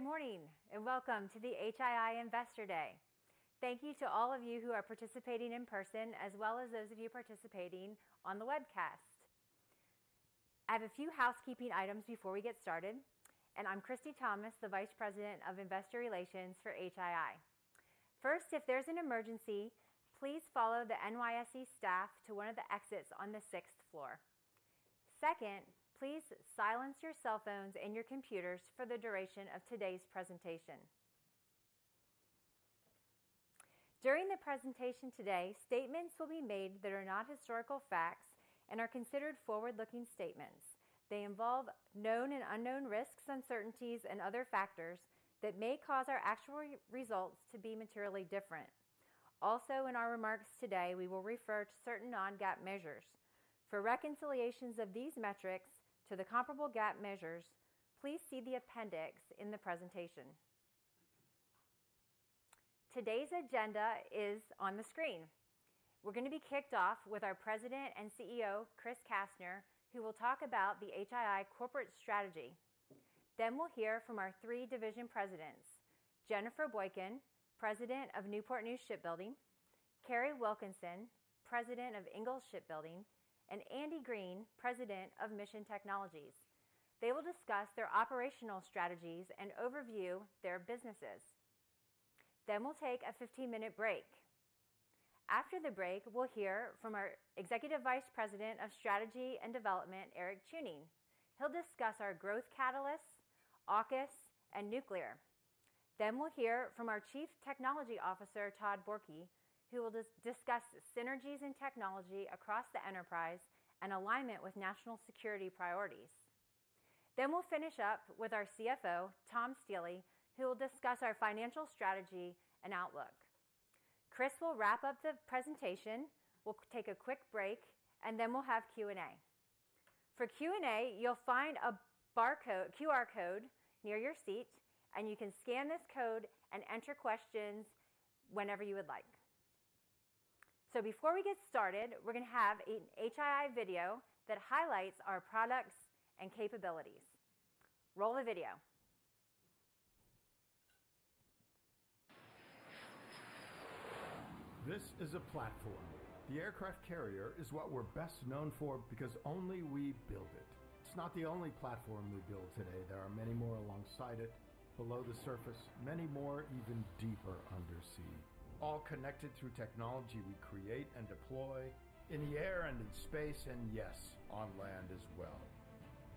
Good morning, and welcome to the HII Investor Day. Thank you to all of you who are participating in person, as well as those of you participating on the webcast. I have a few housekeeping items before we get started, and I'm Christie Thomas, the Vice President of Investor Relations for HII. First, if there's an emergency, please follow the NYSE staff to one of the exits on the sixth floor. Second, please silence your cell phones and your computers for the duration of today's presentation. During the presentation today, statements will be made that are not historical facts and are considered forward-looking statements. They involve known and unknown risks, uncertainties, and other factors that may cause our actual results to be materially different. Also, in our remarks today, we will refer to certain non-GAAP measures. For reconciliations of these metrics to the comparable GAAP measures, please see the appendix in the presentation. Today's agenda is on the screen. We're going to be kicked off with our President and CEO, Chris Kastner, who will talk about the HII corporate strategy. Then we'll hear from our three division presidents: Jennifer Boykin, President of Newport News Shipbuilding; Kari Wilkinson, President of Ingalls Shipbuilding; and Andy Green, President of Mission Technologies. They will discuss their operational strategies and overview their businesses. Then we'll take a 15-minute break. After the break, we'll hear from our Executive Vice President of Strategy and Development, Eric Chewning. He'll discuss our growth catalysts, AUKUS, and nuclear. Then we'll hear from our Chief Technology Officer, Todd Borkey, who will discuss synergies in technology across the enterprise and alignment with national security priorities. Then we'll finish up with our CFO, Tom Stiehle, who will discuss our financial strategy and outlook. Chris will wrap up the presentation, we'll take a quick break, and then we'll have Q&A. For Q&A, you'll find a barcode, QR code near your seat, and you can scan this code and enter questions whenever you would like. So before we get started, we're going to have an HII video that highlights our products and capabilities. Roll the video. This is a platform. The aircraft carrier is what we're best known for because only we build it. It's not the only platform we build today. There are many more alongside it, below the surface, many more even deeper undersea, all connected through technology we create and deploy in the air and in space, and yes, on land as well.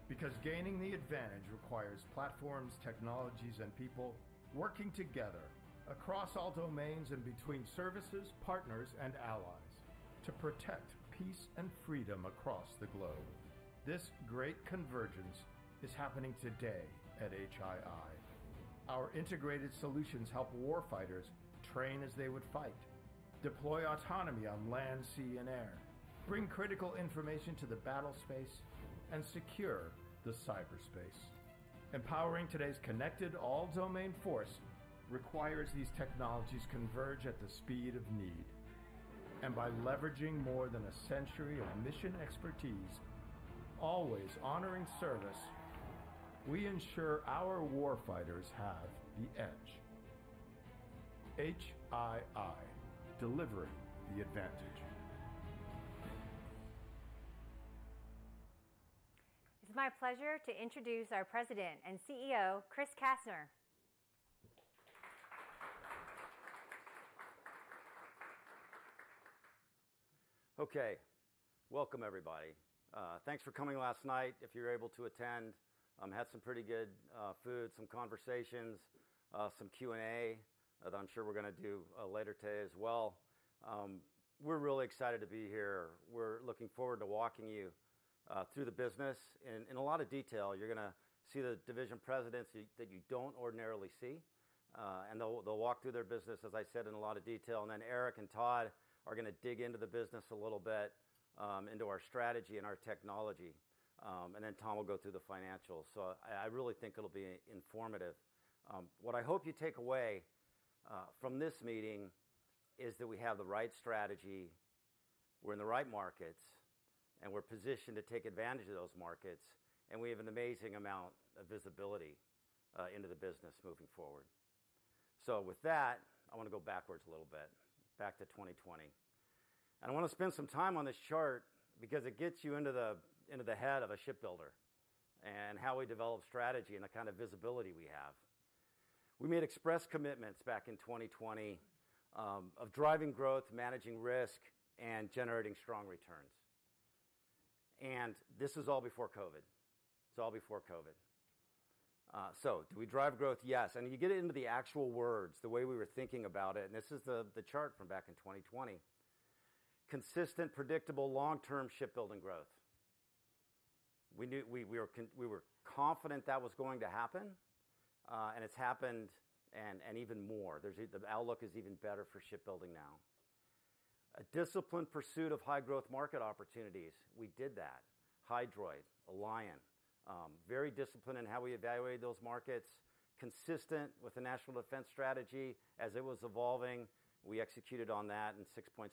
Because gaining the advantage requires platforms, technologies, and people working together across all domains and between services, partners, and allies to protect peace and freedom across the globe. This great convergence is happening today at HII. Our integrated solutions help warfighters train as they would fight, deploy autonomy on land, sea, and air, bring critical information to the battle space, and secure the cyberspace. Empowering today's connected all-domain force requires these technologies converge at the speed of need. By leveraging more than a century of mission expertise, always honoring service, we ensure our warfighters have the edge. HII, delivering the advantage. It's my pleasure to introduce our President and CEO, Chris Kastner. Okay. Welcome, everybody. Thanks for coming last night. If you were able to attend, had some pretty good food, some conversations, some Q&A that I'm sure we're gonna do later today as well. We're really excited to be here. We're looking forward to walking you through the business in a lot of detail. You're gonna see the division presidents that you don't ordinarily see, and they'll walk through their business, as I said, in a lot of detail. And then Eric and Todd are gonna dig into the business a little bit, into our strategy and our technology. And then Tom will go through the financials. So I really think it'll be informative. What I hope you take away from this meeting is that we have the right strategy, we're in the right markets, and we're positioned to take advantage of those markets, and we have an amazing amount of visibility into the business moving forward. So with that, I want to go backwards a little bit, back to 2020. And I want to spend some time on this chart because it gets you into the, into the head of a shipbuilder and how we develop strategy and the kind of visibility we have. We made express commitments back in 2020 of driving growth, managing risk, and generating strong returns. And this is all before COVID. It's all before COVID. So do we drive growth? Yes. You get into the actual words, the way we were thinking about it, and this is the chart from back in 2020. Consistent, predictable, long-term shipbuilding growth. We knew. We were confident that was going to happen, and it's happened and even more. The outlook is even better for shipbuilding now. A disciplined pursuit of high-growth market opportunities. We did that. Hydroid, Alion, very disciplined in how we evaluated those markets, consistent with the National Defense Strategy as it was evolving. We executed on that, and 6.6%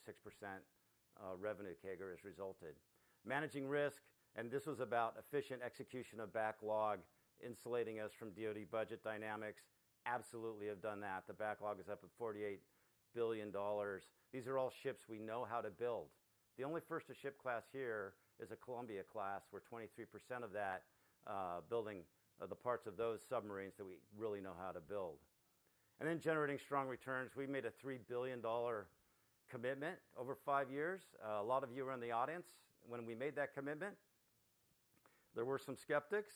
revenue CAGR has resulted. Managing risk, and this was about efficient execution of backlog, insulating us from DOD budget dynamics. Absolutely have done that. The backlog is up at $48 billion. These are all ships we know how to build. The only first-to-ship class here is a Columbia class, where 23% of that building the parts of those submarines that we really know how to build. And then generating strong returns. We made a $3 billion commitment over five years. A lot of you were in the audience when we made that commitment. There were some skeptics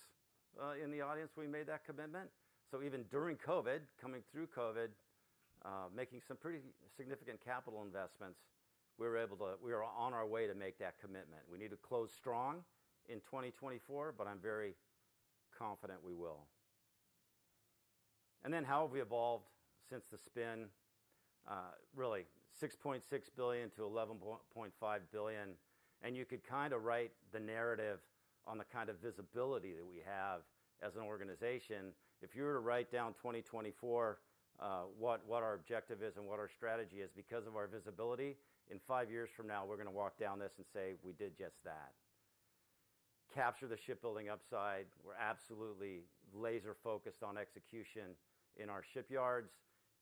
in the audience when we made that commitment. So even during COVID, coming through COVID, making some pretty significant capital investments, we were able to. We are on our way to make that commitment. We need to close strong in 2024, but I'm very confident we will. And then how have we evolved since the spin? Really $6.6 billion-$11.5 billion, and you could kind of write the narrative on the kind of visibility that we have as an organization. If you were to write down 2024, what our objective is and what our strategy is, because of our visibility, in five years from now, we're going to walk down this and say, "We did just that." Capture the shipbuilding upside. We're absolutely laser-focused on execution in our shipyards.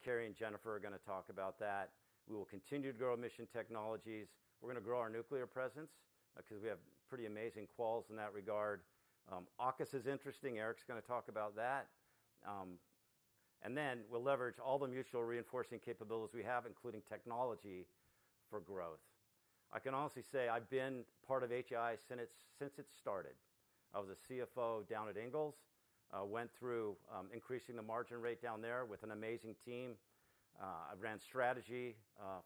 Kari and Jennifer are going to talk about that. We will continue to grow mission technologies. We're going to grow our nuclear presence because we have pretty amazing quals in that regard. AUKUS is interesting. Eric's going to talk about that. And then we'll leverage all the mutual reinforcing capabilities we have, including technology, for growth. I can honestly say I've been part of HII since it started. I was a CFO down at Ingalls, went through increasing the margin rate down there with an amazing team. I ran strategy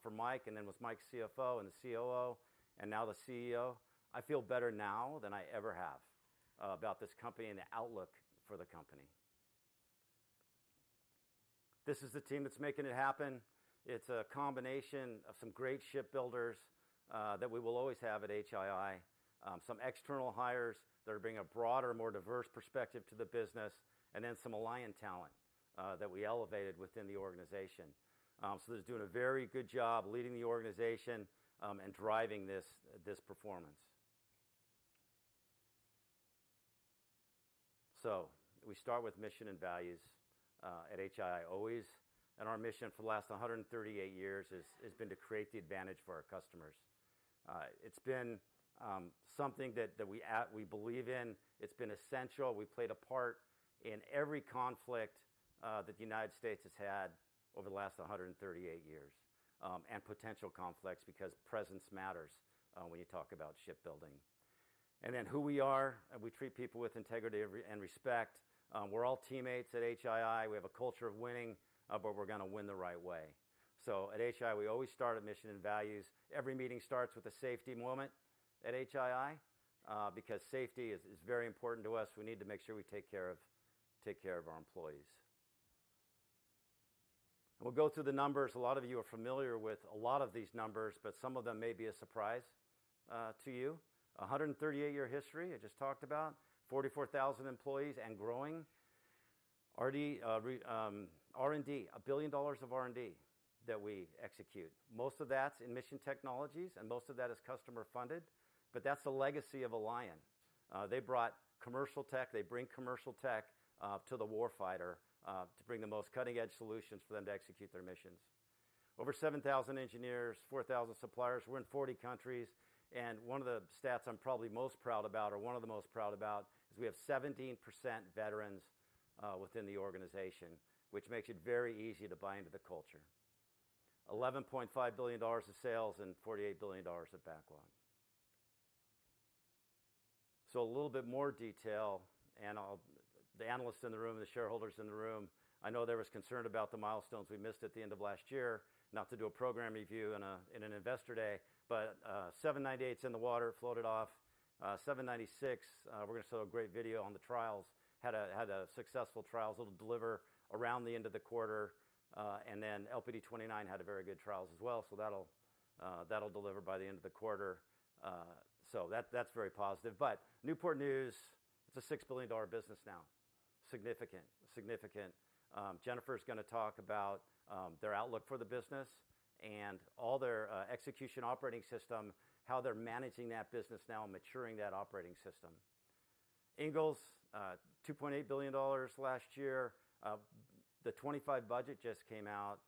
for Mike, and then was Mike's CFO and the COO, and now the CEO. I feel better now than I ever have about this company and the outlook for the company. This is the team that's making it happen. It's a combination of some great shipbuilders that we will always have at HII. Some external hires that are bringing a broader, more diverse perspective to the business, and then some Alion talent that we elevated within the organization. So they're doing a very good job leading the organization and driving this performance. So we start with mission and values at HII always. And our mission for the last 138 years has been to create the advantage for our customers. It's been something that we believe in. It's been essential. We played a part in every conflict that the United States has had over the last 138 years, and potential conflicts, because presence matters when you talk about shipbuilding. And then who we are, and we treat people with integrity and respect. We're all teammates at HII. We have a culture of winning, but we're going to win the right way. So at HII, we always start at mission and values. Every meeting starts with a safety moment at HII, because safety is very important to us. We need to make sure we take care of our employees. We'll go through the numbers. A lot of you are familiar with a lot of these numbers, but some of them may be a surprise to you. 138-year history, I just talked about. 44,000 employees and growing. R&D, $1 billion of R&D that we execute. Most of that's in mission technologies, and most of that is customer funded, but that's the legacy of Alion. They brought commercial tech. They bring commercial tech to the warfighter to bring the most cutting-edge solutions for them to execute their missions. Over 7,000 engineers, 4,000 suppliers. We're in 40 countries, and one of the stats I'm probably most proud about, or one of the most proud about, is we have 17% veterans within the organization, which makes it very easy to buy into the culture. $11.5 billion of sales and $48 billion of backlog. So a little bit more detail, and I'll... The analysts in the room, the shareholders in the room, I know there was concern about the milestones we missed at the end of last year. Not to do a program review in an investor day, but 798's in the water, floated off. 796, we're going to show a great video on the trials. Had successful trials. It'll deliver around the end of the quarter, and then LPD-29 had very good trials as well, so that'll deliver by the end of the quarter. So that's very positive. But Newport News, it's a $6 billion business now. Significant. Significant. Jennifer's going to talk about their outlook for the business and all their execution operating system, how they're managing that business now and maturing that operating system. Ingalls $2.8 billion last year. The 2025 budget just came out,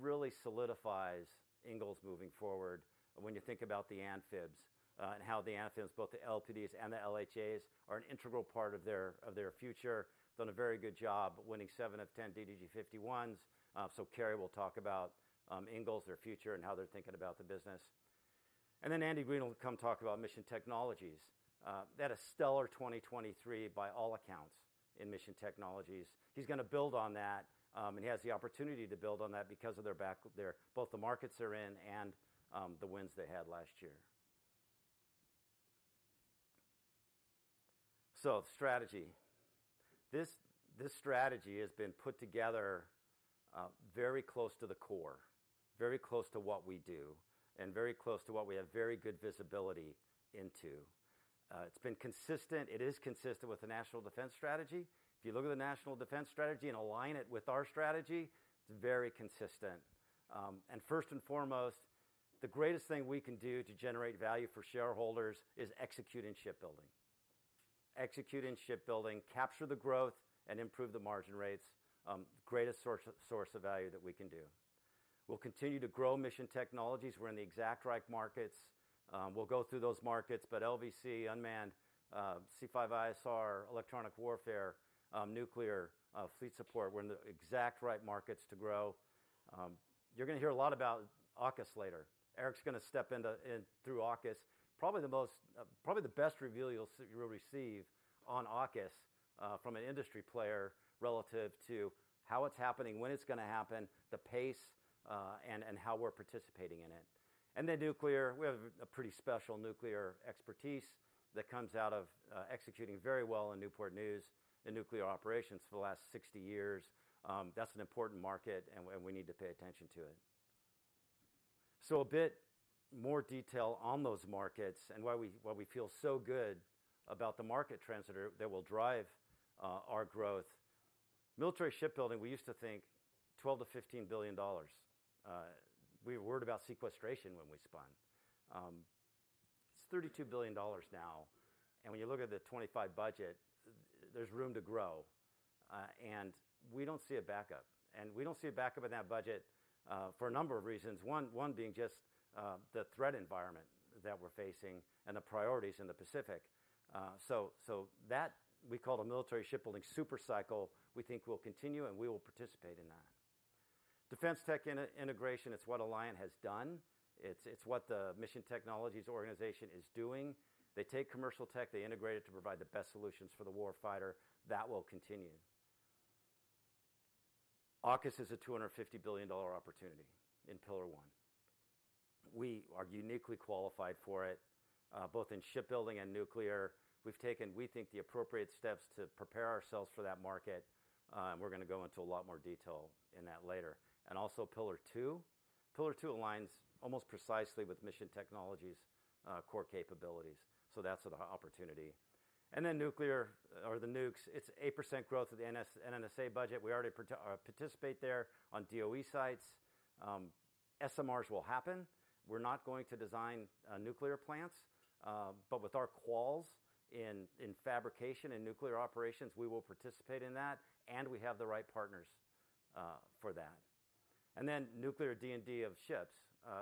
really solidifies Ingalls moving forward when you think about the amphibs, and how the amphibs, both the LPDs and the LHAs, are an integral part of their, of their future. Done a very good job winning seven of 10 DDG-51s. So Kari will talk about Ingalls, their future, and how they're thinking about the business. And then Andy Green will come talk about Mission Technologies. They had a stellar 2023 by all accounts in Mission Technologies. He's going to build on that, and he has the opportunity to build on that because of their back- their, both the markets they're in and, the wins they had last year. So strategy. This, this strategy has been put together, very close to the core, very close to what we do, and very close to what we have very good visibility into. It's been consistent. It is consistent with the National Defense Strategy. If you look at the National Defense Strategy and align it with our strategy, it's very consistent. First and foremost, the greatest thing we can do to generate value for shareholders is execute in shipbuilding. Execute in shipbuilding, capture the growth, and improve the margin rates, greatest source, source of value that we can do. We'll continue to grow Mission Technologies. We're in the exact right markets. We'll go through those markets, but LVC, unmanned, C5ISR, electronic warfare, nuclear, fleet support, we're in the exact right markets to grow. You're gonna hear a lot about AUKUS later. Eric's gonna step into in through AUKUS. Probably the most probably the best reveal you will receive on AUKUS from an industry player relative to how it's happening, when it's gonna happen, the pace and how we're participating in it. And then nuclear, we have a pretty special nuclear expertise that comes out of executing very well in Newport News in nuclear operations for the last 60 years. That's an important market, and we need to pay attention to it. So a bit more detail on those markets and why we why we feel so good about the market trends that will drive our growth. Military shipbuilding, we used to think $12 billion-$15 billion. We were worried about sequestration when we spun. It's $32 billion now, and when you look at the 2025 budget, there's room to grow, and we don't see a backup. And we don't see a backup in that budget, for a number of reasons. One being just the threat environment that we're facing and the priorities in the Pacific. So that we call the military shipbuilding super cycle, we think will continue, and we will participate in that. Defense tech integration, it's what Alion has done. It's what the Mission Technologies organization is doing. They take commercial tech, they integrate it to provide the best solutions for the war fighter. That will continue. AUKUS is a $250 billion opportunity in Pillar One. We are uniquely qualified for it, both in shipbuilding and nuclear. We've taken, we think, the appropriate steps to prepare ourselves for that market, and we're gonna go into a lot more detail in that later. Also Pillar Two. Pillar Two aligns almost precisely with Mission Technologies' core capabilities. So that's the opportunity. And then nuclear, or the nukes, it's 8% growth of the NNSA budget. We already participate there on DOE sites. SMRs will happen. We're not going to design nuclear plants, but with our quals in fabrication and nuclear operations, we will participate in that, and we have the right partners for that. And then nuclear D&D of ships,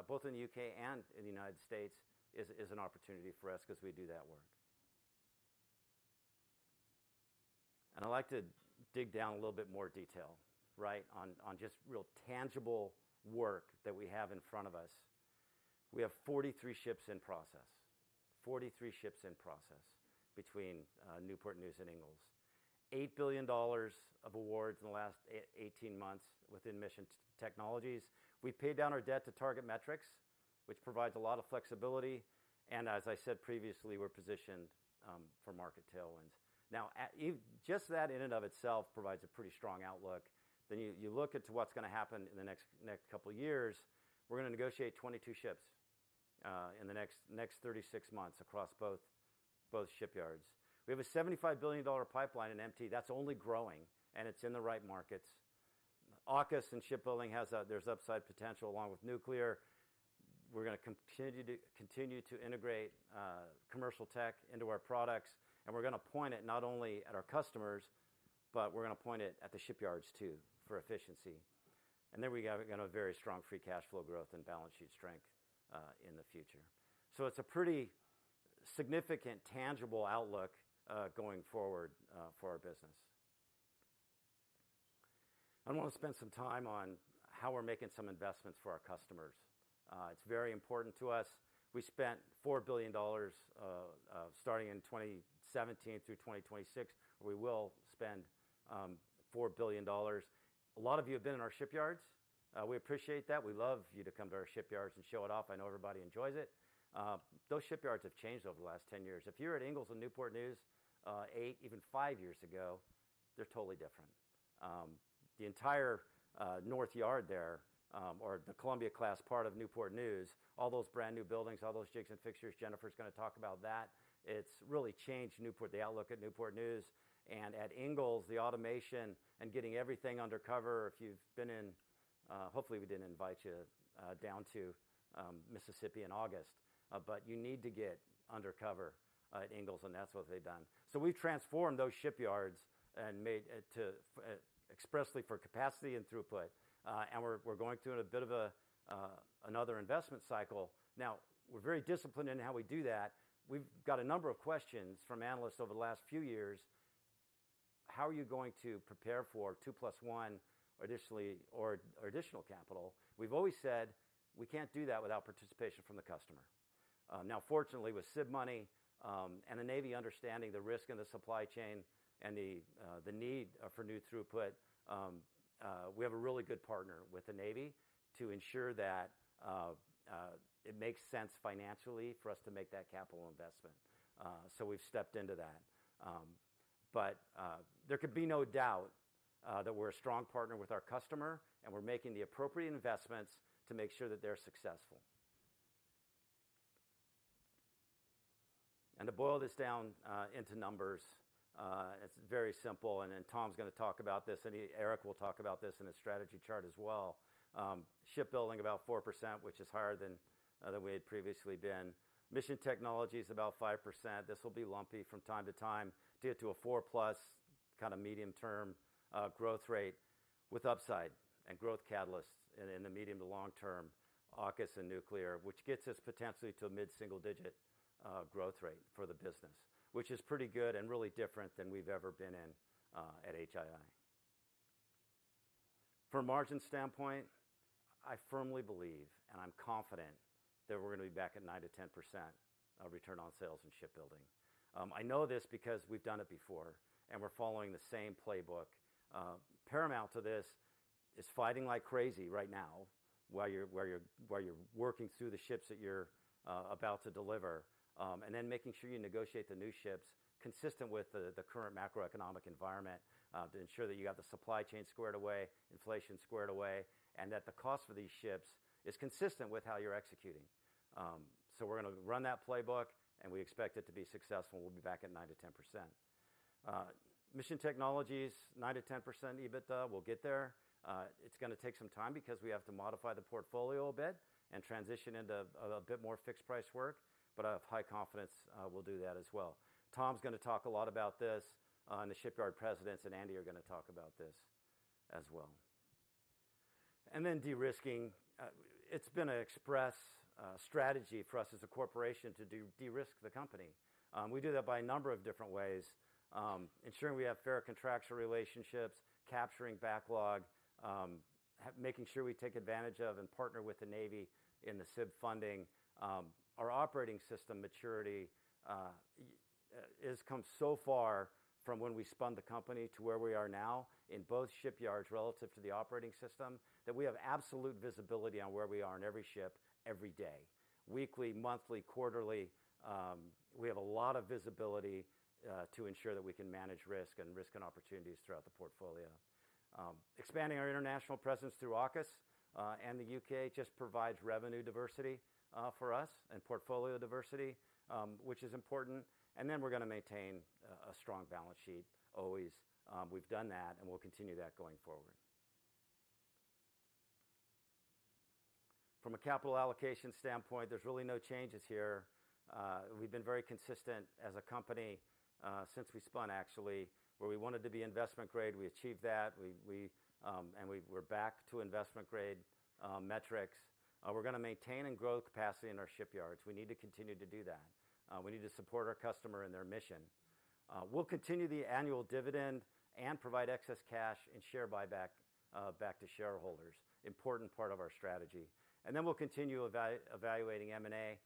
both in the U.K. and in the United States is an opportunity for us 'cause we do that work. And I'd like to dig down a little bit more detail, right, on, on just real tangible work that we have in front of us. We have 43 ships in process. 43 ships in process between Newport News and Ingalls. $8 billion of awards in the last 18 months within Mission Technologies. We paid down our debt to target metrics, which provides a lot of flexibility, and as I said previously, we're positioned for market tailwinds. Now, even just that in and of itself provides a pretty strong outlook. Then you look at to what's gonna happen in the next couple of years. We're gonna negotiate 22 ships in the next 36 months across both shipyards. We have a $75 billion pipeline in MT. That's only growing, and it's in the right markets. AUKUS and shipbuilding has. There's upside potential along with nuclear. We're gonna continue to continue to integrate commercial tech into our products, and we're gonna point it not only at our customers, but we're gonna point it at the shipyards, too, for efficiency. And then we got gonna have very strong free cash flow growth and balance sheet strength in the future. So it's a pretty significant tangible outlook going forward for our business. I wanna spend some time on how we're making some investments for our customers. It's very important to us. We spent $4 billion starting in 2017 through 2026. We will spend $4 billion. A lot of you have been in our shipyards. We appreciate that. We love you to come to our shipyards and show it off. I know everybody enjoys it. Those shipyards have changed over the last 10 years. If you were at Ingalls in Newport News, eight, even five years ago, they're totally different. The entire north yard there, or the Columbia-class part of Newport News, all those brand-new buildings, all those jigs and fixtures, Jennifer's gonna talk about that. It's really changed Newport, the outlook at Newport News. And at Ingalls, the automation and getting everything undercover, if you've been in. Hopefully, we didn't invite you down to Mississippi in August. But you need to get undercover at Ingalls, and that's what they've done. So we've transformed those shipyards and made it to expressly for capacity and throughput, and we're going through a bit of another investment cycle. Now, we're very disciplined in how we do that. We've got a number of questions from analysts over the last few years: "How are you going to prepare for two plus one additionally or, or additional capital?" We've always said we can't do that without participation from the customer. Now, fortunately, with SIB money, and the Navy understanding the risk in the supply chain and the, the need, for new throughput, we have a really good partner with the Navy to ensure that, it makes sense financially for us to make that capital investment. So we've stepped into that. But, there could be no doubt, that we're a strong partner with our customer, and we're making the appropriate investments to make sure that they're successful. To boil this down into numbers, it's very simple, and then Tom's gonna talk about this, and Eric will talk about this in his strategy chart as well. Shipbuilding, about 4%, which is higher than than we had previously been. Mission technologies, about 5%. This will be lumpy from time to time due to a 4+ kinda medium-term growth rate with upside and growth catalysts in the medium to long term, AUKUS and nuclear, which gets us potentially to a mid-single-digit growth rate for the business, which is pretty good and really different than we've ever been in at HII. From a margin standpoint, I firmly believe, and I'm confident that we're gonna be back at 9%-10% of return on sales and shipbuilding. I know this because we've done it before, and we're following the same playbook. Paramount to this is fighting like crazy right now, while you're working through the ships that you're about to deliver. And then making sure you negotiate the new ships consistent with the current macroeconomic environment, to ensure that you got the supply chain squared away, inflation squared away, and that the cost for these ships is consistent with how you're executing. So we're gonna run that playbook, and we expect it to be successful. We'll be back at 9%-10%. Mission Technologies, 9%-10% EBITDA. We'll get there. It's gonna take some time because we have to modify the portfolio a bit and transition into a bit more fixed-price work, but I have high confidence we'll do that as well. Tom's gonna talk a lot about this, and the shipyard presidents and Andy are gonna talk about this as well. And then de-risking. It's been an express strategy for us as a corporation to de-risk the company. We do that by a number of different ways, ensuring we have fair contractual relationships, capturing backlog, making sure we take advantage of and partner with the Navy in the SIB funding. Our operating system maturity has come so far from when we spun the company to where we are now in both shipyards relative to the operating system, that we have absolute visibility on where we are in every ship, every day. Weekly, monthly, quarterly, we have a lot of visibility to ensure that we can manage risk and risk and opportunities throughout the portfolio. Expanding our international presence through AUKUS and the UK just provides revenue diversity for us and portfolio diversity, which is important. And then we're gonna maintain a strong balance sheet always. We've done that, and we'll continue that going forward. From a capital allocation standpoint, there's really no changes here. We've been very consistent as a company since we spun, actually, where we wanted to be investment grade, we achieved that. We're back to investment-grade metrics. We're gonna maintain and grow capacity in our shipyards. We need to continue to do that. We need to support our customer and their mission. We'll continue the annual dividend and provide excess cash and share buyback back to shareholders, important part of our strategy. And then we'll continue evaluating M&A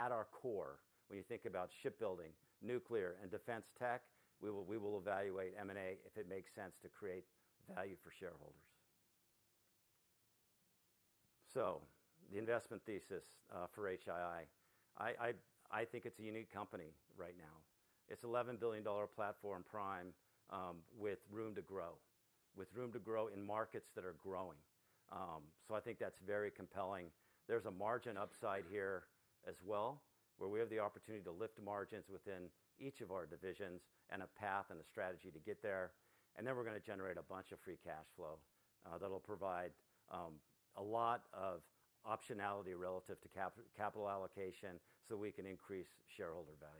at our core. When you think about shipbuilding, nuclear, and defense tech, we will evaluate M&A if it makes sense to create value for shareholders. So the investment thesis for HII. I think it's a unique company right now. It's $11 billion platform prime, with room to grow in markets that are growing. So I think that's very compelling. There's a margin upside here as well, where we have the opportunity to lift margins within each of our divisions and a path and a strategy to get there. And then we're gonna generate a bunch of free cash flow that'll provide a lot of optionality relative to capital allocation, so we can increase shareholder value.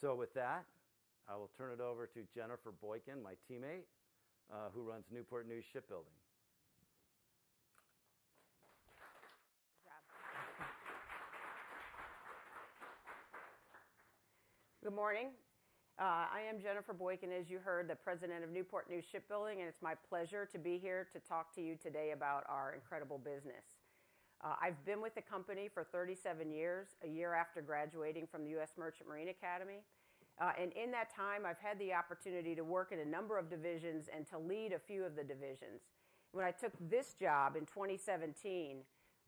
So with that, I will turn it over to Jennifer Boykin, my teammate, who runs Newport News Shipbuilding. Good job. Good morning, I am Jennifer Boykin, as you heard, the President of Newport News Shipbuilding, and it's my pleasure to be here to talk to you today about our incredible business. I've been with the company for 37 years, a year after graduating from the U.S. Merchant Marine Academy. And in that time, I've had the opportunity to work in a number of divisions and to lead a few of the divisions. When I took this job in 2017,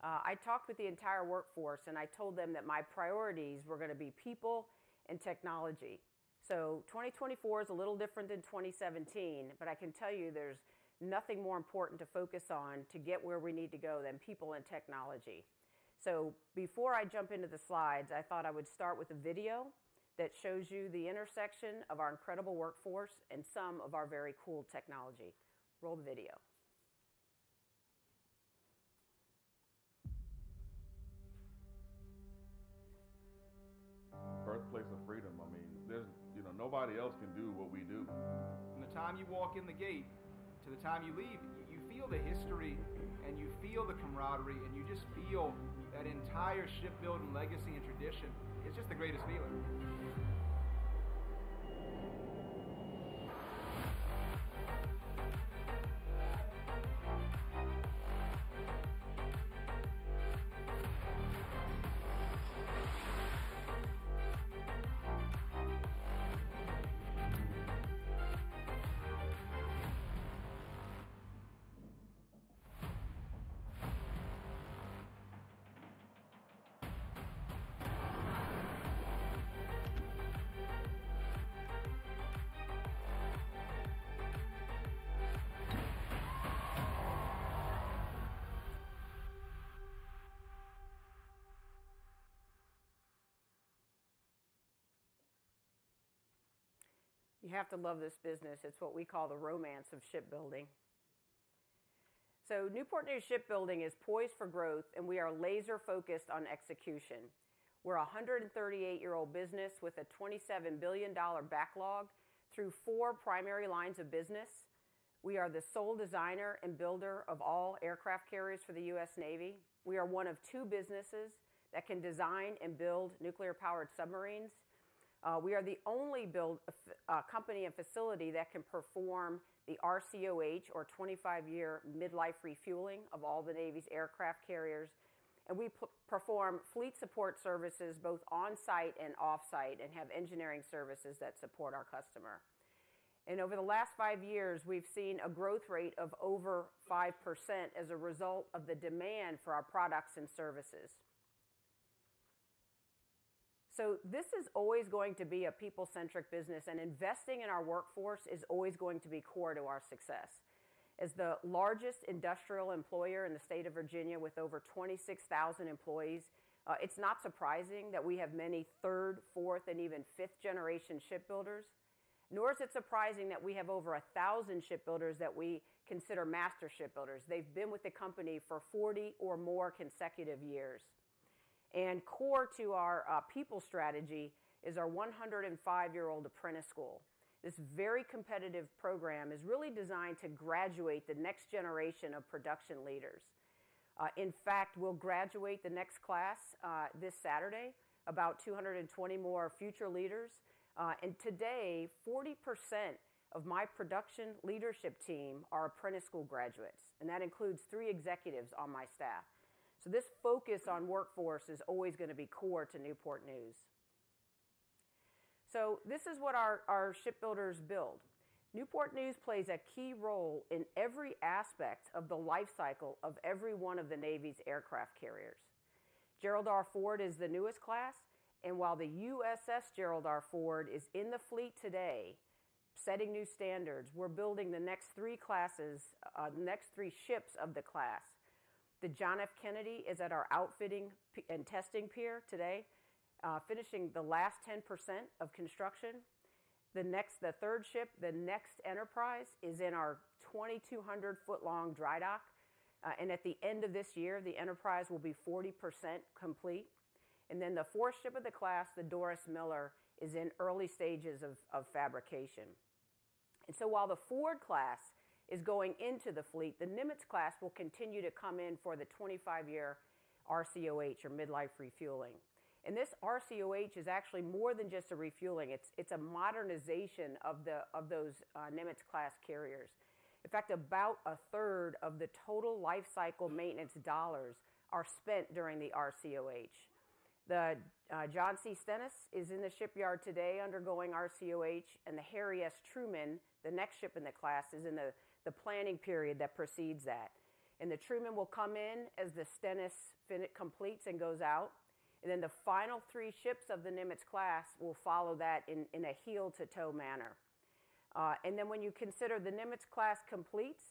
I talked with the entire workforce, and I told them that my priorities were gonna be people and technology. So 2024 is a little different than 2017, but I can tell you there's nothing more important to focus on to get where we need to go than people and technology. Before I jump into the slides, I thought I would start with a video that shows you the intersection of our incredible workforce and some of our very cool technology. Roll the video. Birthplace of freedom, I mean, there's you know, nobody else can do what we do. From the time you walk in the gate to the time you leave, you feel the history, and you feel the camaraderie, and you just feel that entire shipbuilding legacy and tradition. It's just the greatest feeling. You have to love this business. It's what we call the romance of shipbuilding. So Newport News Shipbuilding is poised for growth, and we are laser-focused on execution. We're a 138-year-old business with a $27 billion backlog through four primary lines of business. We are the sole designer and builder of all aircraft carriers for the U.S. Navy. We are one of two businesses that can design and build nuclear-powered submarines. We are the only build company and facility that can perform the RCOH, or 25-year midlife refueling of all the Navy's aircraft carriers, and we perform fleet support services both on-site and off-site, and have engineering services that support our customer. And over the last five years, we've seen a growth rate of over 5% as a result of the demand for our products and services. So this is always going to be a people-centric business, and investing in our workforce is always going to be core to our success. As the largest industrial employer in the state of Virginia, with over 26,000 employees, it's not surprising that we have many third, fourth, and even fifth-generation shipbuilders. Nor is it surprising that we have over 1,000 shipbuilders that we consider Master Shipbuilders. They've been with the company for 40 or more consecutive years. And core to our people strategy is our 105-year-old Apprentice School. This very competitive program is really designed to graduate the next generation of production leaders. In fact, we'll graduate the next class this Saturday, about 220 more future leaders. Today, 40% of my production leadership team are Apprentice School graduates, and that includes three executives on my staff. So this focus on workforce is always gonna be core to Newport News. So this is what our shipbuilders build. Newport News plays a key role in every aspect of the life cycle of every one of the Navy's aircraft carriers. Gerald R. Ford is the newest class, and while the USS Gerald R. Ford is in the fleet today, setting new standards, we're building the next three classes, the next three ships of the class. The John F. Kennedy is at our outfitting and testing pier today, finishing the last 10% of construction. The next, the third ship, the next Enterprise, is in our 2,200-foot-long dry dock. And at the end of this year, the Enterprise will be 40% complete, and then the fourth ship of the class, the Doris Miller, is in early stages of fabrication. And so while the Ford class is going into the fleet, the Nimitz class will continue to come in for the 25-year RCOH, or midlife refueling. And this RCOH is actually more than just a refueling. It's a modernization of the of those Nimitz-class carriers. In fact, about a third of the total life cycle maintenance dollars are spent during the RCOH. The John C. Stennis is in the shipyard today, undergoing RCOH, and the Harry S. Truman, the next ship in the class, is in the planning period that precedes that. And the Truman will come in as the Stennis finish completes and goes out, and then the final three ships of the Nimitz-class will follow that in, in a heel-to-toe manner. And then when you consider the Nimitz-class completes,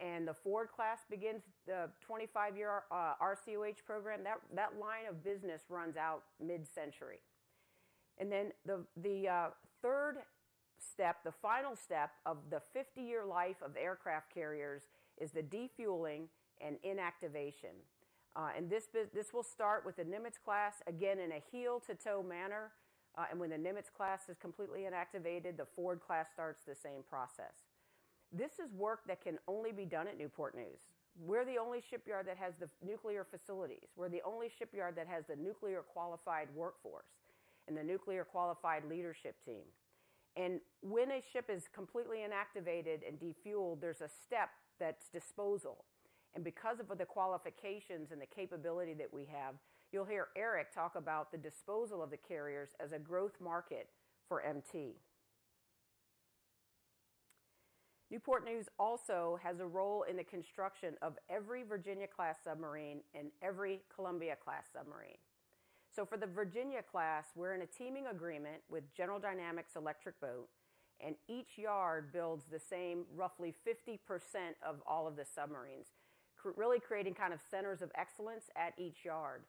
and the Ford-class begins the 25-year RCOH program, that line of business runs out mid-century. And then the third step, the final step of the 50-year life of aircraft carriers, is the defueling and inactivation. And this will start with the Nimitz-class, again, in a heel-to-toe manner, and when the Nimitz-class is completely inactivated, the Ford-class starts the same process. This is work that can only be done at Newport News. We're the only shipyard that has the nuclear facilities. We're the only shipyard that has the nuclear-qualified workforce and the nuclear-qualified leadership team. When a ship is completely inactivated and defueled, there's a step that's disposal, and because of the qualifications and the capability that we have, you'll hear Eric talk about the disposal of the carriers as a growth market for MT. Newport News also has a role in the construction of every Virginia-class submarine and every Columbia-class submarine. So for the Virginia-class, we're in a teaming agreement with General Dynamics Electric Boat, and each yard builds the same, roughly 50% of all of the submarines, really creating kind of centers of excellence at each yard.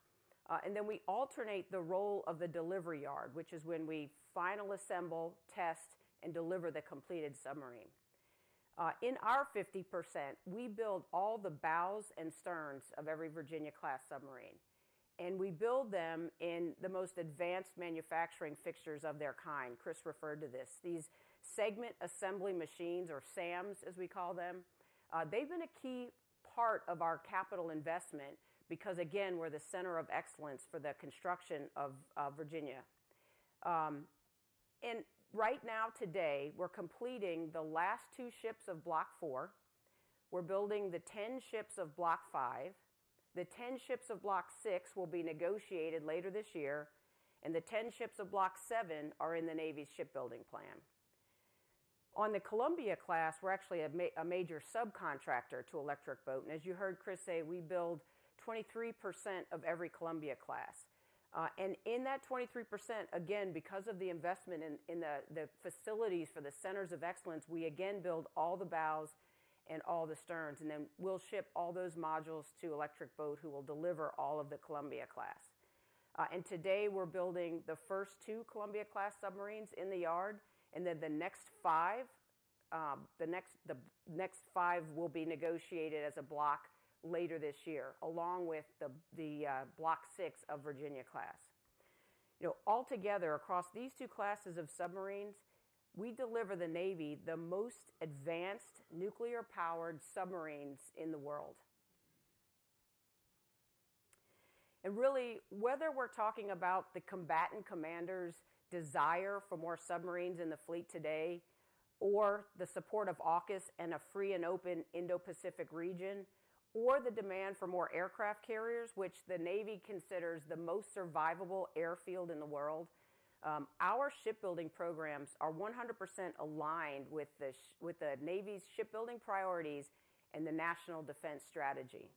And then we alternate the role of the delivery yard, which is when we final assemble, test, and deliver the completed submarine. In our 50%, we build all the bows and sterns of every Virginia-class submarine, and we build them in the most advanced manufacturing fixtures of their kind. Chris referred to this. These segment assembly machines, or SAMs, as we call them, they've been a key part of our capital investment because, again, we're the center of excellence for the construction of Virginia. Right now, today, we're completing the last two ships of Block IV. We're building the 10 ships of Block V. The 10 ships of Block VI will be negotiated later this year, and the 10 ships of Block VII are in the Navy's shipbuilding plan. On the Columbia class, we're actually a major subcontractor to Electric Boat, and as you heard Chris say, we build 23% of every Columbia class. And in that 23%, again, because of the investment in the facilities for the centers of excellence, we again build all the bows and all the sterns, and then we'll ship all those modules to Electric Boat, who will deliver all of the Columbia-class. And today we're building the first two Columbia-class submarines in the yard, and then the next five will be negotiated as a block later this year, along with the Block VI of Virginia-class. You know, altogether across these two classes of submarines, we deliver the Navy the most advanced nuclear-powered submarines in the world. And really, whether we're talking about the combatant commander's desire for more submarines in the fleet today, or the support of AUKUS and a free and open Indo-Pacific region, or the demand for more aircraft carriers, which the Navy considers the most survivable airfield in the world, our shipbuilding programs are 100% aligned with the Navy's shipbuilding priorities and the national defense strategy.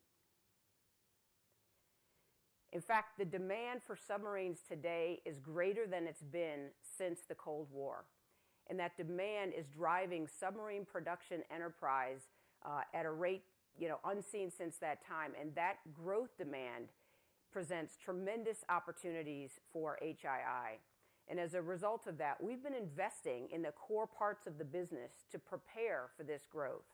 In fact, the demand for submarines today is greater than it's been since the Cold War, and that demand is driving submarine production enterprise at a rate, you know, unseen since that time, and that growth demand presents tremendous opportunities for HII. And as a result of that, we've been investing in the core parts of the business to prepare for this growth.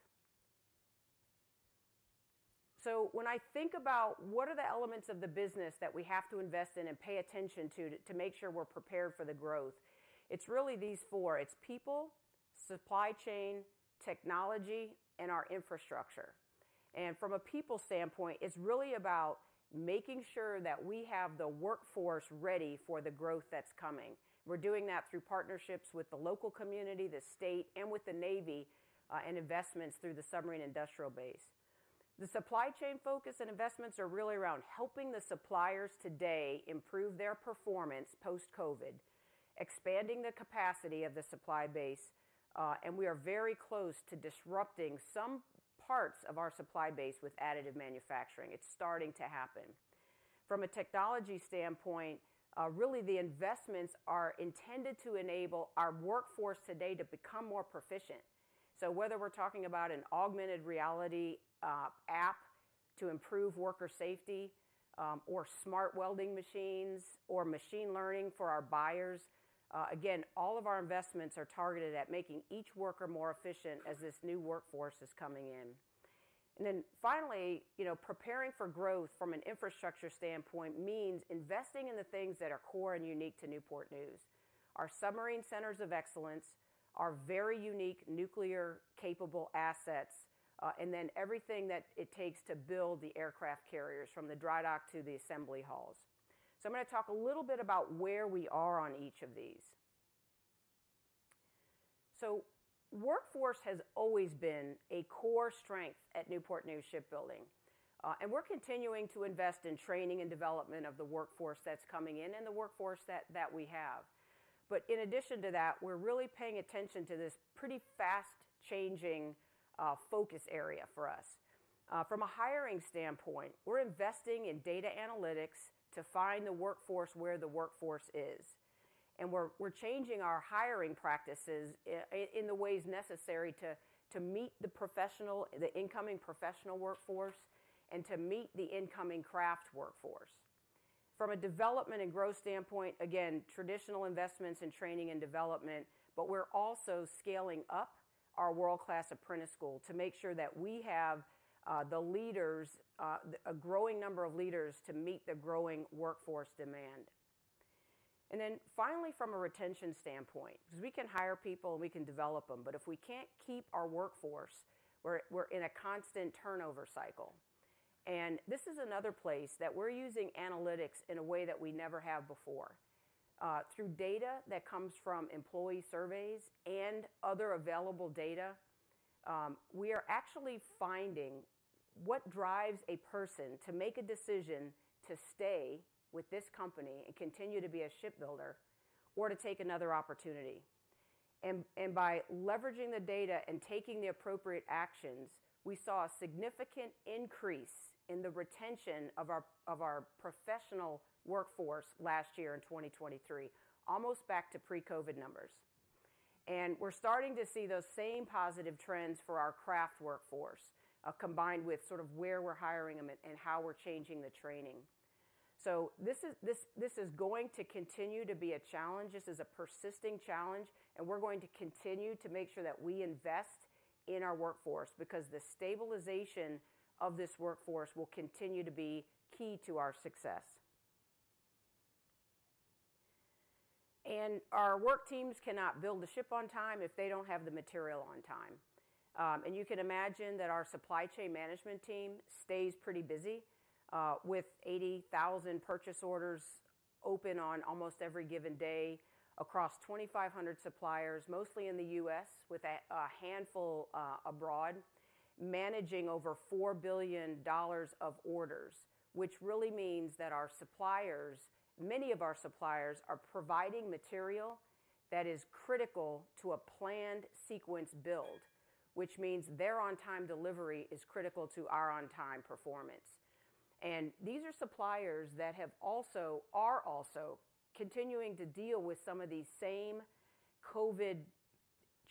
So when I think about what are the elements of the business that we have to invest in and pay attention to, to make sure we're prepared for the growth, it's really these four: It's people, supply chain, technology, and our infrastructure. And from a people standpoint, it's really about making sure that we have the workforce ready for the growth that's coming. We're doing that through partnerships with the local community, the state, and with the Navy, and investments through the submarine industrial base. The supply chain focus and investments are really around helping the suppliers today improve their performance post-COVID, expanding the capacity of the supply base, and we are very close to disrupting some parts of our supply base with additive manufacturing. It's starting to happen. From a technology standpoint, really, the investments are intended to enable our workforce today to become more proficient. So whether we're talking about an augmented reality app to improve worker safety, or smart welding machines or machine learning for our buyers, again, all of our investments are targeted at making each worker more efficient as this new workforce is coming in. And then finally, you know, preparing for growth from an infrastructure standpoint means investing in the things that are core and unique to Newport News. Our submarine centers of excellence are very unique, nuclear-capable assets, and then everything that it takes to build the aircraft carriers, from the dry dock to the assembly halls. So I'm gonna talk a little bit about where we are on each of these. So workforce has always been a core strength at Newport News Shipbuilding, and we're continuing to invest in training and development of the workforce that's coming in and the workforce that we have. But in addition to that, we're really paying attention to this pretty fast-changing focus area for us. From a hiring standpoint, we're investing in data analytics to find the workforce where the workforce is, and we're changing our hiring practices in the ways necessary to meet the incoming professional workforce and to meet the incoming craft workforce. From a development and growth standpoint, again, traditional investments in training and development, but we're also scaling up our world-class apprentice school to make sure that we have the leaders, a growing number of leaders, to meet the growing workforce demand. And then finally, from a retention standpoint, because we can hire people, and we can develop them, but if we can't keep our workforce, we're, we're in a constant turnover cycle. And this is another place that we're using analytics in a way that we never have before. Through data that comes from employee surveys and other available data, we are actually finding what drives a person to make a decision to stay with this company and continue to be a shipbuilder or to take another opportunity. And, and by leveraging the data and taking the appropriate actions, we saw a significant increase in the retention of our, of our professional workforce last year in 2023, almost back to pre-COVID numbers. We're starting to see those same positive trends for our craft workforce, combined with sort of where we're hiring them and how we're changing the training. This is going to continue to be a challenge. This is a persisting challenge, and we're going to continue to make sure that we invest in our workforce, because the stabilization of this workforce will continue to be key to our success. Our work teams cannot build the ship on time if they don't have the material on time. And you can imagine that our supply chain management team stays pretty busy with 80,000 purchase orders open on almost every given day across 2,500 suppliers, mostly in the US, with a handful abroad, managing over $4 billion of orders, which really means that our suppliers, many of our suppliers, are providing material that is critical to a planned sequence build, which means their on-time delivery is critical to our on-time performance. And these are suppliers that have also, are also continuing to deal with some of these same COVID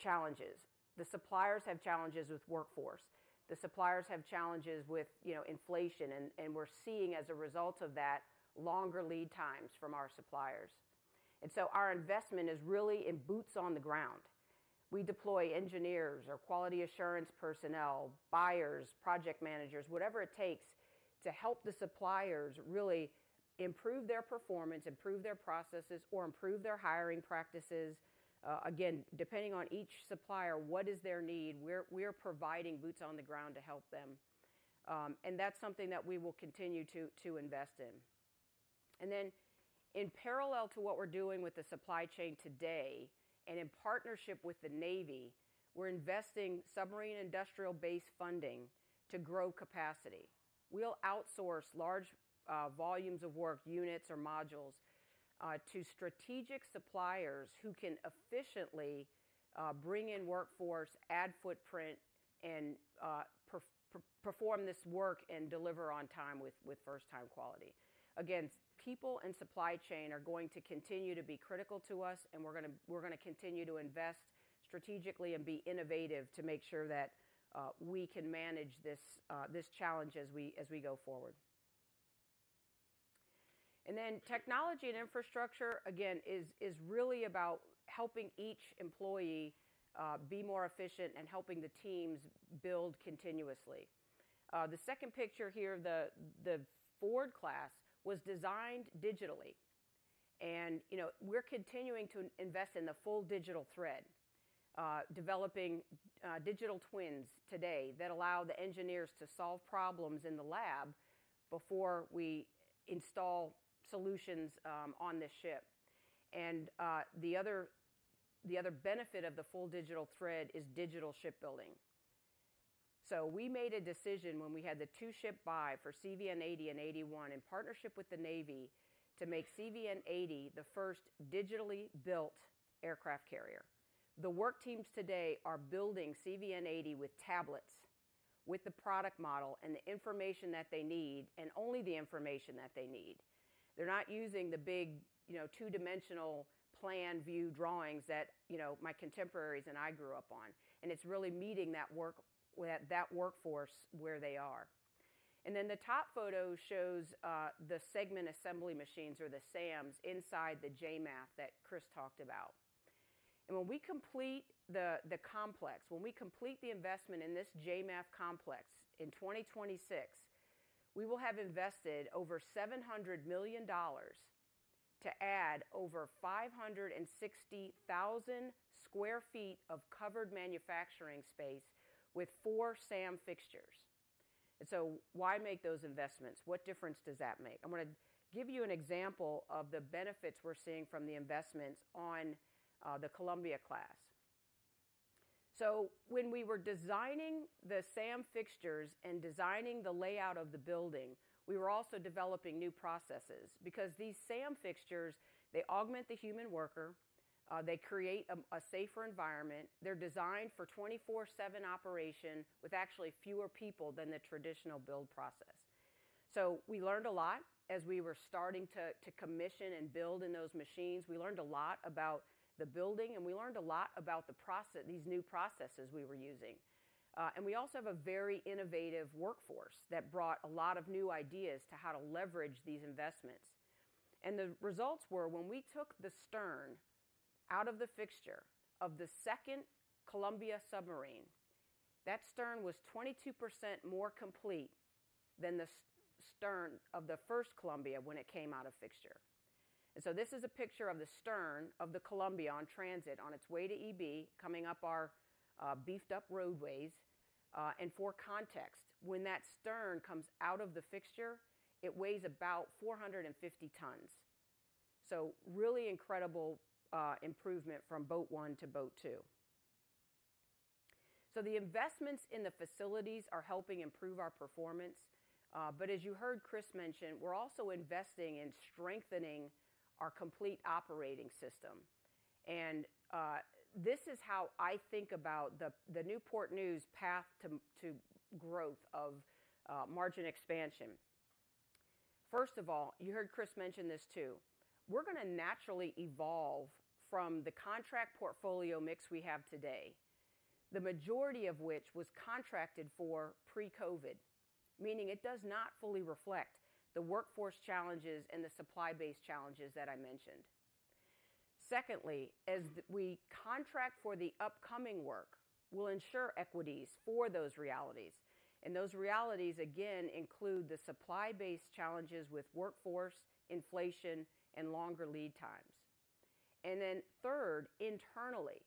challenges. The suppliers have challenges with workforce, the suppliers have challenges with, you know, inflation, and we're seeing, as a result of that, longer lead times from our suppliers. And so our investment is really in boots on the ground. We deploy engineers or quality assurance personnel, buyers, project managers, whatever it takes to help the suppliers really improve their performance, improve their processes, or improve their hiring practices. Again, depending on each supplier, what is their need? We're, we're providing boots on the ground to help them. And that's something that we will continue to, to invest in. And then, in parallel to what we're doing with the supply chain today, and in partnership with the Navy, we're investing submarine industrial base funding to grow capacity. We'll outsource large volumes of work units or modules to strategic suppliers who can efficiently bring in workforce, add footprint, and perform this work, and deliver on time with, with first-time quality. Again, people and supply chain are going to continue to be critical to us, and we're gonna, we're gonna continue to invest strategically and be innovative to make sure that, we can manage this, this challenge as we, as we go forward. And then technology and infrastructure, again, is, is really about helping each employee, be more efficient and helping the teams build continuously. The second picture here, the, the Ford-class, was designed digitally. And, you know, we're continuing to invest in the full digital thread, developing, digital twins today that allow the engineers to solve problems in the lab before we install solutions, on the ship. And, the other, the other benefit of the full digital thread is digital shipbuilding. We made a decision when we had the two-ship buy for CVN 80 and 81, in partnership with the Navy, to make CVN 80 the first digitally built aircraft carrier. The work teams today are building CVN 80 with tablets, with the product model and the information that they need, and only the information that they need. They're not using the big, you know, two-dimensional plan view drawings that, you know, my contemporaries and I grew up on, and it's really meeting that workforce where they are. And then the top photo shows the segment assembly machines, or the SAMs, inside the JMAF that Chris talked about. When we complete the complex, when we complete the investment in this JMAF complex in 2026, we will have invested over $700 million to add over 560,000 sq ft of covered manufacturing space with four SAM fixtures. So why make those investments? What difference does that make? I'm gonna give you an example of the benefits we're seeing from the investments on the Columbia class. So when we were designing the SAM fixtures and designing the layout of the building, we were also developing new processes because these SAM fixtures, they augment the human worker, they create a safer environment. They're designed for 24/7 operation with actually fewer people than the traditional build process. So we learned a lot as we were starting to commission and build in those machines. We learned a lot about the building, and we learned a lot about these new processes we were using. And we also have a very innovative workforce that brought a lot of new ideas to how to leverage these investments. And the results were, when we took the stern out of the fixture of the second Columbia submarine, that stern was 22% more complete than the stern of the first Columbia when it came out of fixture. And so this is a picture of the stern of the Columbia on transit, on its way to EB, coming up our beefed-up roadways. And for context, when that stern comes out of the fixture, it weighs about 450 tons. So really incredible improvement from boat one to boat two. So the investments in the facilities are helping improve our performance. But as you heard Chris mention, we're also investing in strengthening our complete operating system. And this is how I think about the Newport News path to growth of margin expansion. First of all, you heard Chris mention this, too. We're gonna naturally evolve from the contract portfolio mix we have today, the majority of which was contracted for pre-COVID, meaning it does not fully reflect the workforce challenges and the supply base challenges that I mentioned. Secondly, as we contract for the upcoming work, we'll ensure equities for those realities, and those realities, again, include the supply base challenges with workforce, inflation, and longer lead times. And then third, internally,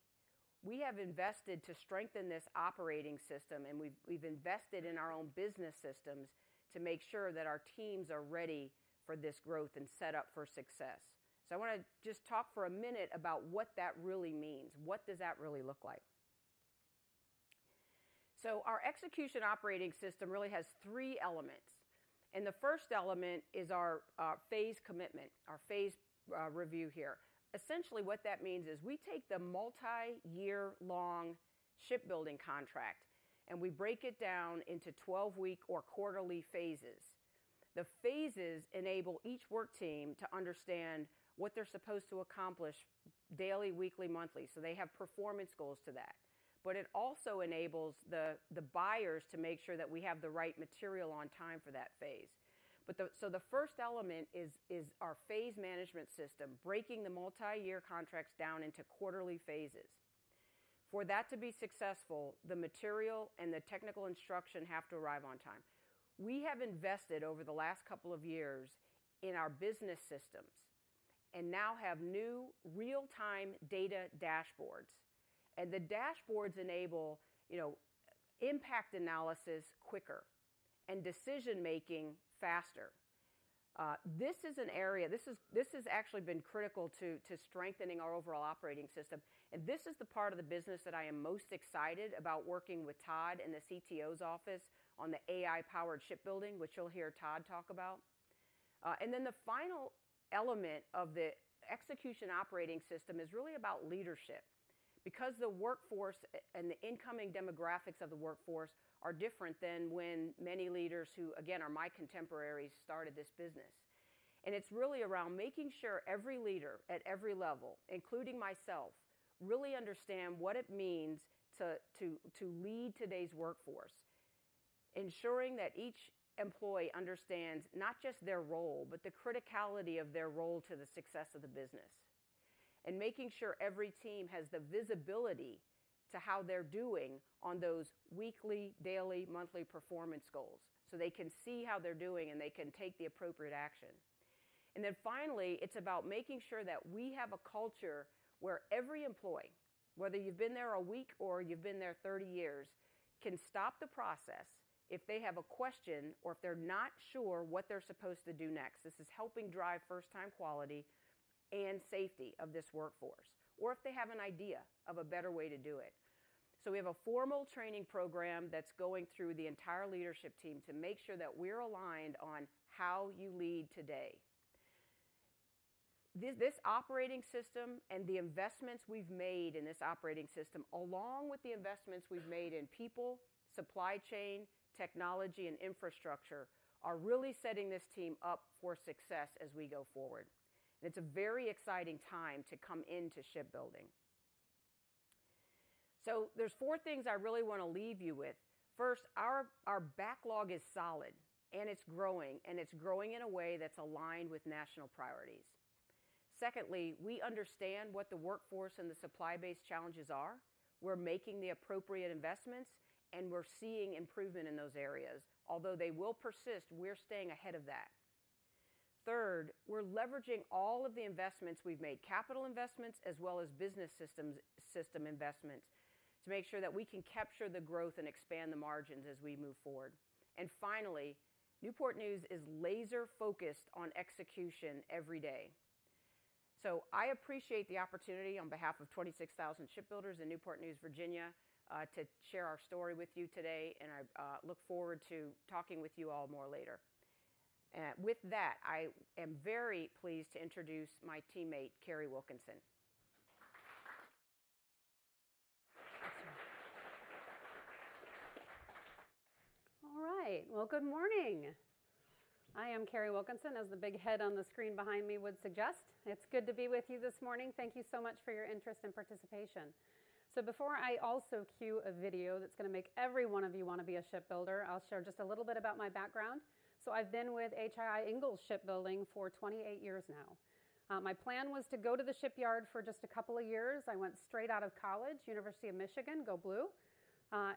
we have invested to strengthen this operating system, and we've invested in our own business systems to make sure that our teams are ready for this growth and set up for success. So I wanna just talk for a minute about what that really means. What does that really look like? So our execution operating system really has three elements, and the first element is our phase commitment, our phase review here. Essentially, what that means is we take the multi-year long shipbuilding contract, and we break it down into 12-week or quarterly phases. The phases enable each work team to understand what they're supposed to accomplish daily, weekly, monthly, so they have performance goals to that. But it also enables the buyers to make sure that we have the right material on time for that phase. But so the first element is our phase management system, breaking the multi-year contracts down into quarterly phases. For that to be successful, the material and the technical instruction have to arrive on time. We have invested over the last couple of years in our business systems and now have new real-time data dashboards, and the dashboards enable, you know, impact analysis quicker and decision-making faster. This is an area that has actually been critical to strengthening our overall operating system, and this is the part of the business that I am most excited about working with Todd and the CTO's office on the AI-powered shipbuilding, which you'll hear Todd talk about. And then the final element of the execution operating system is really about leadership, because the workforce and the incoming demographics of the workforce are different than when many leaders who, again, are my contemporaries, started this business. It's really around making sure every leader at every level, including myself, really understand what it means to lead today's workforce. Ensuring that each employee understands not just their role, but the criticality of their role to the success of the business. Making sure every team has the visibility to how they're doing on those weekly, daily, monthly performance goals, so they can see how they're doing, and they can take the appropriate action. Finally, it's about making sure that we have a culture where every employee, whether you've been there a week or you've been there 30 years, can stop the process if they have a question or if they're not sure what they're supposed to do next. This is helping drive first-time quality and safety of this workforce, or if they have an idea of a better way to do it. We have a formal training program that's going through the entire leadership team to make sure that we're aligned on how you lead today. This operating system and the investments we've made in this operating system, along with the investments we've made in people, supply chain, technology, and infrastructure, are really setting this team up for success as we go forward. And it's a very exciting time to come into shipbuilding. So there's four things I really want to leave you with. First, our backlog is solid, and it's growing, and it's growing in a way that's aligned with national priorities. Secondly, we understand what the workforce and the supply base challenges are. We're making the appropriate investments, and we're seeing improvement in those areas. Although they will persist, we're staying ahead of that. Third, we're leveraging all of the investments we've made, capital investments, as well as business systems, system investments, to make sure that we can capture the growth and expand the margins as we move forward. And finally, Newport News is laser-focused on execution every day. So I appreciate the opportunity on behalf of 26,000 shipbuilders in Newport News, Virginia, to share our story with you today, and I, look forward to talking with you all more later. With that, I am very pleased to introduce my teammate, Kari Wilkinson. All right. Well, good morning! I am Kari Wilkinson, as the big head on the screen behind me would suggest. It's good to be with you this morning. Thank you so much for your interest and participation. So before I also cue a video that's going to make every one of you want to be a shipbuilder, I'll share just a little bit about my background. So I've been with HII Ingalls Shipbuilding for 28 years now. My plan was to go to the shipyard for just a couple of years. I went straight out of college, University of Michigan, go Blue,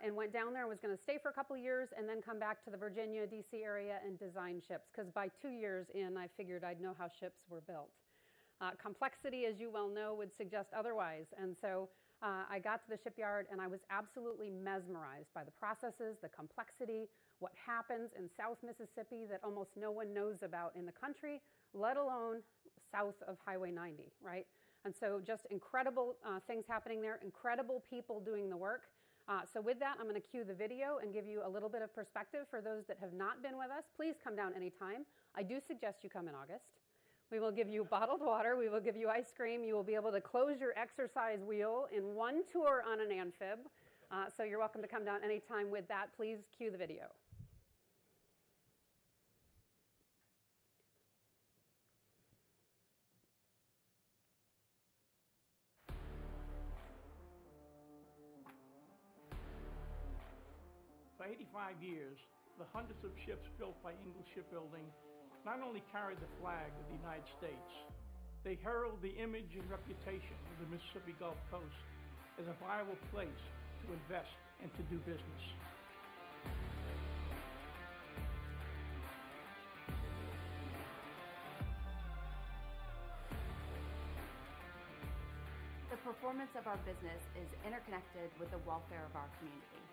and went down there and was going to stay for a couple of years and then come back to the Virginia, DC area and design ships, because by two years in, I figured I'd know how ships were built. Complexity, as you well know, would suggest otherwise. And so, I got to the shipyard, and I was absolutely mesmerized by the processes, the complexity, what happens in South Mississippi that almost no one knows about in the country, let alone south of Highway 90, right? And so just incredible things happening there, incredible people doing the work. So with that, I'm going to cue the video and give you a little bit of perspective. For those that have not been with us, please come down anytime. I do suggest you come in August. We will give you bottled water, we will give you ice cream. You will be able to close your exercise wheel in one tour on an amphib. So you're welcome to come down anytime. With that, please cue the video. For 85 years, the hundreds of ships built by Ingalls Shipbuilding not only carried the flag of the United States, they herald the image and reputation of the Mississippi Gulf Coast as a viable place to invest and to do business. The performance of our business is interconnected with the welfare of our community.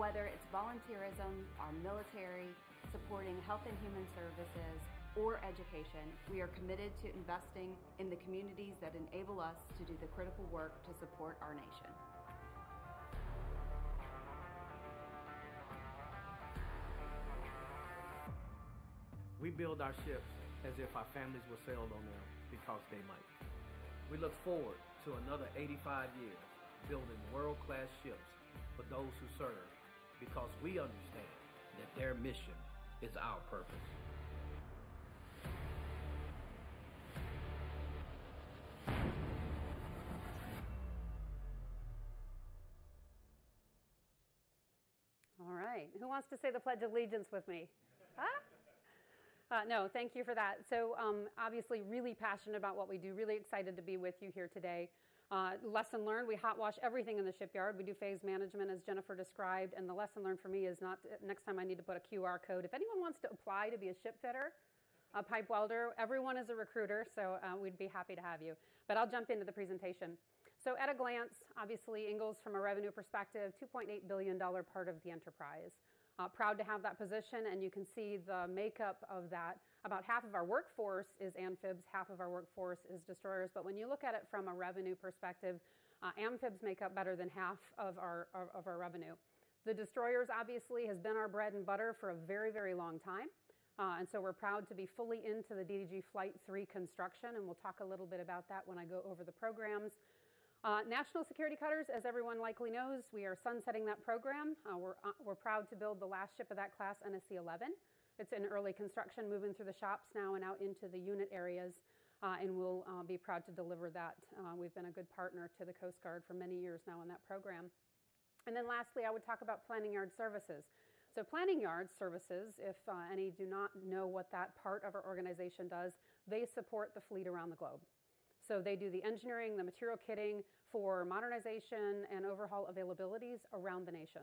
Whether it's volunteerism, our military, supporting health and human services, or education, we are committed to investing in the communities that enable us to do the critical work to support our nation. We build our ships as if our families will sail on them, because they might. We look forward to another 85 years building world-class ships for those who serve, because we understand that their mission is our purpose. All right, who wants to say the Pledge of Allegiance with me? Huh? No, thank you for that. So, obviously really passionate about what we do. Really excited to be with you here today. Lesson learned, we hot wash everything in the shipyard. We do phase management, as Jennifer described, and the lesson learned for me is not to—next time I need to put a QR code. If anyone wants to apply to be a shipfitter, a pipe welder, everyone is a recruiter, so, we'd be happy to have you. But I'll jump into the presentation. So at a glance, obviously, Ingalls, from a revenue perspective, $2.8 billion part of the enterprise. Proud to have that position, and you can see the makeup of that. About half of our workforce is amphibs, half of our workforce is destroyers. But when you look at it from a revenue perspective, amphibs make up better than half of our revenue. The destroyers obviously has been our bread and butter for a very, very long time. And so we're proud to be fully into the DDG Flight III construction, and we'll talk a little bit about that when I go over the programs. National Security Cutters, as everyone likely knows, we are sunsetting that program. We're proud to build the last ship of that class, NSC 11. It's in early construction, moving through the shops now and out into the unit areas. And we'll be proud to deliver that. We've been a good partner to the Coast Guard for many years now on that program. And then lastly, I would talk about planning yard services. So planning yard services, if any do not know what that part of our organization does, they support the fleet around the globe. So they do the engineering, the material kitting for modernization and overhaul availabilities around the nation.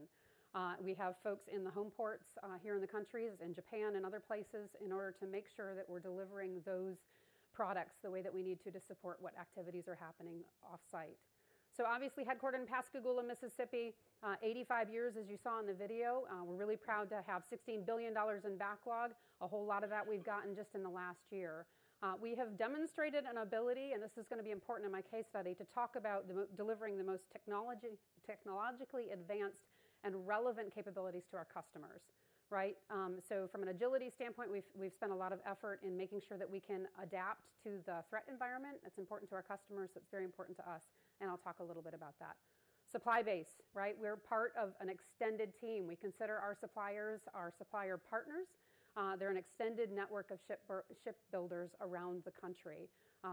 We have folks in the home ports here in the countries, in Japan and other places, in order to make sure that we're delivering those products the way that we need to, to support what activities are happening off-site. So obviously headquartered in Pascagoula, Mississippi. 85 years, as you saw in the video. We're really proud to have $16 billion in backlog. A whole lot of that we've gotten just in the last year. We have demonstrated an ability, and this is gonna be important in my case study, to talk about the most delivering the most technology, technologically advanced and relevant capabilities to our customers, right? So from an agility standpoint, we've, we've spent a lot of effort in making sure that we can adapt to the threat environment. It's important to our customers, it's very important to us, and I'll talk a little bit about that. Supply base, right? We're part of an extended team. We consider our suppliers, our supplier partners. They're an extended network of shipbuilders around the country,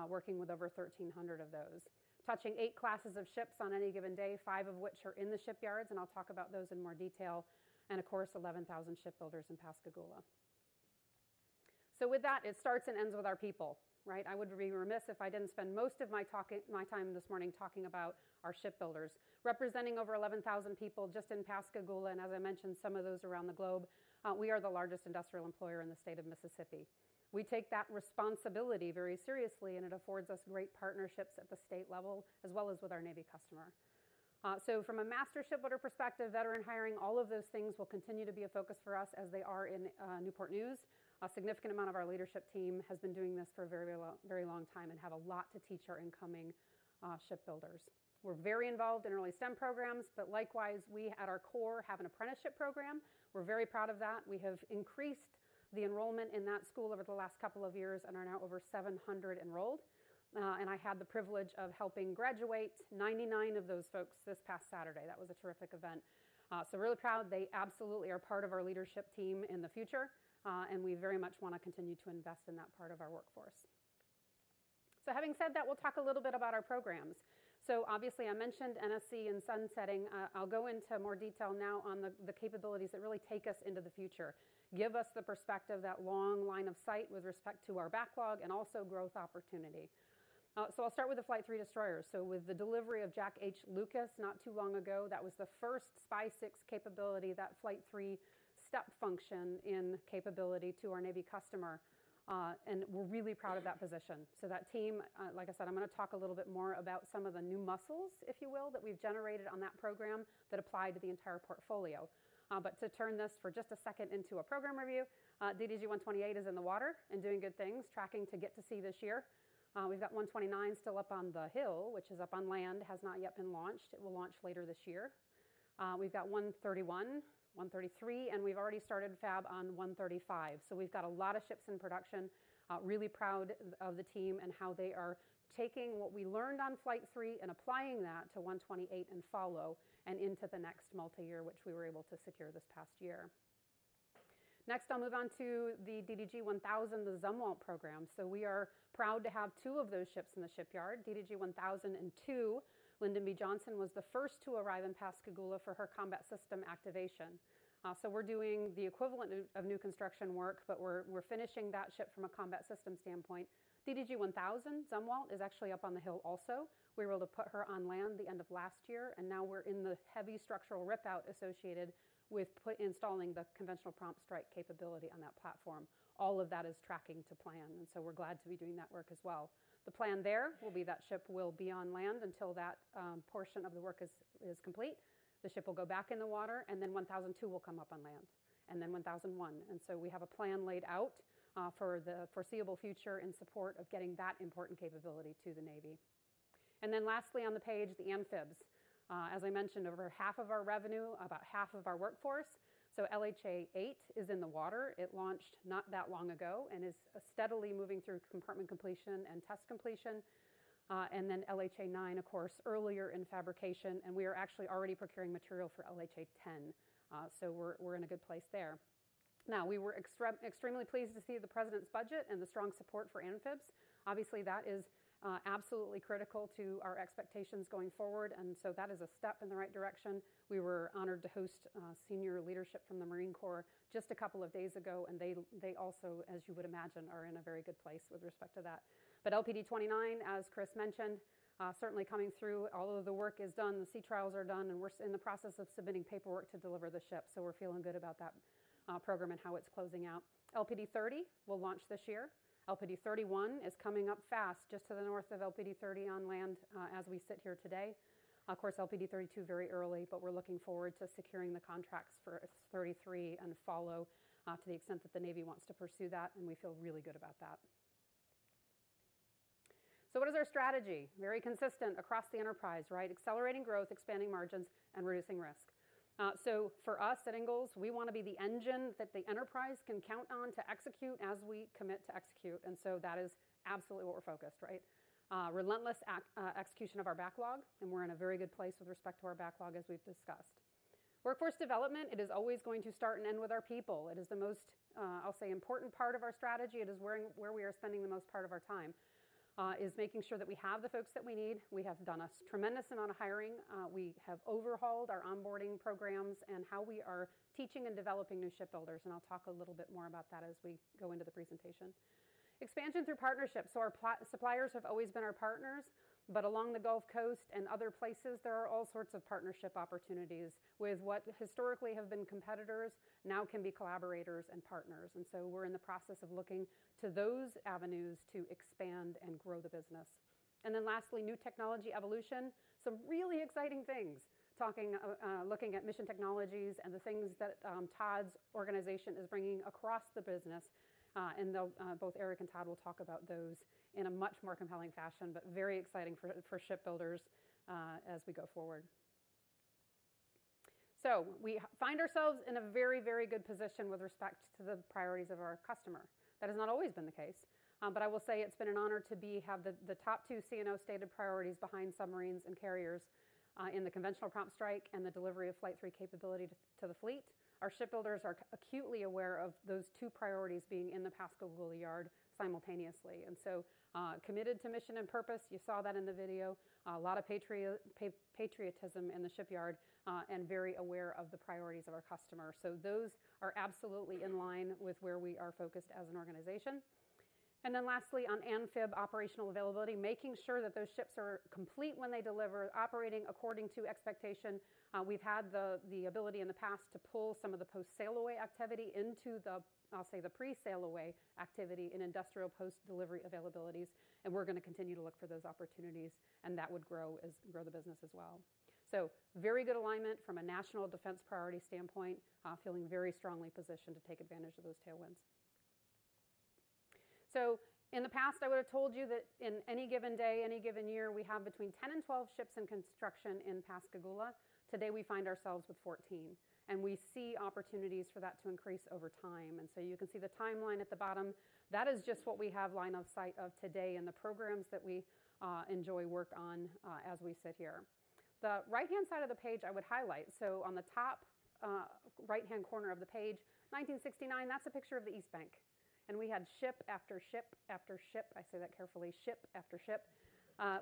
working with over 1,300 of those. Touching eight classes of ships on any given day, five of which are in the shipyards, and I'll talk about those in more detail. Of course, 11,000 shipbuilders in Pascagoula. So with that, it starts and ends with our people, right? I would be remiss if I didn't spend most of my talk, my time this morning talking about our shipbuilders. Representing over 11,000 people just in Pascagoula, and as I mentioned, some of those around the globe, we are the largest industrial employer in the state of Mississippi. We take that responsibility very seriously, and it affords us great partnerships at the state level, as well as with our Navy customer. So from a master shipbuilder perspective, veteran hiring, all of those things will continue to be a focus for us as they are in, Newport News. A significant amount of our leadership team has been doing this for a very long, very long time and have a lot to teach our incoming, shipbuilders. We're very involved in early STEM programs, but likewise, we at our core, have an apprenticeship program. We're very proud of that. We have increased the enrollment in that school over the last couple of years and are now over 700 enrolled. And I had the privilege of helping graduate 99 of those folks this past Saturday. That was a terrific event. So really proud. They absolutely are part of our leadership team in the future, and we very much wanna continue to invest in that part of our workforce. So having said that, we'll talk a little bit about our programs. So obviously, I mentioned NSC and sunsetting. I'll go into more detail now on the capabilities that really take us into the future, give us the perspective, that long line of sight with respect to our backlog and also growth opportunity. So I'll start with the Flight III destroyers. With the delivery of Jack H. Lucas not too long ago, that was the first SPY-6 capability, that Flight III step function in capability to our Navy customer, and we're really proud of that position. That team, like I said, I'm gonna talk a little bit more about some of the new muscles, if you will, that we've generated on that program that apply to the entire portfolio. But to turn this for just a second into a program review, DDG-128 is in the water and doing good things, tracking to get to sea this year. We've got 129 still up on the hill, which is up on land, has not yet been launched. It will launch later this year. We've got 131, 133, and we've already started fab on 135. So we've got a lot of ships in production. Really proud of the team and how they are taking what we learned on Flight III and applying that to 128 and follow, and into the next multiyear, which we were able to secure this past year. Next, I'll move on to the DDG-1000, the Zumwalt program. So we are proud to have two of those ships in the shipyard, DDG-1002. Lyndon B. Johnson was the first to arrive in Pascagoula for her combat system activation. So we're doing the equivalent of new construction work, but we're finishing that ship from a combat system standpoint. DDG-1000, Zumwalt, is actually up on the hill also. We were able to put her on land the end of last year, and now we're in the heavy structural rip-out associated with installing the Conventional Prompt Strike capability on that platform. All of that is tracking to plan, and so we're glad to be doing that work as well. The plan there will be that ship will be on land until that portion of the work is complete. The ship will go back in the water, and then 1,002 will come up on land, and then 1,001. So we have a plan laid out for the foreseeable future in support of getting that important capability to the Navy. Then lastly, on the page, the amphibs. As I mentioned, over half of our revenue, about half of our workforce, so LHA-8 is in the water. It launched not that long ago and is steadily moving through compartment completion and test completion. And then LHA-9, of course, earlier in fabrication, and we are actually already procuring material for LHA-10. So we're in a good place there. Now, we were extremely pleased to see the President's budget and the strong support for amphibs. Obviously, that is absolutely critical to our expectations going forward, and so that is a step in the right direction. We were honored to host senior leadership from the Marine Corps just a couple of days ago, and they also, as you would imagine, are in a very good place with respect to that. But LPD-29, as Chris mentioned, certainly coming through. All of the work is done, the sea trials are done, and we're in the process of submitting paperwork to deliver the ship. So we're feeling good about that, program and how it's closing out. LPD-30 will launch this year. LPD-31 is coming up fast, just to the north of LPD-30 on land, as we sit here today. Of course, LPD-32, very early, but we're looking forward to securing the contracts for 33 and follow, to the extent that the Navy wants to pursue that, and we feel really good about that. So what is our strategy? Very consistent across the enterprise, right? Accelerating growth, expanding margins, and reducing risk. So for us, setting goals, we want to be the engine that the enterprise can count on to execute as we commit to execute, and so that is absolutely what we're focused, right? Relentless execution of our backlog, and we're in a very good place with respect to our backlog, as we've discussed. Workforce development, it is always going to start and end with our people. It is the most, I'll say, important part of our strategy. It is where we are spending the most part of our time is making sure that we have the folks that we need. We have done a tremendous amount of hiring. We have overhauled our onboarding programs and how we are teaching and developing new shipbuilders, and I'll talk a little bit more about that as we go into the presentation. Expansion through partnerships. So our suppliers have always been our partners, but along the Gulf Coast and other places, there are all sorts of partnership opportunities with what historically have been competitors, now can be collaborators and partners. And so we're in the process of looking to those avenues to expand and grow the business. And then lastly, new technology evolution. Some really exciting things. Talking, looking at Mission Technologies and the things that Todd's organization is bringing across the business, and they'll both Eric and Todd will talk about those in a much more compelling fashion, but very exciting for shipbuilders as we go forward. So we find ourselves in a very, very good position with respect to the priorities of our customer. That has not always been the case, but I will say it's been an honor to be, have the top two CNO-stated priorities behind submarines and carriers in the Conventional Prompt Strike and the delivery of Flight III capability to the fleet. Our shipbuilders are acutely aware of those two priorities being in the Pascagoula yard simultaneously, and so committed to mission and purpose. You saw that in the video. A lot of patriotism in the shipyard, and very aware of the priorities of our customers. So those are absolutely in line with where we are focused as an organization. And then lastly, on amphib operational availability, making sure that those ships are complete when they deliver, operating according to expectation. We've had the ability in the past to pull some of the post-sail away activity into the, I'll say, the pre-sail away activity in industrial post-delivery availabilities, and we're going to continue to look for those opportunities, and that would grow the business as well. So very good alignment from a national defense priority standpoint, feeling very strongly positioned to take advantage of those tailwinds. So in the past, I would have told you that in any given day, any given year, we have between 10 and 12 ships in construction in Pascagoula. Today, we find ourselves with 14, and we see opportunities for that to increase over time. And so you can see the timeline at the bottom. That is just what we have line of sight of today and the programs that we enjoy work on as we sit here. The right-hand side of the page, I would highlight. So on the top right-hand corner of the page, 1969, that's a picture of the East Bank, and we had ship after ship after ship. I say that carefully, ship after ship.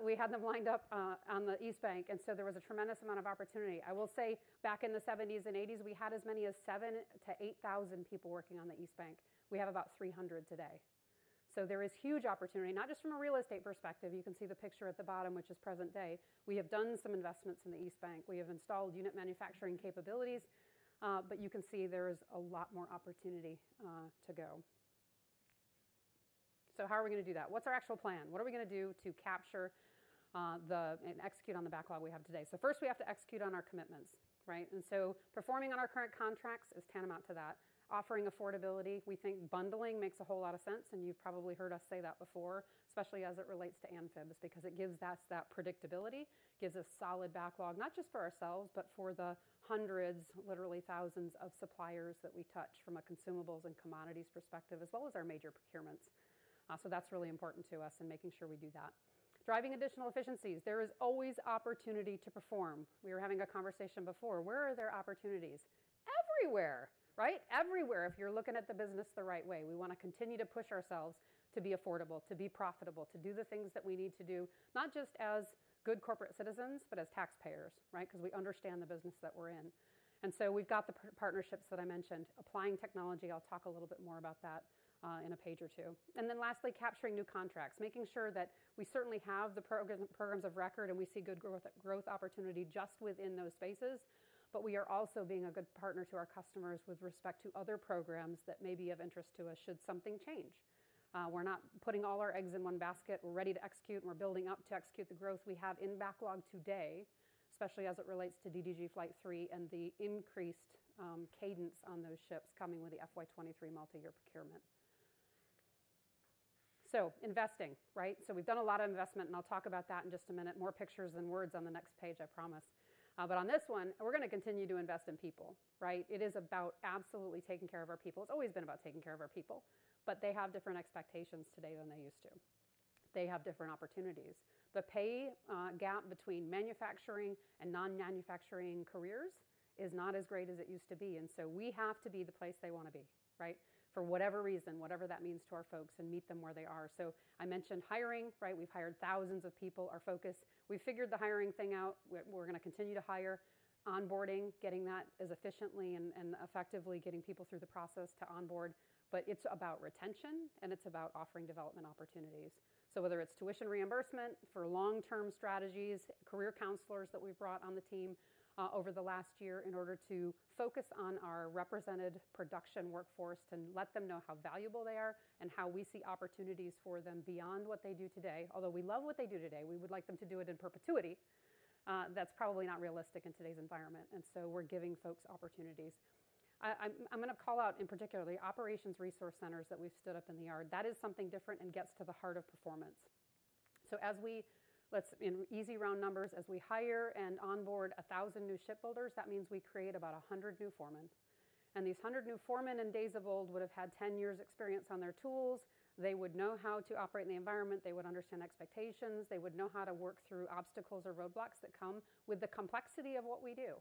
We had them lined up on the East Bank, and so there was a tremendous amount of opportunity. I will say, back in the 1970s and 1980s, we had as many as 7-8 thousand people working on the East Bank. We have about 300 today. So there is huge opportunity, not just from a real estate perspective. You can see the picture at the bottom, which is present day. We have done some investments in the East Bank. We have installed unit manufacturing capabilities, but you can see there is a lot more opportunity to go. So how are we going to do that? What's our actual plan? What are we going to do to capture and execute on the backlog we have today? So first, we have to execute on our commitments, right? And so performing on our current contracts is tantamount to that. Offering affordability, we think bundling makes a whole lot of sense, and you've probably heard us say that before, especially as it relates to amphibs, because it gives us that predictability, gives us solid backlog, not just for ourselves, but for the hundreds, literally thousands of suppliers that we touch from a consumables and commodities perspective, as well as our major procurements. So that's really important to us in making sure we do that. Driving additional efficiencies. There is always opportunity to perform. We were having a conversation before. Where are there opportunities? Everywhere, right? Everywhere, if you're looking at the business the right way. We want to continue to push ourselves to be affordable, to be profitable, to do the things that we need to do, not just as good corporate citizens, but as taxpayers, right? Because we understand the business that we're in. We've got the partnerships that I mentioned. Applying technology, I'll talk a little bit more about that in a page or two. Then lastly, capturing new contracts, making sure that we certainly have the programs of record, and we see good growth opportunity just within those spaces. But we are also being a good partner to our customers with respect to other programs that may be of interest to us, should something change. We're not putting all our eggs in one basket. We're ready to execute, and we're building up to execute the growth we have in backlog today, especially as it relates to DDG Flight III and the increased cadence on those ships coming with the FY 2023 multi-year procurement. So investing, right? So we've done a lot of investment, and I'll talk about that in just a minute. More pictures than words on the next page, I promise. But on this one, we're gonna continue to invest in people, right? It is about absolutely taking care of our people. It's always been about taking care of our people, but they have different expectations today than they used to. They have different opportunities. The pay gap between manufacturing and non-manufacturing careers is not as great as it used to be, and so we have to be the place they want to be, right? For whatever reason, whatever that means to our folks and meet them where they are. So I mentioned hiring, right? We've hired thousands of people. Our focus. We've figured the hiring thing out. We're gonna continue to hire. Onboarding, getting that as efficiently and effectively getting people through the process to onboard. But it's about retention, and it's about offering development opportunities. So whether it's tuition reimbursement for long-term strategies, career counselors that we've brought on the team over the last year in order to focus on our represented production workforce to let them know how valuable they are and how we see opportunities for them beyond what they do today. Although we love what they do today, we would like them to do it in perpetuity. That's probably not realistic in today's environment, and so we're giving folks opportunities. I'm gonna call out, in particular, Operations Resource Centers that we've stood up in the yard. That is something different and gets to the heart of performance. So as we—let's, in easy, round numbers, as we hire and onboard 1,000 new shipbuilders, that means we create about 100 new foremen. These 100 new foremen in days of old would have had 10 years experience on their tools. They would know how to operate in the environment. They would understand expectations. They would know how to work through obstacles or roadblocks that come with the complexity of what we do,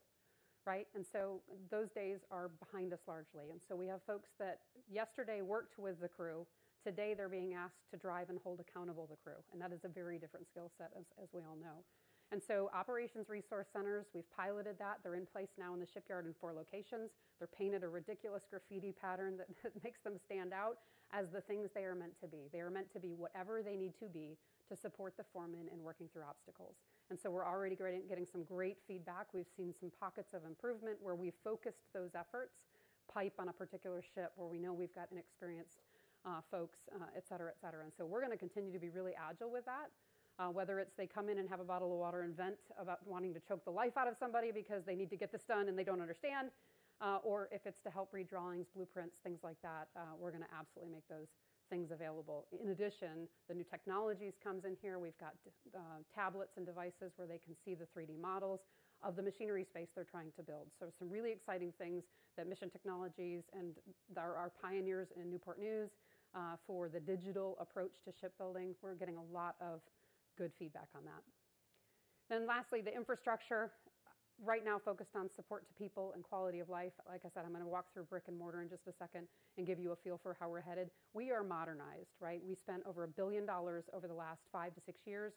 right? So those days are behind us largely, and so we have folks that yesterday worked with the crew. Today, they're being asked to drive and hold accountable the crew, and that is a very different skill set, as, as we all know. So operations resource centers, we've piloted that. They're in place now in the shipyard in 4 locations. They're painted a ridiculous graffiti pattern that makes them stand out as the things they are meant to be. They are meant to be whatever they need to be to support the foremen in working through obstacles. And so we're already getting some great feedback. We've seen some pockets of improvement where we focused those efforts, pipe on a particular ship, where we know we've got an experienced folks, et cetera, et cetera. And so we're gonna continue to be really agile with that, whether it's they come in and have a bottle of water and vent about wanting to choke the life out of somebody because they need to get this done, and they don't understand, or if it's to help read drawings, blueprints, things like that, we're gonna absolutely make those things available. In addition, the new technologies comes in here. We've got tablets and devices where they can see the 3D models of the machinery space they're trying to build. So some really exciting things that Mission Technologies and there are pioneers in Newport News for the digital approach to shipbuilding. We're getting a lot of good feedback on that. Then lastly, the infrastructure. Right now focused on support to people and quality of life. Like I said, I'm gonna walk through brick-and-mortar in just a second and give you a feel for how we're headed. We are modernized, right? We spent over $1 billion over the last five to six years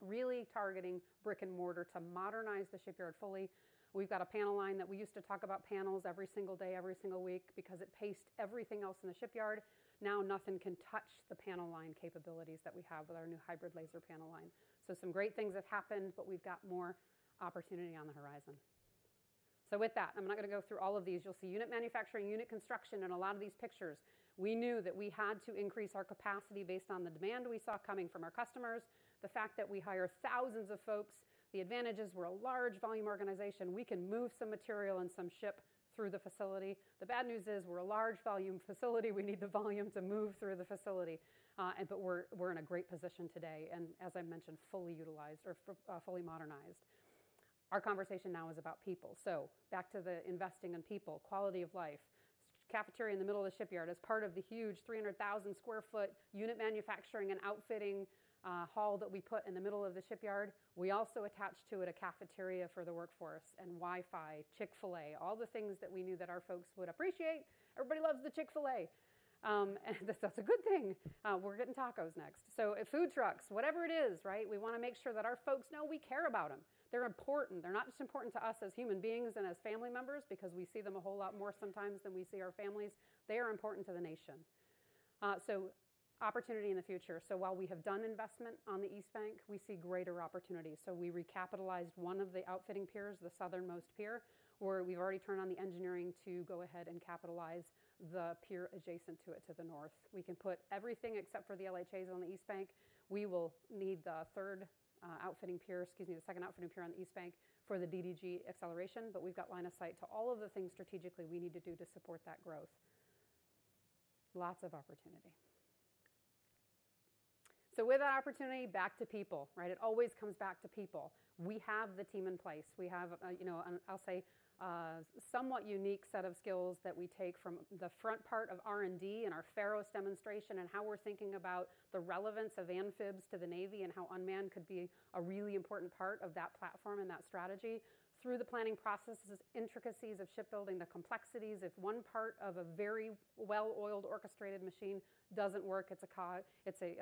really targeting brick-and-mortar to modernize the shipyard fully. We've got a panel line that we used to talk about panels every single day, every single week, because it paced everything else in the shipyard. Now, nothing can touch the panel line capabilities that we have with our new hybrid laser panel line. So some great things have happened, but we've got more opportunity on the horizon. So with that, I'm not gonna go through all of these. You'll see unit manufacturing, unit construction in a lot of these pictures. We knew that we had to increase our capacity based on the demand we saw coming from our customers, the fact that we hire thousands of folks, the advantages, we're a large volume organization. We can move some material and some ship through the facility. The bad news is, we're a large volume facility. We need the volume to move through the facility. But we're in a great position today, and as I mentioned, fully utilized or fully modernized. Our conversation now is about people. So back to the investing in people, quality of life. Cafeteria in the middle of the shipyard, as part of the huge 300,000 sq ft unit manufacturing and outfitting hall that we put in the middle of the shipyard. We also attached to it a cafeteria for the workforce and Wi-Fi, Chick-fil-A, all the things that we knew that our folks would appreciate. Everybody loves the Chick-fil-A. And that's a good thing. We're getting tacos next. So food trucks, whatever it is, right? We wanna make sure that our folks know we care about them. They're important. They're not just important to us as human beings and as family members because we see them a whole lot more sometimes than we see our families. They are important to the nation. So opportunity in the future. So while we have done investment on the East Bank, we see greater opportunities, so we recapitalized one of the outfitting piers, the southernmost pier, where we've already turned on the engineering to go ahead and capitalize the pier adjacent to it, to the north. We can put everything except for the LHAs on the East Bank. We will need the third, outfitting pier, excuse me, the second outfitting pier on the East Bank, for the DDG acceleration. But we've got line of sight to all of the things strategically we need to do to support that growth. Lots of opportunity. So with that opportunity, back to people, right? It always comes back to people. We have the team in place. We have, you know, I'll say, somewhat unique set of skills that we take from the front part of R&D and our Pharos demonstration and how we're thinking about the relevance of amphibs to the Navy and how unmanned could be a really important part of that platform and that strategy. Through the planning processes, intricacies of shipbuilding, the complexities, if one part of a very well-oiled, orchestrated machine doesn't work, it's a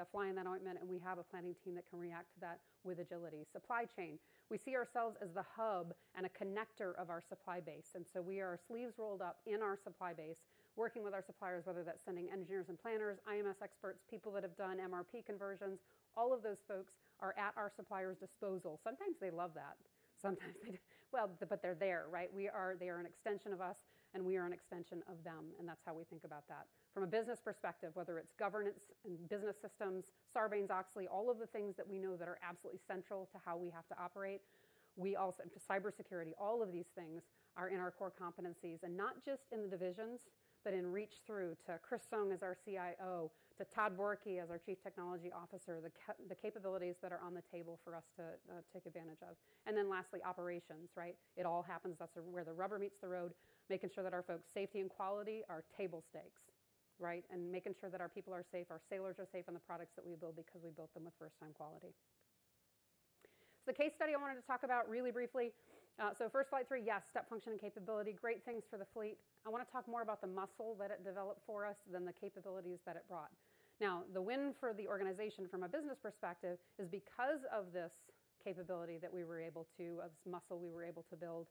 fly in the ointment, and we have a planning team that can react to that with agility. Supply chain. We see ourselves as the hub and a connector of our supply base, and so we are sleeves rolled up in our supply base, working with our suppliers, whether that's sending engineers and planners, IMS experts, people that have done MRP conversions. All of those folks are at our suppliers' disposal. Sometimes they love that, sometimes they... Well, but they're there, right? We are-- They are an extension of us, and we are an extension of them, and that's how we think about that. From a business perspective, whether it's governance-... and business systems, Sarbanes-Oxley, all of the things that we know that are absolutely central to how we have to operate. We also, to cybersecurity, all of these things are in our core competencies, and not just in the divisions, but in reach through to Chris Soong as our CIO, to Todd Borkey as our Chief Technology Officer, the capabilities that are on the table for us to take advantage of. And then lastly, operations, right? It all happens. That's where the rubber meets the road, making sure that our folks' safety and quality are table stakes, right? Making sure that our people are safe, our sailors are safe, and the products that we build because we built them with first-time quality. So the case study I wanted to talk about really briefly, so first slide three, yes, step function and capability, great things for the fleet. I want to talk more about the muscle that it developed for us than the capabilities that it brought. Now, the win for the organization from a business perspective is because of this capability that we were able to, of this muscle we were able to build,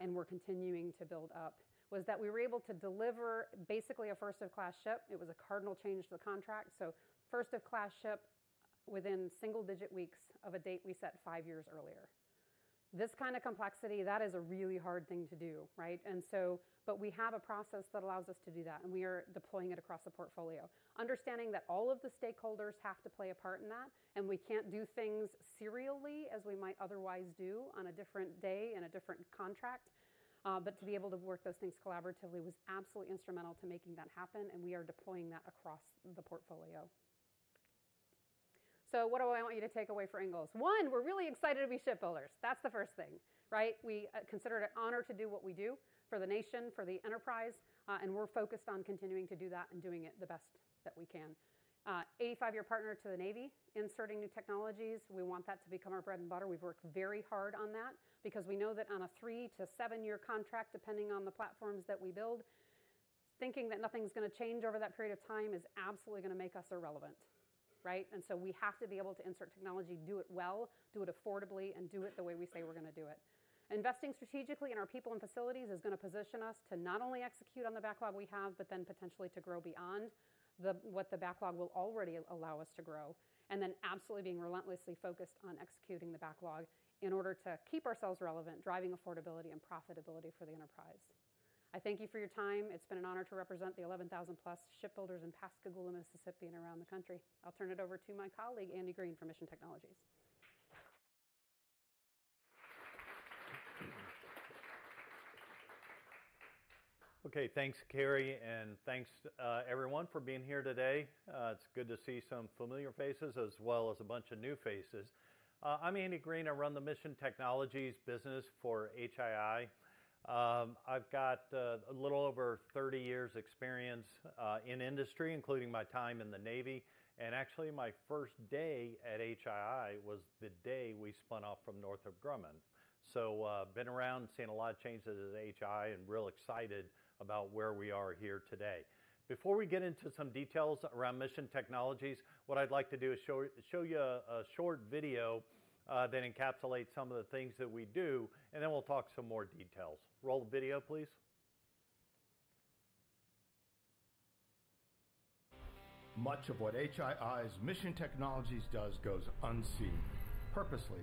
and we're continuing to build up, was that we were able to deliver basically a first-of-class ship. It was a cardinal change to the contract, so first-of-class ship within single-digit weeks of a date we set five years earlier. This kind of complexity, that is a really hard thing to do, right? And so, but we have a process that allows us to do that, and we are deploying it across the portfolio, understanding that all of the stakeholders have to play a part in that, and we can't do things serially as we might otherwise do on a different day, in a different contract. But to be able to work those things collaboratively was absolutely instrumental to making that happen, and we are deploying that across the portfolio. So what do I want you to take away for Ingalls? One, we're really excited to be shipbuilders. That's the first thing, right? We consider it an honor to do what we do for the nation, for the enterprise, and we're focused on continuing to do that and doing it the best that we can. 85-year partner to the Navy, inserting new technologies, we want that to become our bread and butter. We've worked very hard on that because we know that on a three to seven-year contract, depending on the platforms that we build, thinking that nothing's gonna change over that period of time is absolutely gonna make us irrelevant, right? And so we have to be able to insert technology, do it well, do it affordably, and do it the way we say we're gonna do it. Investing strategically in our people and facilities is gonna position us to not only execute on the backlog we have, but then potentially to grow beyond the, what the backlog will already allow us to grow, and then absolutely being relentlessly focused on executing the backlog in order to keep ourselves relevant, driving affordability and profitability for the enterprise. I thank you for your time. It's been an honor to represent the 11,000-plus shipbuilders in Pascagoula, Mississippi, and around the country. I'll turn it over to my colleague, Andy Green, from Mission Technologies. Okay, thanks, Kari, and thanks, everyone for being here today. It's good to see some familiar faces as well as a bunch of new faces. I'm Andy Green. I run the Mission Technologies business for HII. I've got a little over 30 years experience in industry, including my time in the Navy. And actually, my first day at HII was the day we spun off from Northrop Grumman. So, been around, seen a lot of changes at HII and real excited about where we are here today. Before we get into some details around Mission Technologies, what I'd like to do is show you a short video that encapsulates some of the things that we do, and then we'll talk some more details. Roll the video, please. Much of what HII's Mission Technologies does goes unseen, purposely.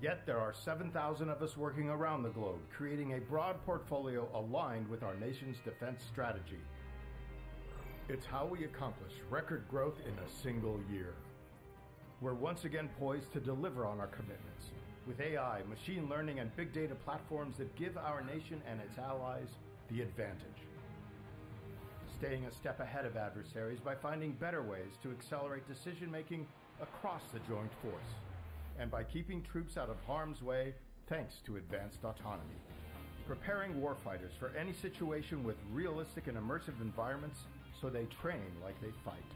Yet there are 7,000 of us working around the globe, creating a broad portfolio aligned with our nation's defense strategy. It's how we accomplish record growth in a single year. We're once again poised to deliver on our commitments with AI, machine learning, and big data platforms that give our nation and its allies the advantage. Staying a step ahead of adversaries by finding better ways to accelerate decision-making across the Joint Force and by keeping troops out of harm's way, thanks to advanced autonomy. Preparing warfighters for any situation with realistic and immersive environments, so they train like they'd fight.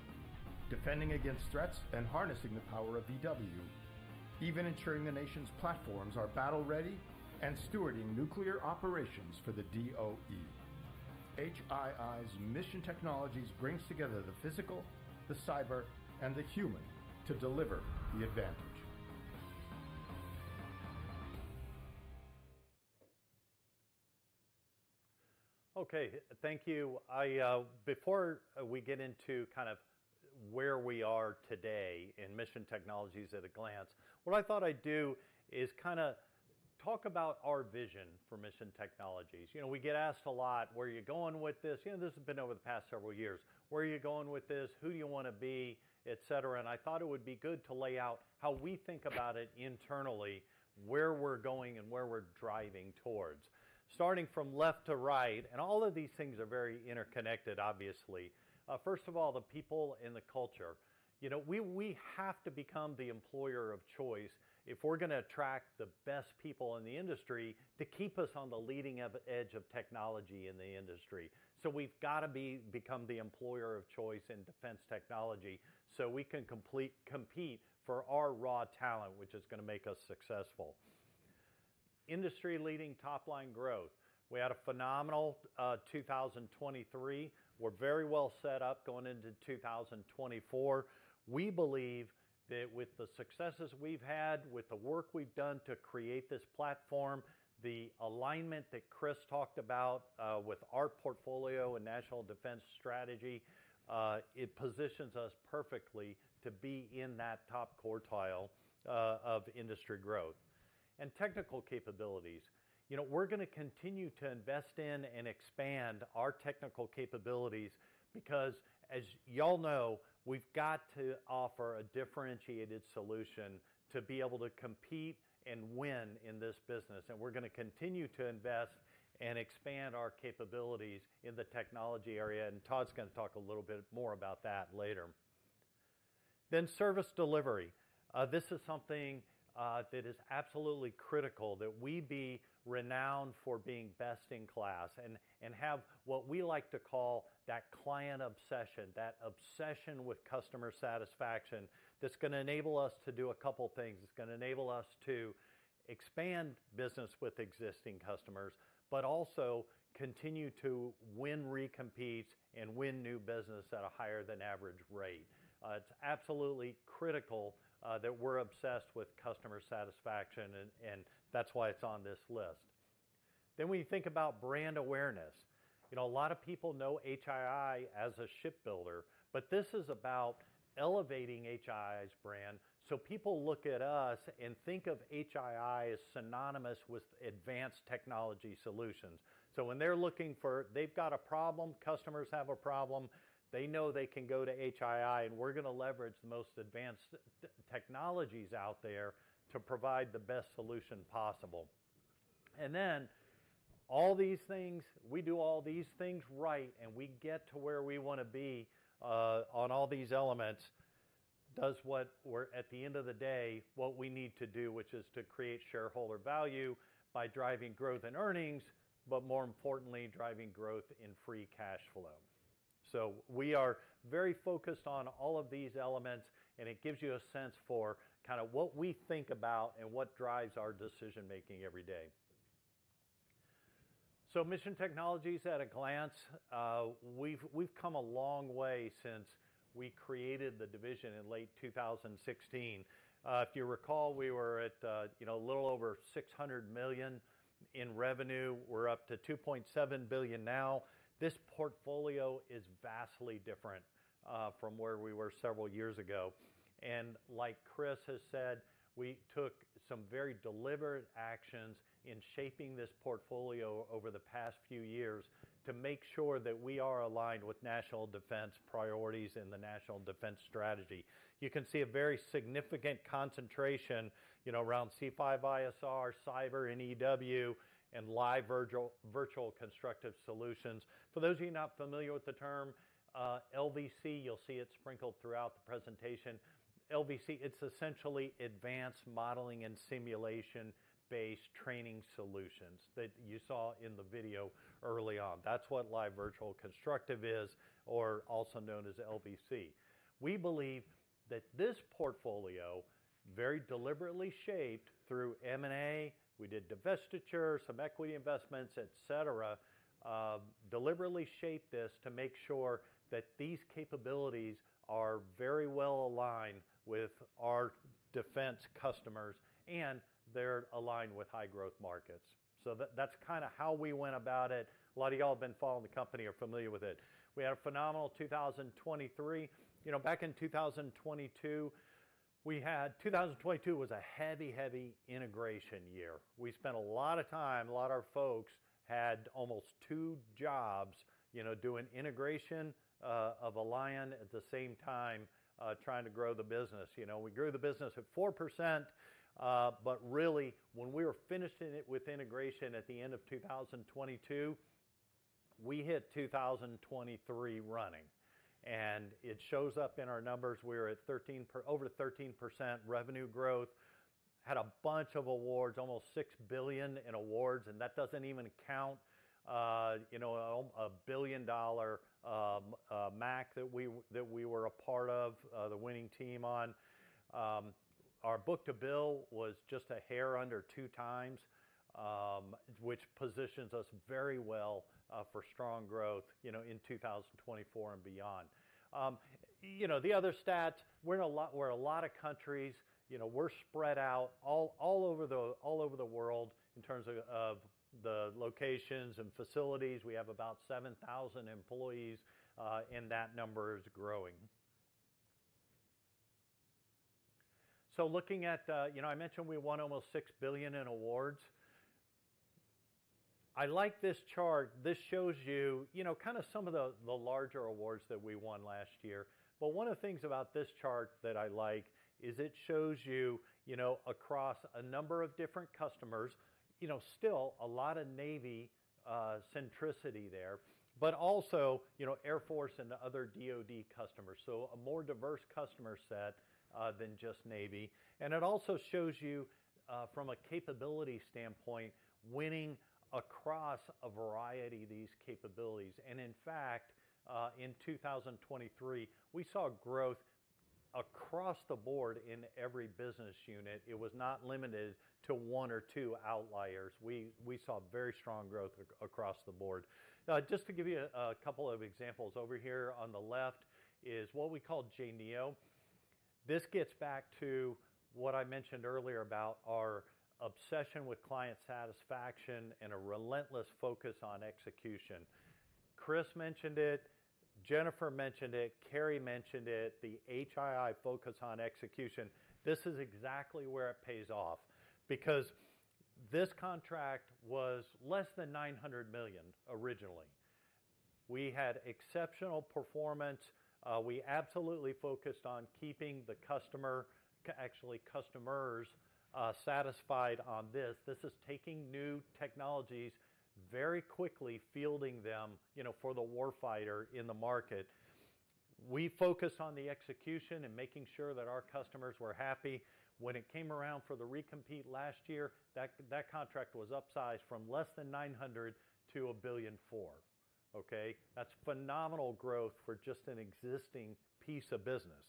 Defending against threats and harnessing the power of EW, even ensuring the nation's platforms are battle-ready and stewarding nuclear operations for the DOE. HII's Mission Technologies brings together the physical, the cyber, and the human to deliver the advantage. Okay. Thank you. I, before, we get into kind of where we are today in Mission Technologies at a glance, what I thought I'd do is kinda talk about our vision for Mission Technologies. You know, we get asked a lot, "Where are you going with this?" You know, this has been over the past several years. "Where are you going with this? Who do you want to be?" Et cetera, and I thought it would be good to lay out how we think about it internally, where we're going, and where we're driving towards. Starting from left to right, and all of these things are very interconnected, obviously. First of all, the people and the culture. You know, we have to become the employer of choice if we're gonna attract the best people in the industry to keep us on the leading edge of technology in the industry. So we've got to become the employer of choice in defense technology, so we can compete for our raw talent, which is gonna make us successful. Industry-leading top-line growth. We had a phenomenal 2023. We're very well set up going into 2024. We believe that with the successes we've had, with the work we've done to create this platform, the alignment that Chris talked about with our portfolio and National Defense Strategy, it positions us perfectly to be in that top quartile of industry growth and technical capabilities. You know, we're gonna continue to invest in and expand our technical capabilities because, as y'all know, we've got to offer a differentiated solution to be able to compete and win in this business. And we're gonna continue to invest and expand our capabilities in the technology area, and Todd's gonna talk a little bit more about that later. Then service delivery, this is something that is absolutely critical that we be renowned for being best-in-class and have what we like to call that client obsession, that obsession with customer satisfaction, that's gonna enable us to do a couple things. It's gonna enable us to expand business with existing customers, but also continue to win recompetes and win new business at a higher than average rate. It's absolutely critical that we're obsessed with customer satisfaction, and that's why it's on this list. Then when you think about brand awareness, you know, a lot of people know HII as a shipbuilder, but this is about elevating HII's brand, so people look at us and think of HII as synonymous with advanced technology solutions. So when they're looking for. They've got a problem, customers have a problem, they know they can go to HII, and we're gonna leverage the most advanced technologies out there to provide the best solution possible. And then, all these things, we do all these things right, and we get to where we want to be on all these elements at the end of the day, what we need to do, which is to create shareholder value by driving growth and earnings, but more importantly, driving growth in free cash flow. So we are very focused on all of these elements, and it gives you a sense for kinda what we think about and what drives our decision-making every day. So Mission Technologies at a glance. We've come a long way since we created the division in late 2016. If you recall, we were at, you know, a little over $600 million in revenue. We're up to $2.7 billion now. This portfolio is vastly different from where we were several years ago. And like Chris has said, we took some very deliberate actions in shaping this portfolio over the past few years to make sure that we are aligned with national defense priorities and the national defense strategy. You can see a very significant concentration, you know, around C5ISR, cyber, and EW, and live virtual constructive solutions. For those of you not familiar with the term, LVC, you'll see it sprinkled throughout the presentation. LVC, it's essentially advanced modeling and simulation-based training solutions that you saw in the video early on. That's what live virtual constructive is, or also known as LVC. We believe that this portfolio, very deliberately shaped through M&A, we did divestiture, some equity investments, et cetera, deliberately shaped this to make sure that these capabilities are very well aligned with our defense customers, and they're aligned with high-growth markets. So that's kinda how we went about it. A lot of y'all have been following the company are familiar with it. We had a phenomenal 2023. You know, back in 2022, we had 2022 was a heavy, heavy integration year. We spent a lot of time, a lot of our folks had almost two jobs, you know, doing integration of Alion, at the same time, trying to grow the business. You know, we grew the business at 4%, but really, when we were finishing it with integration at the end of 2022, we hit 2023 running, and it shows up in our numbers. We're at over 13% revenue growth. Had a bunch of awards, almost $6 billion in awards, and that doesn't even count, you know, a $1 billion MAC that we were a part of, the winning team on. Our book-to-bill was just a hair under 2x, which positions us very well for strong growth, you know, in 2024 and beyond. You know, the other stat, we're in a lot of countries, you know, we're spread out all over the world in terms of the locations and facilities. We have about 7,000 employees, and that number is growing. So looking at, you know, I mentioned we won almost $6 billion in awards. I like this chart. This shows you, you know, kind of some of the larger awards that we won last year. But one of the things about this chart that I like is it shows you, you know, across a number of different customers, you know, still a lot of Navy centricity there, but also, you know, Air Force and other DoD customers, so a more diverse customer set than just Navy. It also shows you, from a capability standpoint, winning across a variety of these capabilities. In fact, in 2023, we saw growth across the board in every business unit. It was not limited to one or two outliers. We saw very strong growth across the board. Just to give you a couple of examples, over here on the left is what we call JNEO. This gets back to what I mentioned earlier about our obsession with client satisfaction and a relentless focus on execution. Chris mentioned it, Jennifer mentioned it, Kari mentioned it, the HII focus on execution. This is exactly where it pays off, because this contract was less than $900 million originally. We had exceptional performance. We absolutely focused on keeping the customer, actually customers, satisfied on this. This is taking new technologies, very quickly fielding them, you know, for the warfighter in the market. We focused on the execution and making sure that our customers were happy. When it came around for the recompete last year, that contract was upsized from less than $900 million to $1.4 billion. Okay? That's phenomenal growth for just an existing piece of business.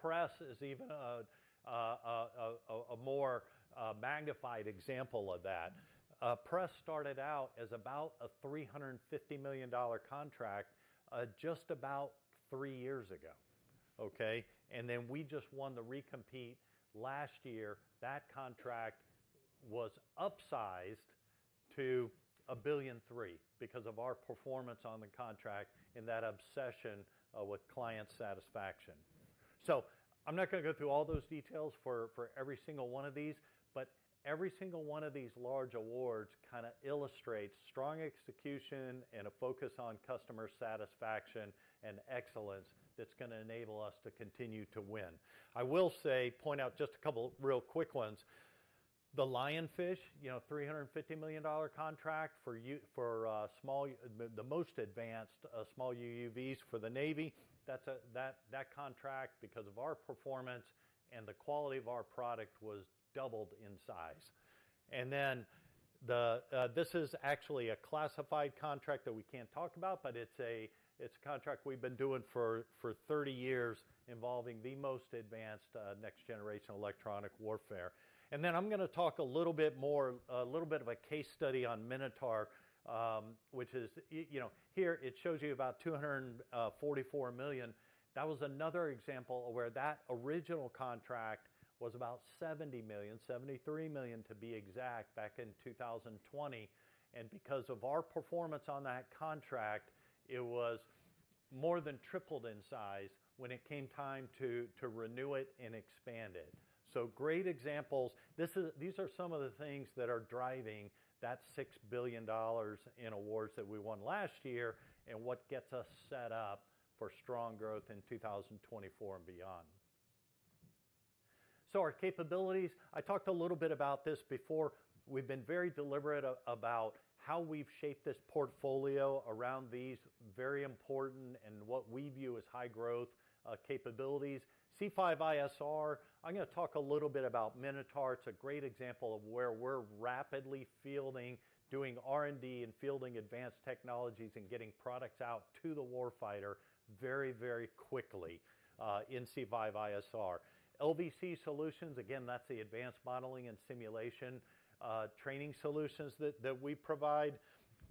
PRESS is even a more magnified example of that. PRESS started out as about a $350 million contract just about three years ago, okay? And then we just won the recompete last year. That contract was upsized to $1.3 billion because of our performance on the contract and that obsession with client satisfaction. So I'm not gonna go through all those details for every single one of these, but every single one of these large awards kinda illustrates strong execution and a focus on customer satisfaction and excellence that's gonna enable us to continue to win. I will say point out just a couple real quick ones. The Lionfish, you know, $350 million contract for the most advanced small UUVs for the Navy. That contract, because of our performance and the quality of our product, was doubled in size. And then this is actually a classified contract that we can't talk about, but it's a contract we've been doing for 30 years, involving the most advanced next-generation electronic warfare. Then I'm gonna talk a little bit more, a little bit of a case study on Minotaur, which is, you know, here it shows you about $244 million. That was another example of where that original contract was about $70 million, $73 million, to be exact, back in 2020, and because of our performance on that contract, it was more than tripled in size when it came time to renew it and expand it. So great examples. These are some of the things that are driving that $6 billion in awards that we won last year and what gets us set up for strong growth in 2024 and beyond. So our capabilities, I talked a little bit about this before. We've been very deliberate about how we've shaped this portfolio around these very important and what we view as high-growth capabilities. C5ISR, I'm gonna talk a little bit about Minotaur. It's a great example of where we're rapidly fielding, doing R&D and fielding advanced technologies and getting products out to the warfighter very, very quickly in C5ISR. LVC Solutions, again, that's the advanced modeling and simulation training solutions that we provide.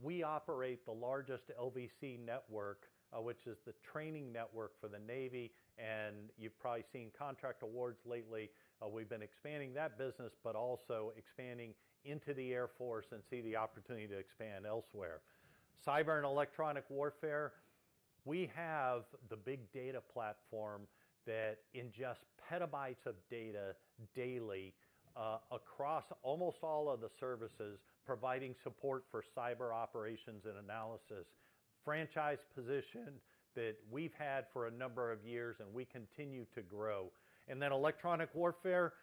We operate the largest LVC network, which is the training network for the Navy, and you've probably seen contract awards lately. We've been expanding that business, but also expanding into the Air Force and see the opportunity to expand elsewhere. Cyber and electronic warfare, we have the Big Data Platform that ingests petabytes of data daily across almost all of the services, providing support for cyber operations and analysis. Franchise position that we've had for a number of years, and we continue to grow. And then electronic warfare,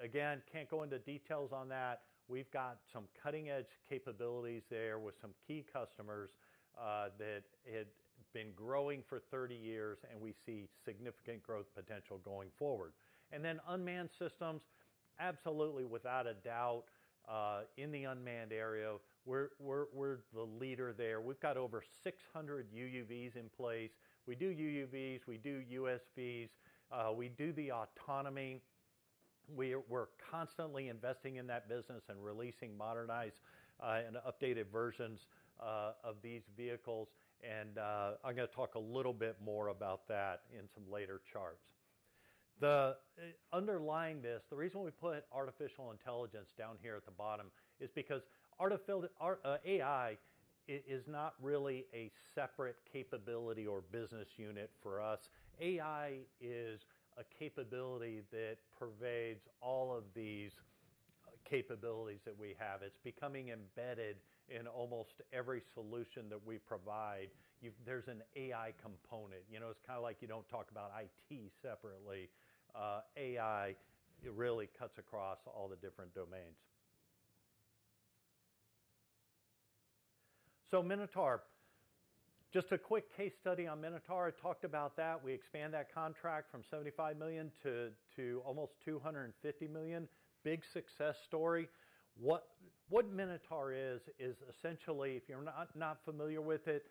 again, can't go into details on that. We've got some cutting-edge capabilities there with some key customers, that it's been growing for 30 years, and we see significant growth potential going forward. And then unmanned systems, absolutely without a doubt, in the unmanned area, we're the leader there. We've got over 600 UUVs in place. We do UUVs, we do USVs, we do the autonomy. We're constantly investing in that business and releasing modernized and updated versions of these vehicles, and I'm gonna talk a little bit more about that in some later charts. Underlying this, the reason we put artificial intelligence down here at the bottom is because AI is not really a separate capability or business unit for us. AI is a capability that pervades all of these capabilities that we have. It's becoming embedded in almost every solution that we provide. There's an AI component. You know, it's kind of like you don't talk about IT separately. AI, it really cuts across all the different domains. So Minotaur, just a quick case study on Minotaur. I talked about that. We expanded that contract from $75 million to almost $250 million. Big success story. What Minotaur is, is essentially, if you're not familiar with it,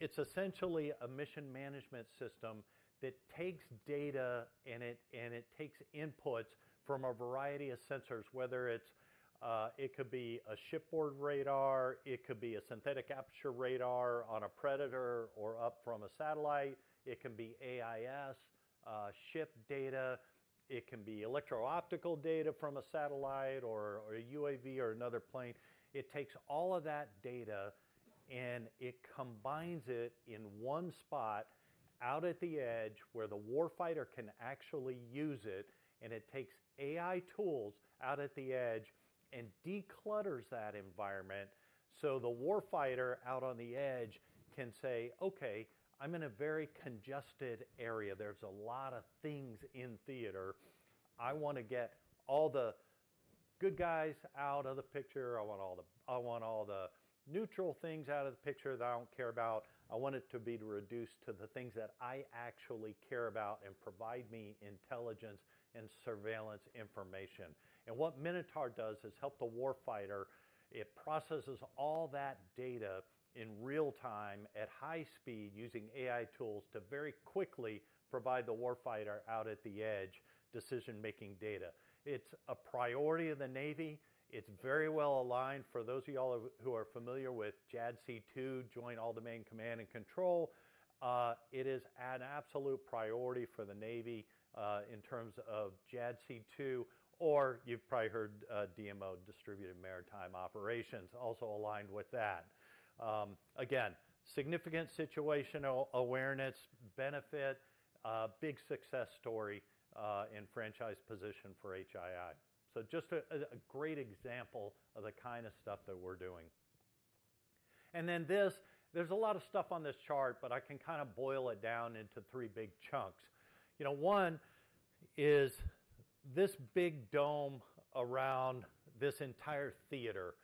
it's essentially a mission management system that takes data, and it takes inputs from a variety of sensors, whether it's a shipboard radar, it could be a synthetic aperture radar on a Predator or up from a satellite, it can be AIS, ship data, it can be electro-optical data from a satellite or a UAV or another plane. It takes all of that data and it combines it in one spot out at the edge, where the warfighter can actually use it, and it takes AI tools out at the edge and declutters that environment. So the warfighter out on the edge can say, "Okay, I'm in a very congested area. There's a lot of things in theater. I want to get all the good guys out of the picture. I want all the neutral things out of the picture that I don't care about. I want it to be reduced to the things that I actually care about and provide me intelligence and surveillance information." And what Minotaur does is help the warfighter. It processes all that data in real time, at high speed, using AI tools to very quickly provide the warfighter out at the edge decision-making data. It's a priority of the Navy. It's very well aligned. For those of y'all who are familiar with JADC2, Joint All-Domain Command and Control, it is an absolute priority for the Navy, in terms of JADC2, or you've probably heard of DMO, Distributed Maritime Operations, also aligned with that. Again, significant situational awareness benefit, big success story, and franchise position for HII. So just a great example of the kind of stuff that we're doing. And then this, there's a lot of stuff on this chart, but I can kind of boil it down into three big chunks. You know, one is this big dome around this entire theater.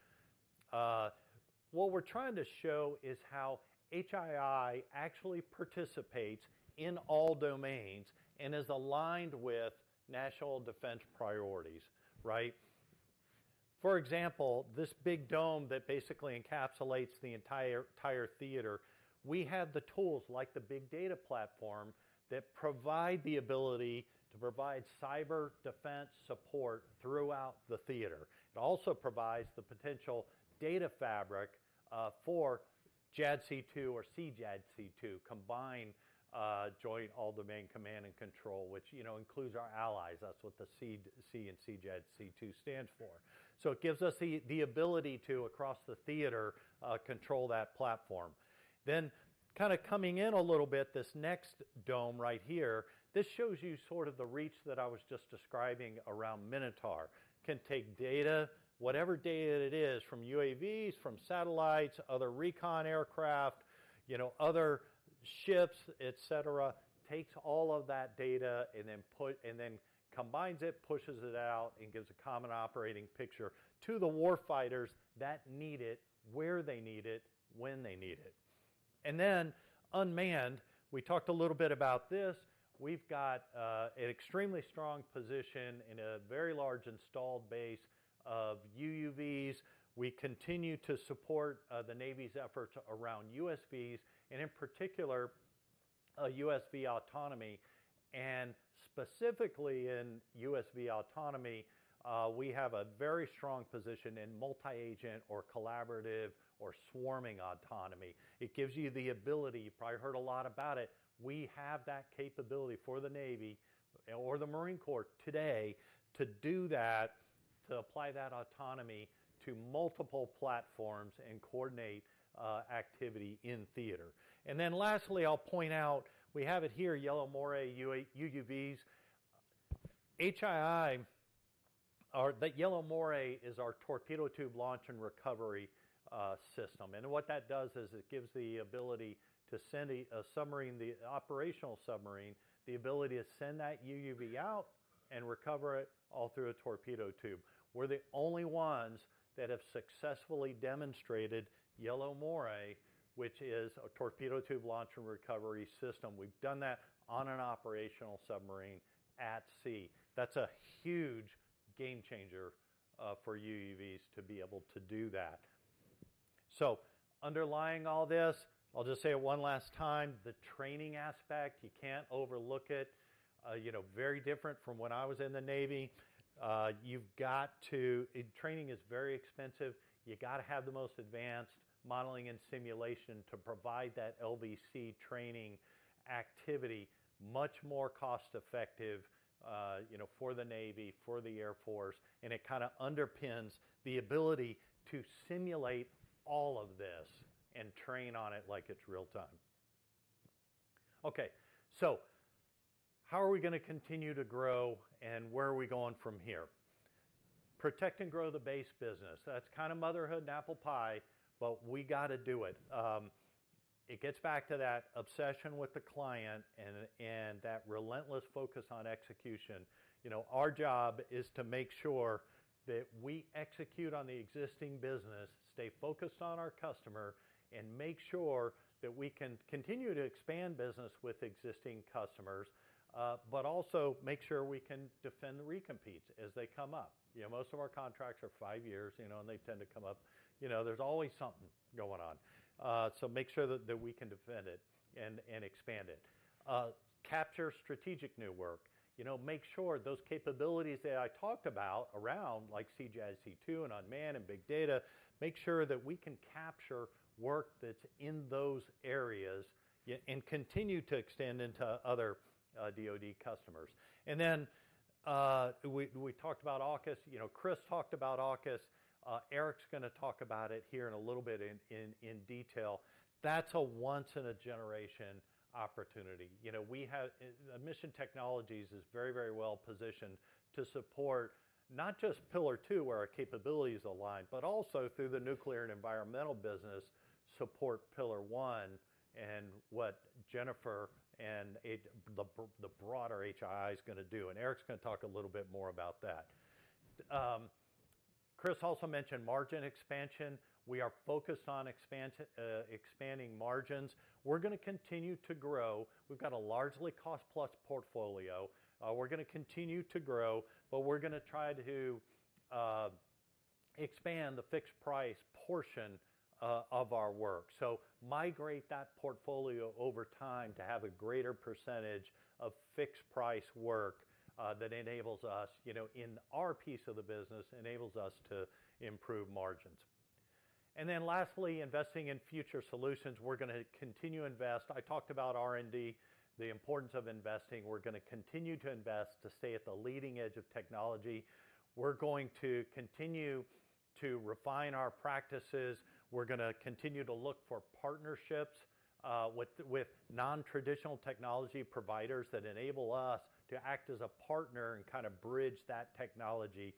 What we're trying to show is how HII actually participates in all domains and is aligned with national defense priorities, right? For example, this big dome that basically encapsulates the entire theater, we have the tools, like the big data platform, that provide the ability to provide cyber defense support throughout the theater. It also provides the potential data fabric for JADC2 or CJADC2, combined Joint All-Domain Command and Control, which, you know, includes our allies. That's what the C, C in CJADC2 stands for. So it gives us the ability to, across the theater, control that platform. Then kind of coming in a little bit, this next dome right here, this shows you sort of the reach that I was just describing around Minotaur. Can take data, whatever data it is, from UAVs, from satellites, other recon aircraft, you know, other ships, et cetera, takes all of that data and then combines it, pushes it out, and gives a common operating picture to the warfighters that need it, where they need it, when they need it. And then unmanned, we talked a little bit about this. We've got an extremely strong position and a very large installed base of UUVs. We continue to support the Navy's efforts around USVs and, in particular, USV autonomy. Specifically in USV autonomy, we have a very strong position in multi-agent or collaborative or swarming autonomy. It gives you the ability, you've probably heard a lot about it, we have that capability for the Navy or the Marine Corps today to do that, to apply that autonomy to multiple platforms and coordinate activity in theater. And then lastly, I'll point out, we have it here, Yellow Moray UUVs. HII, or the Yellow Moray, is our torpedo tube launch and recovery system. And what that does is it gives the ability to send a submarine, the operational submarine, the ability to send that UUV out and recover it all through a torpedo tube. We're the only ones that have successfully demonstrated Yellow Moray, which is a torpedo tube launch and recovery system. We've done that on an operational submarine at sea. That's a huge game changer for UUVs to be able to do that. So underlying all this, I'll just say it one last time, the training aspect, you can't overlook it. You know, very different from when I was in the Navy. You've got to. And training is very expensive. You got to have the most advanced modeling and simulation to provide that LVC training activity. Much more cost-effective, you know, for the Navy, for the Air Force, and it kind of underpins the ability to simulate all of this and train on it like it's real time. Okay, so how are we gonna continue to grow, and where are we going from here? Protect and grow the base business. That's kind of motherhood and apple pie, but we got to do it. It gets back to that obsession with the client and that relentless focus on execution. You know, our job is to make sure that we execute on the existing business, stay focused on our customer, and make sure that we can continue to expand business with existing customers, but also make sure we can defend the recompetes as they come up. You know, most of our contracts are five years, you know, and they tend to come up. You know, there's always something going on. So make sure that we can defend it and expand it. Capture strategic new work. You know, make sure those capabilities that I talked about around, like CJADC2 and unmanned and big data, make sure that we can capture work that's in those areas and continue to extend into other DoD customers. And then-... We talked about AUKUS. You know, Chris talked about AUKUS. Eric's gonna talk about it here in a little bit in detail. That's a once-in-a-generation opportunity. You know, we have, Mission Technologies is very, very well positioned to support not just Pillar Two, where our capabilities align, but also through the nuclear and environmental business, support Pillar One and what Jennifer and the broader HII is gonna do, and Eric's gonna talk a little bit more about that. Chris also mentioned margin expansion. We are focused on expanding margins. We're gonna continue to grow. We've got a largely cost-plus portfolio. We're gonna continue to grow, but we're gonna try to expand the fixed price portion of our work. So migrate that portfolio over time to have a greater percentage of fixed-price work, that enables us, you know, in our piece of the business, enables us to improve margins. And then lastly, investing in future solutions, we're gonna continue to invest. I talked about R&D, the importance of investing. We're gonna continue to invest to stay at the leading edge of technology. We're going to continue to refine our practices. We're gonna continue to look for partnerships, with non-traditional technology providers that enable us to act as a partner and kind of bridge that technology,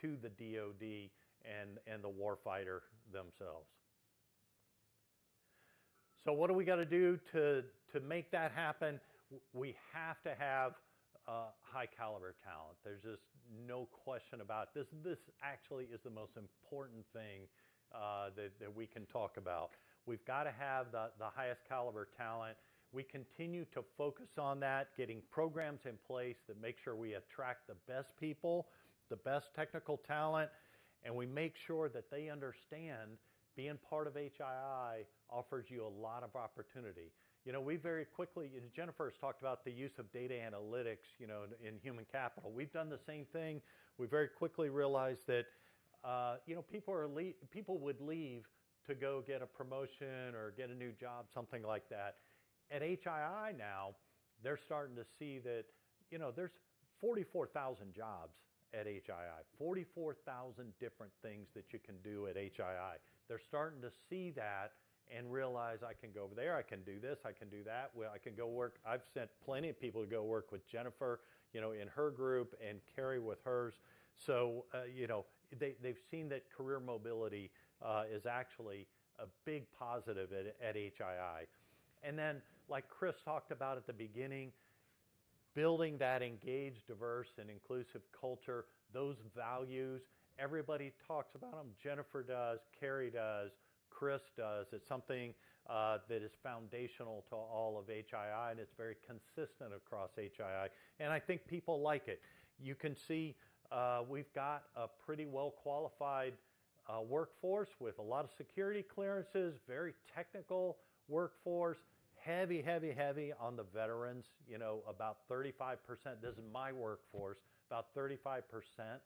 to the DoD and the warfighter themselves. So what do we gotta do to make that happen? We have to have high-caliber talent. There's just no question about this. This actually is the most important thing, that we can talk about. We've got to have the highest caliber talent. We continue to focus on that, getting programs in place that make sure we attract the best people, the best technical talent, and we make sure that they understand being part of HII offers you a lot of opportunity. You know, we very quickly, and Jennifer's talked about the use of data analytics, you know, in human capital. We've done the same thing. We very quickly realized that, you know, people would leave to go get a promotion or get a new job, something like that. At HII now, they're starting to see that, you know, there's 44,000 jobs at HII, 44,000 different things that you can do at HII. They're starting to see that and realize, "I can go over there, I can do this, I can do that, well, I can go work..." I've sent plenty of people to go work with Jennifer, you know, in her group and Kari with hers. So, you know, they, they've seen that career mobility, is actually a big positive at, at HII. And then, like Chris talked about at the beginning, building that engaged, diverse, and inclusive culture, those values, everybody talks about them. Jennifer does, Kari does, Chris does. It's something, that is foundational to all of HII, and it's very consistent across HII, and I think people like it. You can see, we've got a pretty well-qualified, workforce with a lot of security clearances, very technical workforce, heavy, heavy, heavy on the veterans. You know, about 35%, this is my workforce, about 35%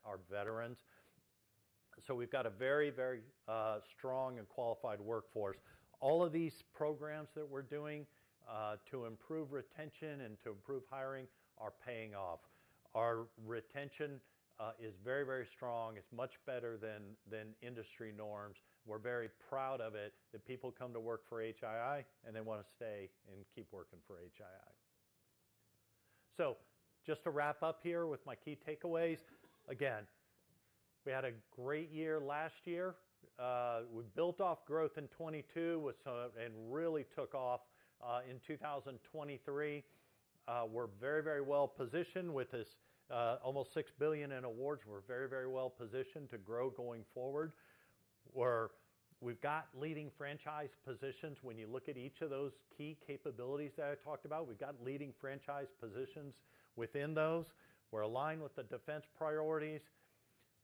are veterans. So we've got a very, very strong and qualified workforce. All of these programs that we're doing to improve retention and to improve hiring are paying off. Our retention is very, very strong. It's much better than industry norms. We're very proud of it, that people come to work for HII, and they want to stay and keep working for HII. So just to wrap up here with my key takeaways, again, we had a great year last year. We built off growth in 2022 with some, and really took off in 2023. We're very, very well-positioned with this almost $6 billion in awards. We're very, very well-positioned to grow going forward, where we've got leading franchise positions. When you look at each of those key capabilities that I talked about, we've got leading franchise positions within those. We're aligned with the defense priorities.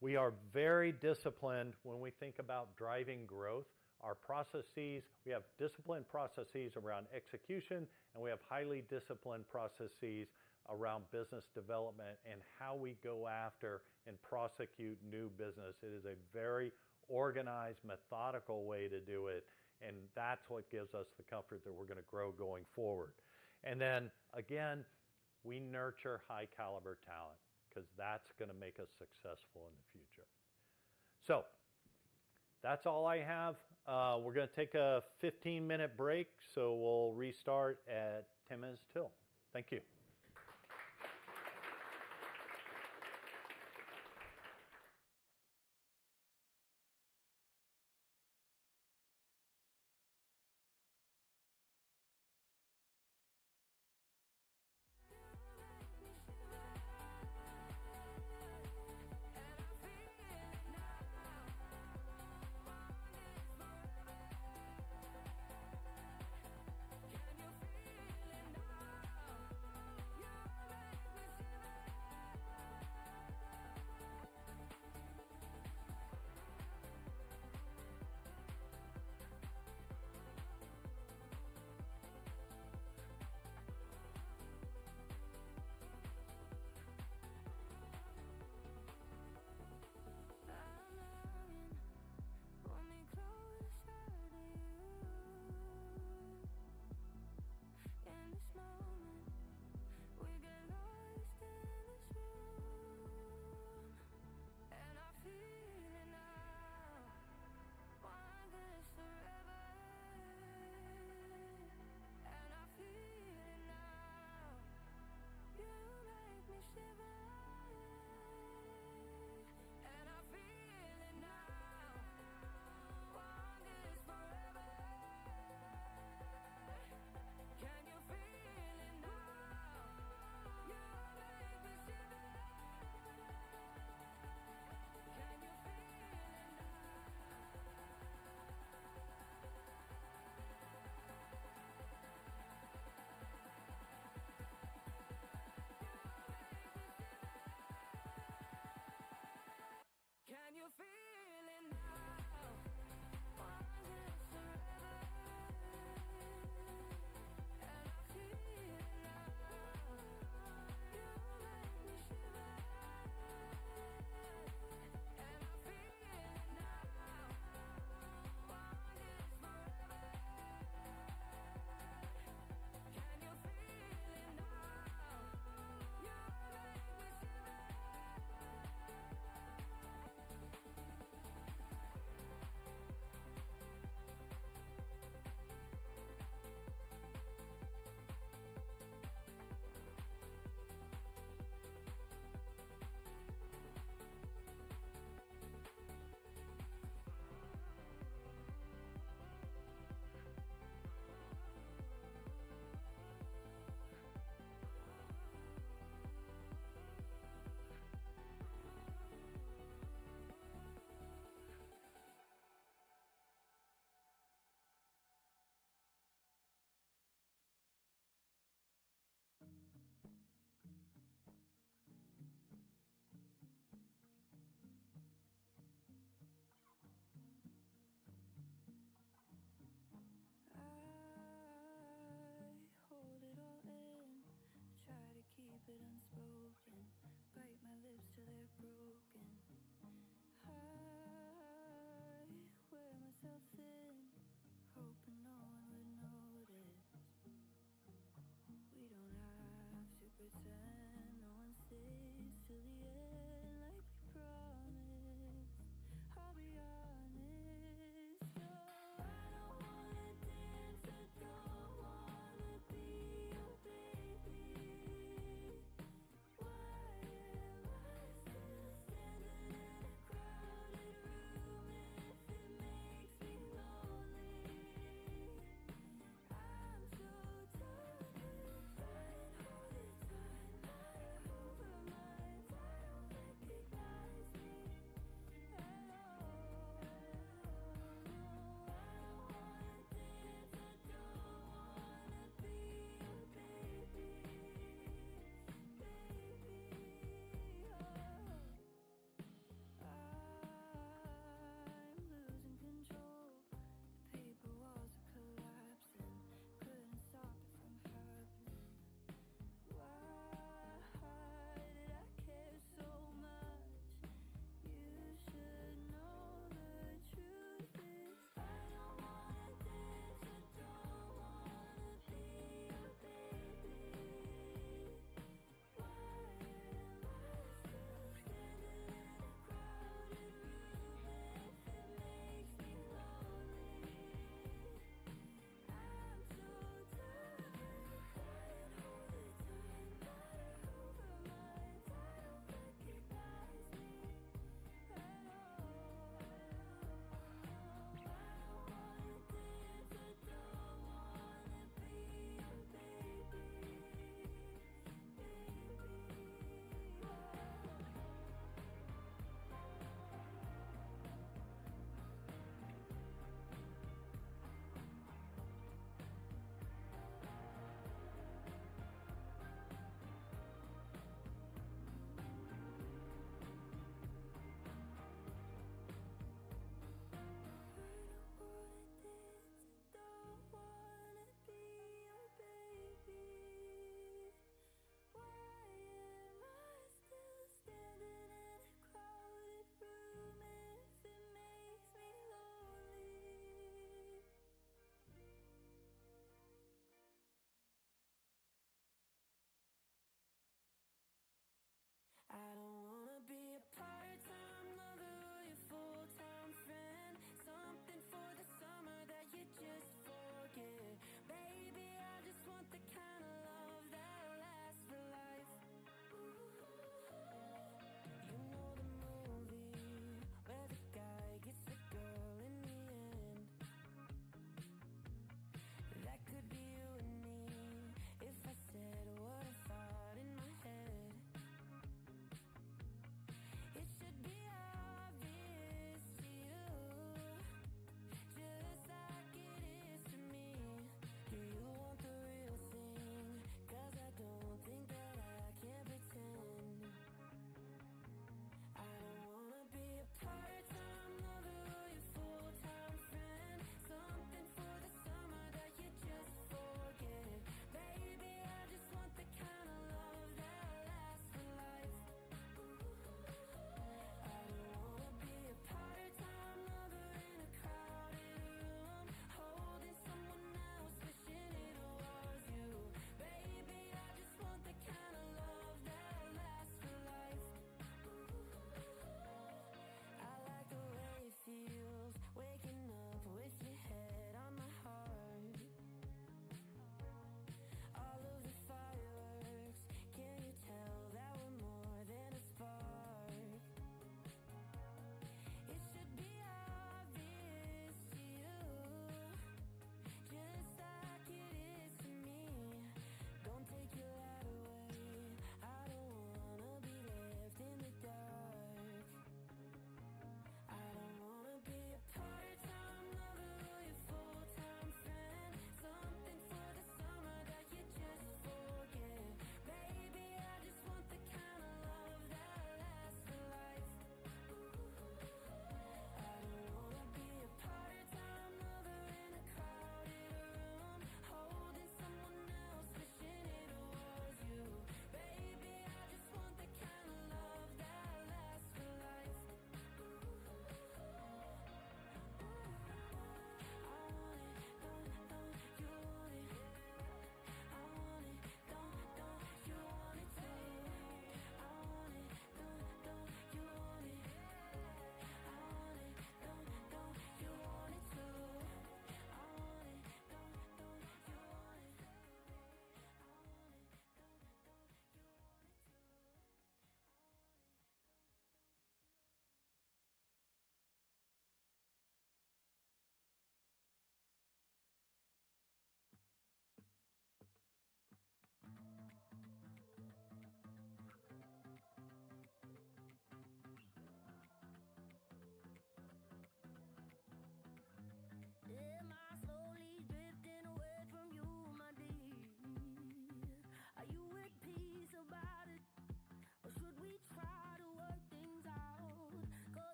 We are very disciplined when we think about driving growth. Our processes, we have disciplined processes around execution, and we have highly disciplined processes around business development and how we go after and prosecute new business. It is a very organized, methodical way to do it, and that's what gives us the comfort that we're gonna grow going forward. And then, again, we nurture high-caliber talent, 'cause that's gonna make us successful in the future. So that's all I have. We're gonna take a 15-minute break, so we'll restart at 10 minutes till. Thank you.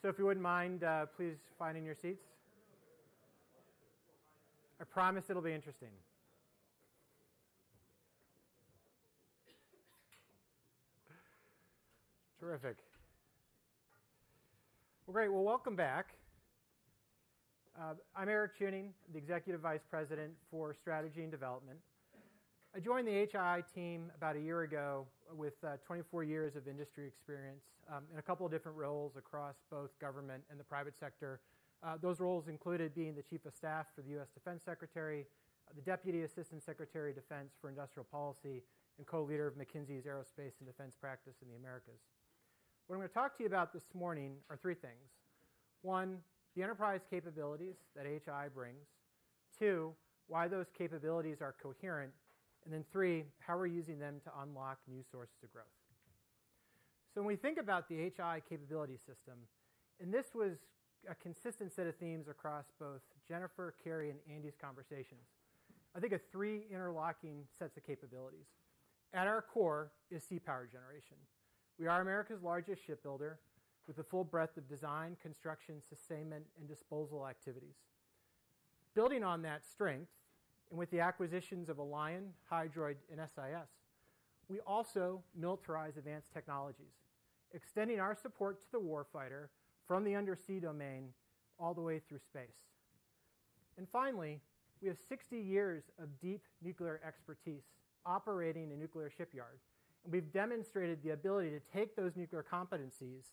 Break. So if you wouldn't mind, please finding your seats. I promise it'll be interesting. Terrific. Well, great. Well, welcome back. I'm Eric Chewning, the Executive Vice President for Strategy and Development. I joined the HII team about a year ago with 24 years of industry experience in a couple of different roles across both government and the private sector. Those roles included being the Chief of Staff for the U.S. Defense Secretary, the Deputy Assistant Secretary of Defense for Industrial Policy, and co-leader of McKinsey's Aerospace and Defense practice in the Americas. What I'm gonna talk to you about this morning are three things: One, the enterprise capabilities that HII brings. Two, why those capabilities are coherent. And then three, how we're using them to unlock new sources of growth. So when we think about the HII capability system, and this was a consistent set of themes across both Jennifer, Kari, and Andy's conversations, I think of three interlocking sets of capabilities. At our core is sea power generation. We are America's largest shipbuilder with a full breadth of design, construction, sustainment, and disposal activities. Building on that strength, and with the acquisitions of Alion, Hydroid, and SIS, we also militarize advanced technologies, extending our support to the warfighter from the undersea domain all the way through space. And finally, we have 60 years of deep nuclear expertise operating a nuclear shipyard, and we've demonstrated the ability to take those nuclear competencies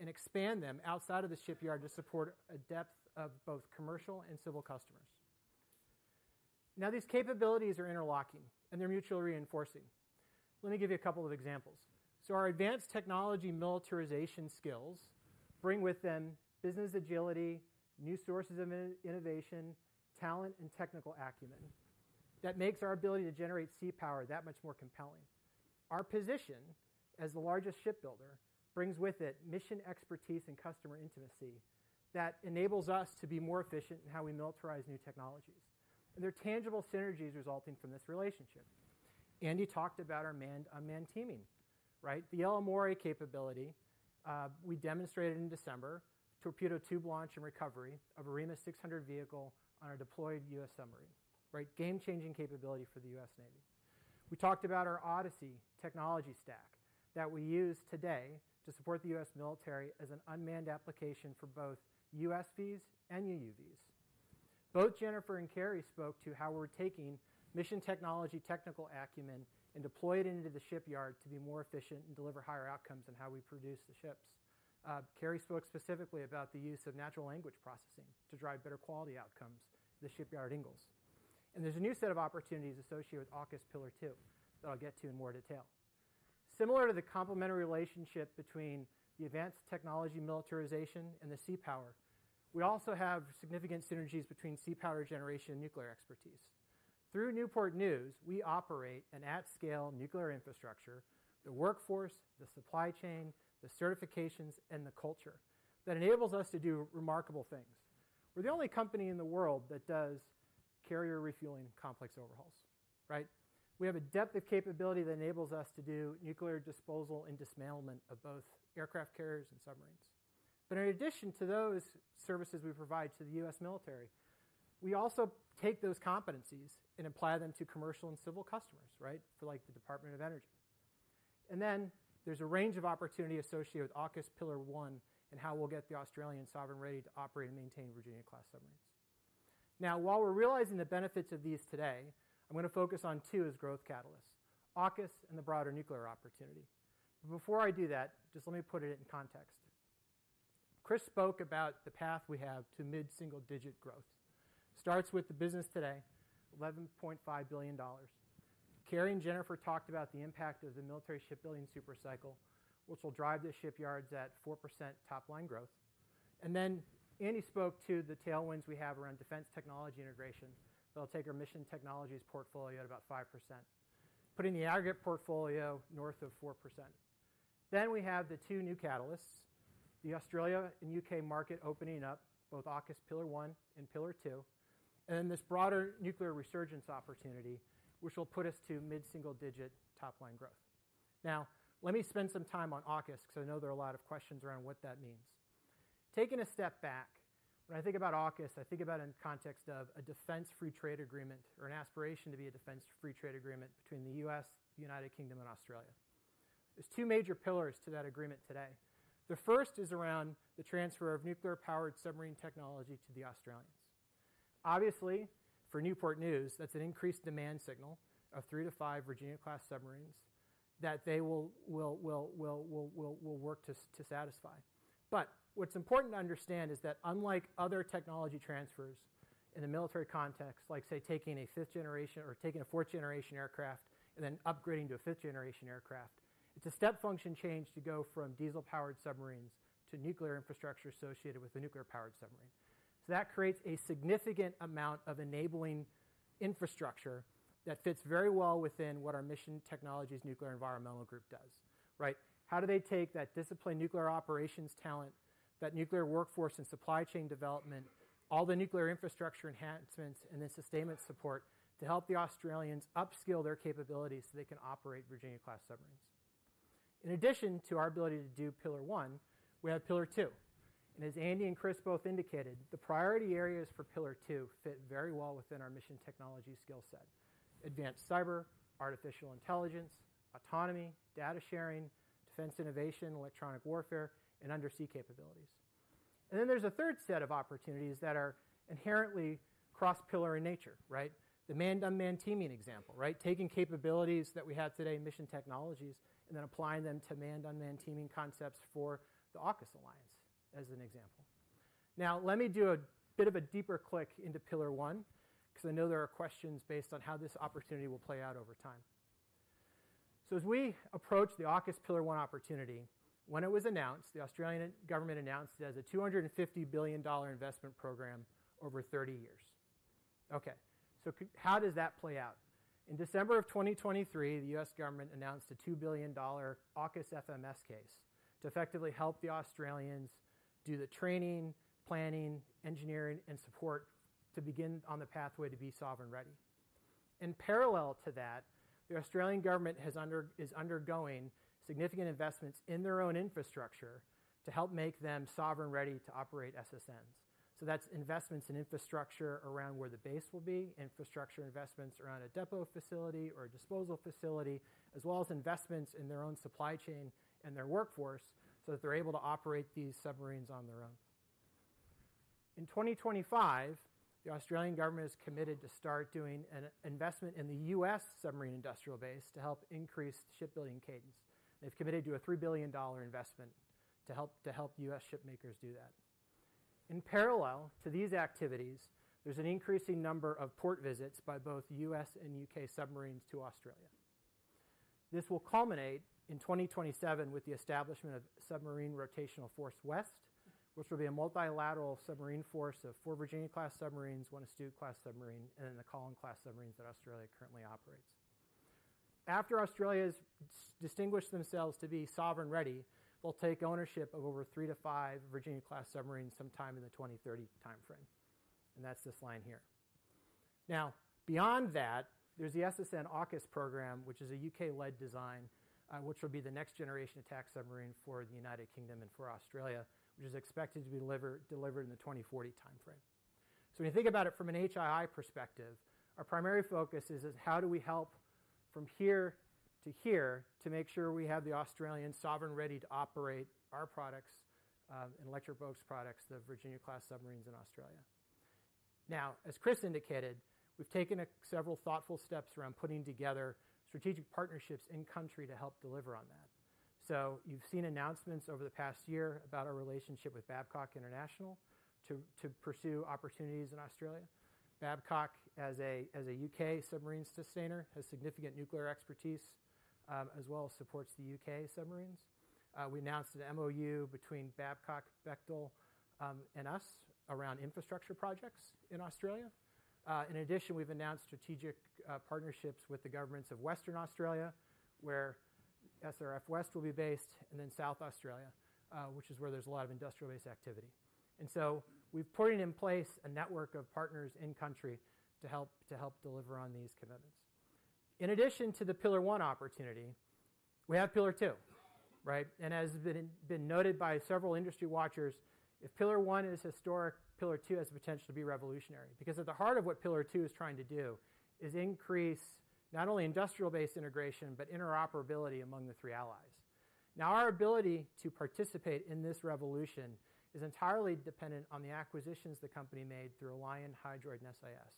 and expand them outside of the shipyard to support a depth of both commercial and civil customers. Now, these capabilities are interlocking, and they're mutually reinforcing. Let me give you a couple of examples. So our advanced technology militarization skills bring with them business agility, new sources of innovation, talent, and technical acumen that makes our ability to generate sea power that much more compelling. Our position as the largest shipbuilder brings with it mission expertise and customer intimacy that enables us to be more efficient in how we militarize new technologies, and there are tangible synergies resulting from this relationship. Andy talked about our Manned-Unmanned Teaming, right? The Yellow Moray capability, we demonstrated in December, torpedo tube launch and recovery of a REMUS 600 vehicle on a deployed U.S. submarine, right? Game-changing capability for the U.S. Navy. We talked about our Odyssey technology stack that we use today to support the U.S. military as an unmanned application for both USVs and UUVs. Both Jennifer and Kari spoke to how we're taking Mission Technologies technical acumen and deploy it into the shipyard to be more efficient and deliver higher outcomes in how we produce the ships. Kari spoke specifically about the use of natural language processing to drive better quality outcomes at the Ingalls shipyard. There's a new set of opportunities associated with AUKUS Pillar Two that I'll get to in more detail. Similar to the complementary relationship between Mission Technologies and shipbuilding, we also have significant synergies between shipbuilding and nuclear expertise. Through Newport News, we operate an at-scale nuclear infrastructure, the workforce, the supply chain, the certifications, and the culture that enables us to do remarkable things. We're the only company in the world that does carrier refueling and complex overhauls, right? We have a depth of capability that enables us to do nuclear disposal and dismantlement of both aircraft carriers and submarines. But in addition to those services we provide to the U.S. military, we also take those competencies and apply them to commercial and civil customers, right? For, like, the Department of Energy. And then there's a range of opportunity associated with AUKUS Pillar One and how we'll get the Australian sovereign ready to operate and maintain Virginia-class submarines. Now, while we're realizing the benefits of these today, I'm going to focus on two as growth catalysts, AUKUS and the broader nuclear opportunity. But before I do that, just let me put it in context. Chris spoke about the path we have to mid-single-digit growth. Starts with the business today, $11.5 billion. Kari and Jennifer talked about the impact of the military shipbuilding super cycle, which will drive the shipyards at 4% top-line growth. And then Andy spoke to the tailwinds we have around defense technology integration that'll take our mission technologies portfolio at about 5%, putting the aggregate portfolio north of 4%. Then we have the two new catalysts, the Australia and U.K. market opening up, both AUKUS Pillar One and Pillar Two, and then this broader nuclear resurgence opportunity, which will put us to mid-single-digit top-line growth. Now, let me spend some time on AUKUS, because I know there are a lot of questions around what that means. Taking a step back, when I think about AUKUS, I think about it in the context of a defense free trade agreement or an aspiration to be a defense free trade agreement between the U.S., the United Kingdom, and Australia. There's two major pillars to that agreement today. The first is around the transfer of nuclear-powered submarine technology to the Australians. Obviously, for Newport News, that's an increased demand signal of three to five Virginia-class submarines that they will work to satisfy. But what's important to understand is that unlike other technology transfers in a military context, like, say, taking a fifth-generation or taking a fourth-generation aircraft and then upgrading to a fifth-generation aircraft, it's a step function change to go from diesel-powered submarines to nuclear infrastructure associated with a nuclear-powered submarine. So that creates a significant amount of enabling infrastructure that fits very well within what our Mission Technologies nuclear environmental group does, right? How do they take that discipline, nuclear operations talent, that nuclear workforce and supply chain development, all the nuclear infrastructure enhancements, and the sustainment support to help the Australians upskill their capabilities so they can operate Virginia-class submarines? In addition to our ability to do Pillar One, we have Pillar Two. And as Andy and Chris both indicated, the priority areas for Pillar Two fit very well within our Mission Technologies skill set: advanced cyber, artificial intelligence, autonomy, data sharing, defense innovation, electronic warfare, and undersea capabilities. And then there's a third set of opportunities that are inherently cross-pillar in nature, right? The manned-unmanned teaming example, right? Taking capabilities that we have today in Mission Technologies and then applying them to manned-unmanned teaming concepts for the AUKUS alliance, as an example. Now, let me do a bit of a deeper dive into Pillar One, because I know there are questions based on how this opportunity will play out over time. So as we approach the AUKUS Pillar One opportunity, when it was announced, the Australian government announced it as a $250 billion investment program over 30 years. Okay, so how does that play out? In December 2023, the U.S. government announced a $2 billion AUKUS FMS case to effectively help the Australians do the training, planning, engineering, and support to begin on the pathway to be sovereign-ready.. In parallel to that, the Australian government is undergoing significant investments in their own infrastructure to help make them sovereign-ready to operate SSNs. So that's investments in infrastructure around where the base will be, infrastructure investments around a depot facility or a disposal facility, as well as investments in their own supply chain and their workforce, so that they're able to operate these submarines on their own. In 2025, the Australian government has committed to start doing an investment in the U.S. submarine industrial base to help increase shipbuilding cadence. They've committed to a $3 billion investment to help, to help U.S. shipmakers do that. In parallel to these activities, there's an increasing number of port visits by both U.S. and U.K. submarines to Australia. This will culminate in 2027 with the establishment of Submarine Rotational Force West, which will be a multilateral submarine force of four Virginia-class submarines, one Astute-class submarine, and then the Collins-class submarines that Australia currently operates. After Australia's distinguished themselves to be sovereign-ready, they'll take ownership of over three to five Virginia-class submarines sometime in the 2030 timeframe, and that's this line here. Now, beyond that, there's the SSN AUKUS program, which is a UK-led design, which will be the next generation attack submarine for the United Kingdom and for Australia, which is expected to be delivered, delivered in the 2040 timeframe. So when you think about it from an HII perspective, our primary focus is how do we help from here to here to make sure we have the Australian sovereign ready to operate our products and Electric Boat's products, the Virginia-class submarines in Australia? Now, as Chris indicated, we've taken several thoughtful steps around putting together strategic partnerships in country to help deliver on that. So you've seen announcements over the past year about our relationship with Babcock International to pursue opportunities in Australia. Babcock, as a U.K. submarine sustainer, has significant nuclear expertise, as well as supports the U.K. submarines. We announced an MoU between Babcock, Bechtel, and us around infrastructure projects in Australia. In addition, we've announced strategic partnerships with the governments of Western Australia, where SRF-West will be based, and then South Australia, which is where there's a lot of industrial-based activity. So we've put in place a network of partners in country to help deliver on these commitments. In addition to the Pillar One opportunity, we have Pillar Two, right? As has been noted by several industry watchers, if Pillar One is historic, Pillar Two has the potential to be revolutionary, because at the heart of what Pillar Two is trying to do is increase not only industrial-based integration, but interoperability among the three allies. Now, our ability to participate in this revolution is entirely dependent on the acquisitions the company made through Alion, Hydroid, and SIS.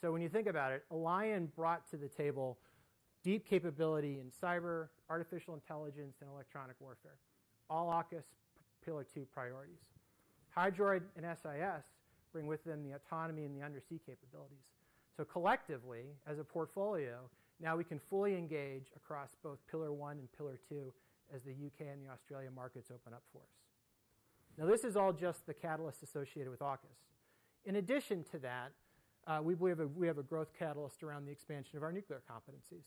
So when you think about it, Alion brought to the table deep capability in cyber, artificial intelligence, and electronic warfare, all AUKUS Pillar Two priorities. Hydroid and SIS bring with them the autonomy and the undersea capabilities. So collectively, as a portfolio, now we can fully engage across both Pillar One and Pillar Two as the U.K. and the Australian markets open up for us. Now, this is all just the catalyst associated with AUKUS. In addition to that, we believe we have a growth catalyst around the expansion of our nuclear competencies.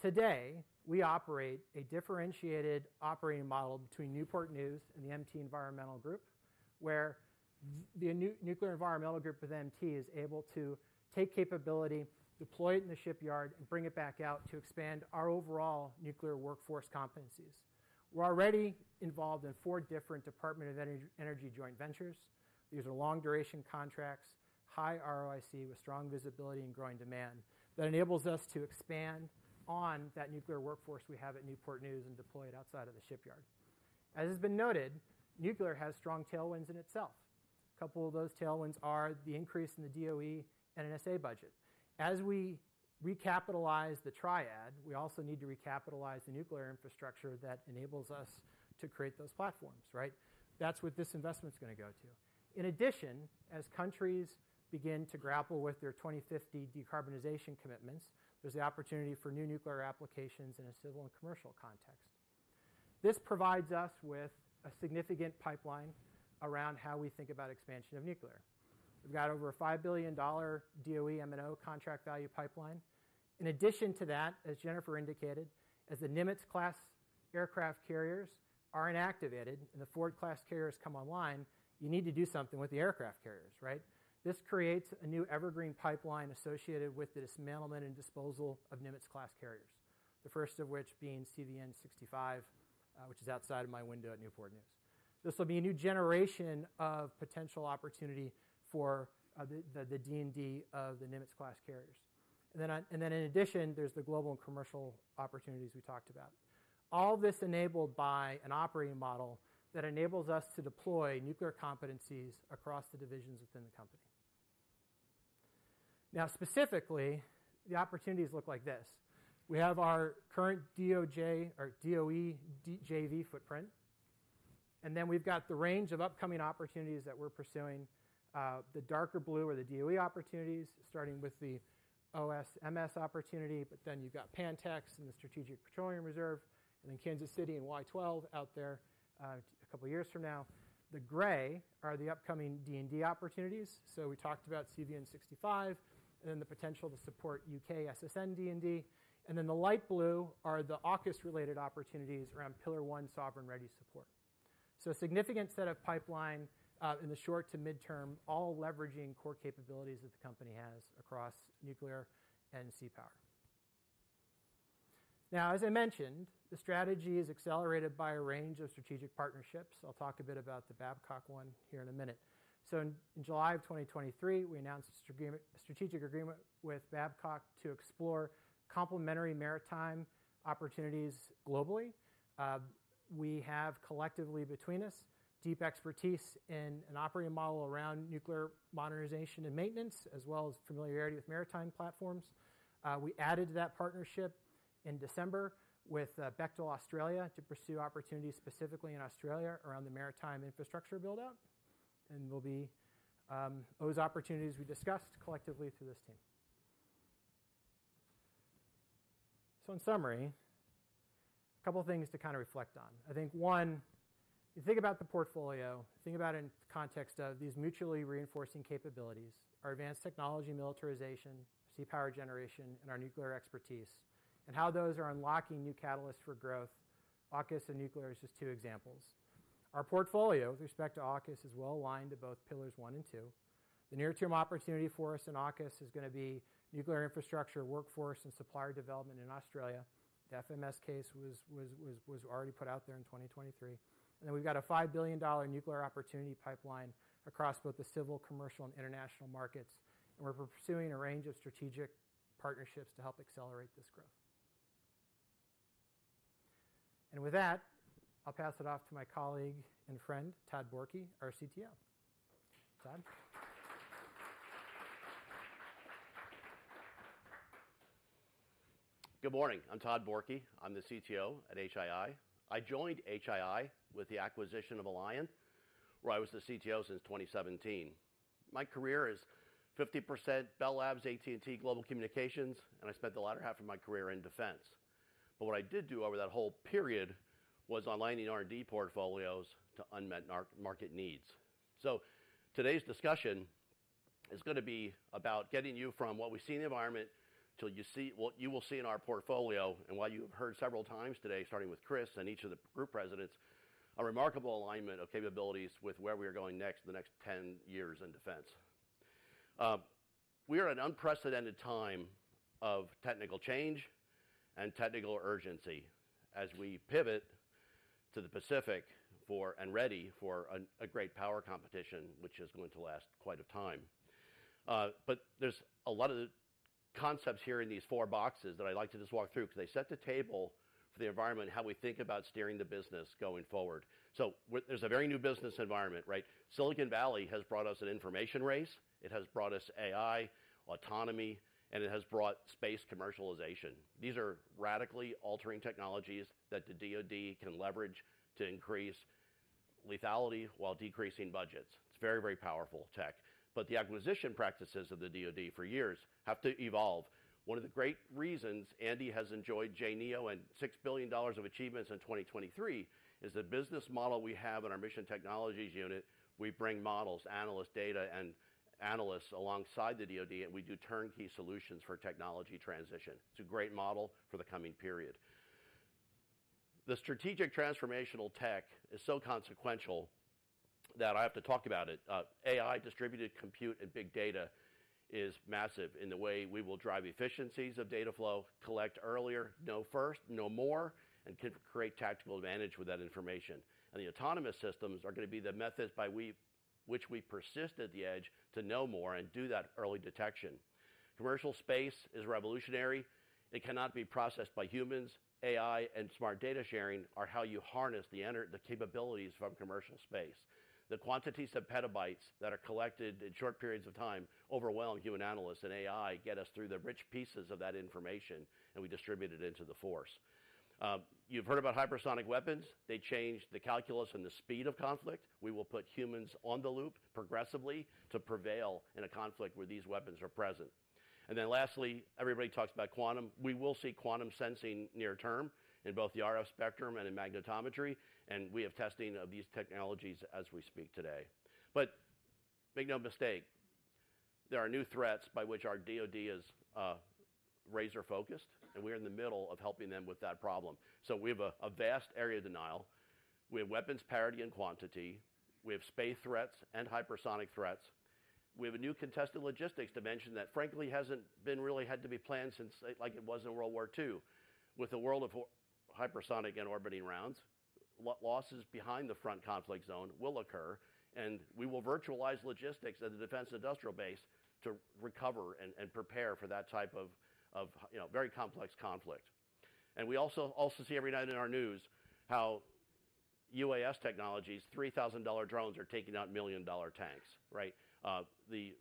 Today, we operate a differentiated operating model between Newport News and the MT Environmental Group, where the nuclear environmental group with MT is able to take capability, deploy it in the shipyard, and bring it back out to expand our overall nuclear workforce competencies. We're already involved in four different Department of Energy energy joint ventures. These are long-duration contracts, high ROIC, with strong visibility and growing demand that enables us to expand on that nuclear workforce we have at Newport News and deploy it outside of the shipyard. As has been noted, nuclear has strong tailwinds in itself. A couple of those tailwinds are the increase in the DOE and NNSA budget. As we recapitalize the triad, we also need to recapitalize the nuclear infrastructure that enables us to create those platforms, right? That's what this investment is gonna go to. In addition, as countries begin to grapple with their 2050 decarbonization commitments, there's the opportunity for new nuclear applications in a civil and commercial context. This provides us with a significant pipeline around how we think about expansion of nuclear. We've got over a $5 billion DOE M&O contract value pipeline. In addition to that, as Jennifer indicated, as the Nimitz-class aircraft carriers are inactivated and the Ford-class carriers come online, you need to do something with the aircraft carriers, right? This creates a new evergreen pipeline associated with the dismantlement and disposal of Nimitz-class carriers, the first of which being CVN-65, which is outside of my window at Newport News. This will be a new generation of potential opportunity for the D&D of the Nimitz-class carriers. And then, and then in addition, there's the global and commercial opportunities we talked about. All this enabled by an operating model that enables us to deploy nuclear competencies across the divisions within the company. Now, specifically, the opportunities look like this. We have our current DOD or DOE, DOD footprint, and then we've got the range of upcoming opportunities that we're pursuing. The darker blue are the DOE opportunities, starting with the OSMS opportunity, but then you've got Pantex and the Strategic Petroleum Reserve, and then Kansas City and Y-12 out there, a couple of years from now. The gray are the upcoming DOD opportunities. So we talked about CVN-65 and then the potential to support UK SSN D&D. And then the light blue are the AUKUS-related opportunities around Pillar One Sovereign Ready support. So a significant set of pipeline, in the short to mid-term, all leveraging core capabilities that the company has across nuclear and sea power. Now, as I mentioned, the strategy is accelerated by a range of strategic partnerships. I'll talk a bit about the Babcock one here in a minute. So in July 2023, we announced a strategic agreement with Babcock to explore complementary maritime opportunities globally. We have collectively between us deep expertise and an operating model around nuclear modernization and maintenance, as well as familiarity with maritime platforms. We added to that partnership in December with Bechtel Australia to pursue opportunities specifically in Australia around the maritime infrastructure build-out, and there'll be those opportunities we discussed collectively through this team. So in summary, a couple of things to kind of reflect on. I think, one, you think about the portfolio, think about it in the context of these mutually reinforcing capabilities, our advanced technology, militarization, sea power generation, and our nuclear expertise, and how those are unlocking new catalysts for growth. AUKUS and nuclear is just two examples. Our portfolio, with respect to AUKUS, is well aligned to both Pillars One and Two. The near-term opportunity for us in AUKUS is going to be nuclear infrastructure, workforce, and supplier development in Australia. The FMS case was already put out there in 2023. And then we've got a $5 billion nuclear opportunity pipeline across both the civil, commercial, and international markets, and we're pursuing a range of strategic partnerships to help accelerate this growth. And with that, I'll pass it off to my colleague and friend, Todd Borkey, our CTO. Todd? Good morning. I'm Todd Borkey. I'm the CTO at HII. I joined HII with the acquisition of Alion, where I was the CTO since 2017. My career is 50% Bell Labs, AT&T Global Communications, and I spent the latter half of my career in defense. But what I did do over that whole period was aligning R&D portfolios to unmet market needs. So today's discussion is going to be about getting you from what we see in the environment to what you will see in our portfolio, and what you have heard several times today, starting with Chris and each of the group presidents, a remarkable alignment of capabilities with where we are going next for the next 10 years in defense. We are at an unprecedented time of Technical change and technical urgency as we pivot to the Pacific and ready for a great power competition, which is going to last quite a time. But there's a lot of concepts here in these four boxes that I'd like to just walk through, because they set the table for the environment and how we think about steering the business going forward. So there's a very new business environment, right? Silicon Valley has brought us an information race, it has brought us AI, autonomy, and it has brought space commercialization. These are radically altering technologies that the DoD can leverage to increase lethality while decreasing budgets. It's very, very powerful tech, but the acquisition practices of the DoD for years have to evolve. One of the great reasons Andy has enjoyed JNEO and $6 billion of achievements in 2023 is the business model we have in our Mission Technologies unit. We bring models, analyst data, and analysts alongside the DoD, and we do turnkey solutions for technology transition. It's a great model for the coming period. The strategic transformational tech is so consequential that I have to talk about it. AI, distributed compute, and big data is massive in the way we will drive efficiencies of data flow, collect earlier, know first, know more, and to create tactical advantage with that information. And the autonomous systems are going to be the methods by we, which we persist at the edge to know more and do that early detection. Commercial space is revolutionary. It cannot be processed by humans. AI and smart data sharing are how you harness the capabilities from commercial space. The quantities of petabytes that are collected in short periods of time overwhelm human analysts, and AI get us through the rich pieces of that information, and we distribute it into the force. You've heard about hypersonic weapons. They change the calculus and the speed of conflict. We will put humans on the loop progressively to prevail in a conflict where these weapons are present. And then lastly, everybody talks about quantum. We will see quantum sensing near term in both the RF spectrum and in magnetometry, and we have testing of these technologies as we speak today. But make no mistake, there are new threats by which our DoD is razor-focused, and we're in the middle of helping them with that problem. So we have a vast area of denial. We have weapons parity and quantity. We have space threats and hypersonic threats. We have a new contested logistics dimension that, frankly, hasn't been really had to be planned since, like it was in World War II. With the world of hypersonic and orbiting rounds, losses behind the front conflict zone will occur, and we will virtualize logistics at the defense industrial base to recover and prepare for that type of, you know, very complex conflict. And we also see every night in our news how UAS technologies, $3,000 drones, are taking out million-dollar tanks, right? The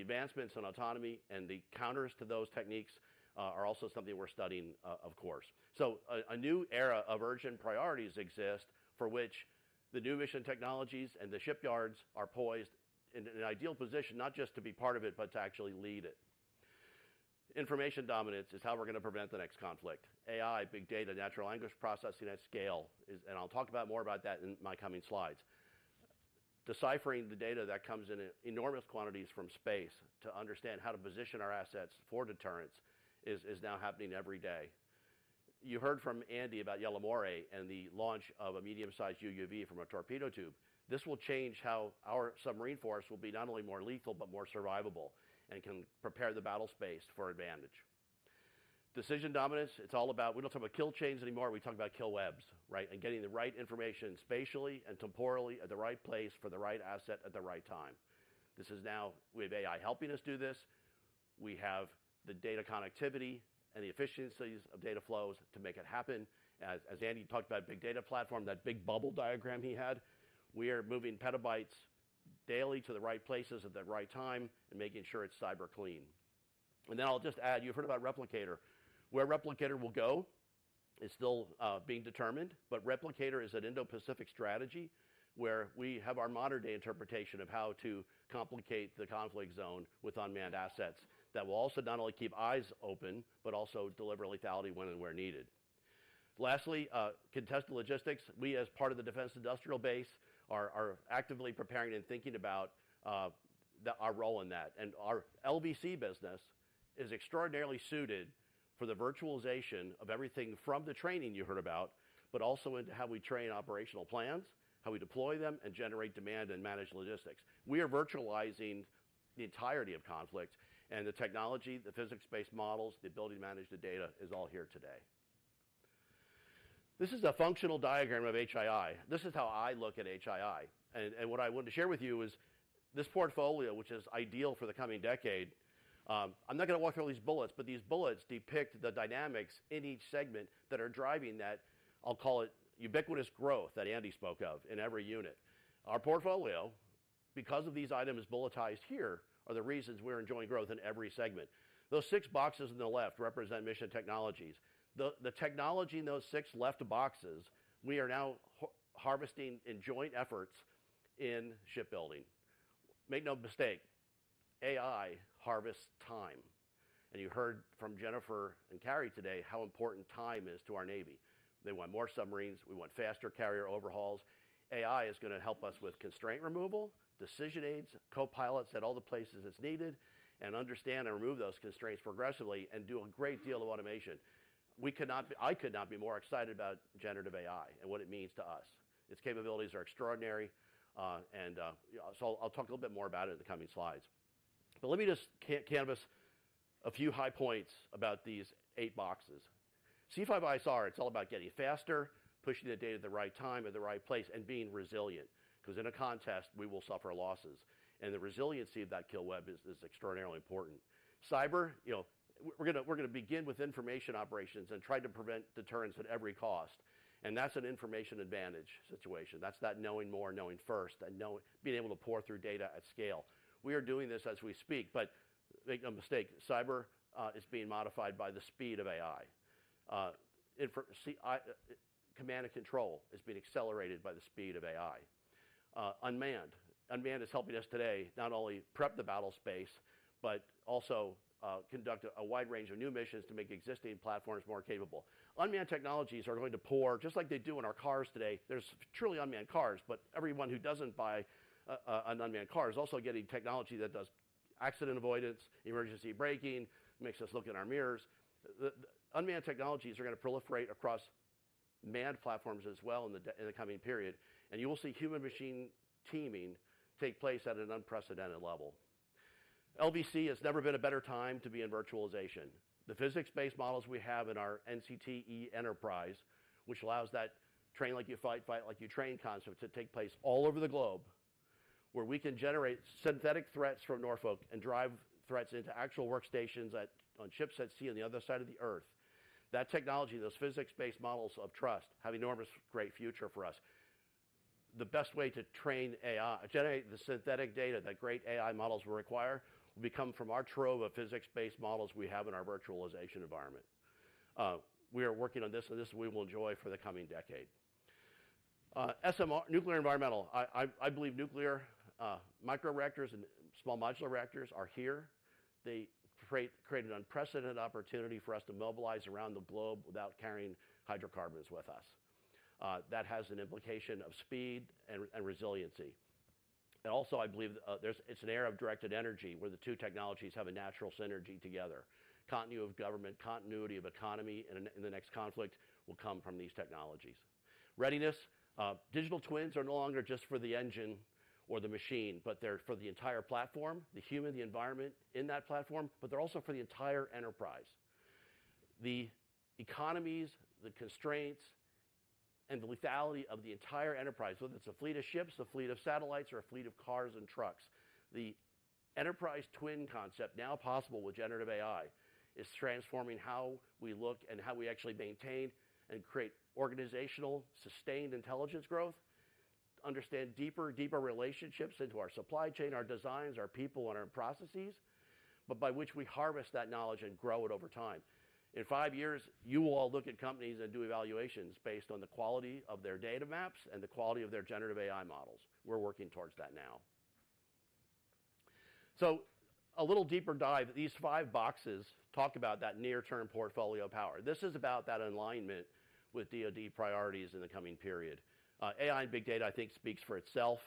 advancements in autonomy and the counters to those techniques are also something we're studying, of course. So, a new era of urgent priorities exists for which the new Mission Technologies and the shipyards are poised in an ideal position, not just to be part of it, but to actually lead it. Information dominance is how we're going to prevent the next conflict. AI, big data, natural language processing at scale is—and I'll talk more about that in my coming slides—deciphering the data that comes in in enormous quantities from space to understand how to position our assets for deterrence is now happening every day. You heard from Andy about Yellow Moray and the launch of a medium-sized UUV from a torpedo tube. This will change how our submarine force will be not only more lethal, but more survivable and can prepare the battle space for advantage. Decision dominance, it's all about... We don't talk about kill chains anymore. We talk about kill webs, right? And getting the right information spatially and temporally at the right place for the right asset at the right time. This is now with AI helping us do this. We have the data connectivity and the efficiencies of data flows to make it happen. As Andy talked about, big data platform, that big bubble diagram he had, we are moving petabytes daily to the right places at the right time and making sure it's cyber clean. And then I'll just add, you've heard about Replicator. Where Replicator will go is still being determined, but Replicator is an Indo-Pacific strategy where we have our modern-day interpretation of how to complicate the conflict zone with unmanned assets that will also not only keep eyes open, but also deliver lethality when and where needed. Lastly, contested logistics. We, as part of the defense industrial base, are actively preparing and thinking about our role in that. Our LVC business is extraordinarily suited for the virtualization of everything from the training you heard about, but also in how we train operational plans, how we deploy them and generate demand and manage logistics. We are virtualizing the entirety of conflict and the technology, the physics-based models, the ability to manage the data is all here today. This is a functional diagram of HII. This is how I look at HII, and what I wanted to share with you is this portfolio, which is ideal for the coming decade. I'm not gonna walk through all these bullets, but these bullets depict the dynamics in each segment that are driving that, I'll call it, ubiquitous growth that Andy spoke of in every unit. Our portfolio, because of these items bulletized here, are the reasons we're enjoying growth in every segment. Those six boxes on the left represent mission technologies. The technology in those six left boxes, we are now harvesting in joint efforts in shipbuilding. Make no mistake, AI harvests time, and you heard from Jennifer and Kari today how important time is to our Navy. They want more submarines. We want faster carrier overhauls. AI is gonna help us with constraint removal, decision aids, copilots at all the places it's needed, and understand and remove those constraints progressively and do a great deal of automation. I could not be more excited about generative AI and what it means to us. Its capabilities are extraordinary, and so I'll talk a little bit more about it in the coming slides. But let me just canvas a few high points about these eight boxes. C5ISR, it's all about getting faster, pushing the data at the right time, at the right place, and being resilient, 'cause in a contest, we will suffer losses, and the resiliency of that Kill Web is extraordinarily important. Cyber, you know, we're gonna begin with information operations and try to prevent deterrence at every cost, and that's an information advantage situation. That's knowing more, knowing first, and being able to pore through data at scale. We are doing this as we speak, but make no mistake, cyber is being modified by the speed of AI. Info, CI command and control is being accelerated by the speed of AI. Unmanned. Unmanned is helping us today not only prep the battle space, but also conduct a wide range of new missions to make existing platforms more capable. Unmanned technologies are going to pour, just like they do in our cars today. There's truly unmanned cars, but everyone who doesn't buy a, an unmanned car is also getting technology that does accident avoidance, emergency braking, makes us look in our mirrors. Unmanned technologies are gonna proliferate across manned platforms as well in the coming period, and you will see human machine teaming take place at an unprecedented level. LVC, it's never been a better time to be in virtualization. The physics-based models we have in our NCTE enterprise, which allows that train like you fight, fight like you train concept to take place all over the globe, where we can generate synthetic threats from Norfolk and drive threats into actual workstations at on ships at sea on the other side of the Earth. That technology, those physics-based models of trust, have enormous great future for us. The best way to train AI, generate the synthetic data that great AI models will require, will be coming from our trove of physics-based models we have in our virtualization environment. We are working on this, and this we will enjoy for the coming decade. SMR, nuclear and environmental. I believe nuclear, microreactors and small modular reactors are here. They create an unprecedented opportunity for us to mobilize around the globe without carrying hydrocarbons with us. That has an implication of speed and, and resiliency. And also, I believe, it's an era of directed energy, where the two technologies have a natural synergy together. Continuity of government, continuity of economy in the next conflict will come from these technologies. Readiness, digital twins are no longer just for the engine or the machine, but they're for the entire platform, the human, the environment in that platform, but they're also for the entire enterprise. The economies, the constraints, and the lethality of the entire enterprise, whether it's a fleet of ships, a fleet of satellites, or a fleet of cars and trucks, the enterprise twin concept, now possible with generative AI, is transforming how we look and how we actually maintain and create organizational, sustained intelligence growth, understand deeper and deeper relationships into our supply chain, our designs, our people, and our processes, but by which we harvest that knowledge and grow it over time. In five years, you will all look at companies that do evaluations based on the quality of their data maps and the quality of their generative AI models. We're working towards that. So a little deeper dive, these five boxes talk about that near-term portfolio power. This is about that alignment with DOD priorities in the coming period. AI and big data, I think, speaks for itself.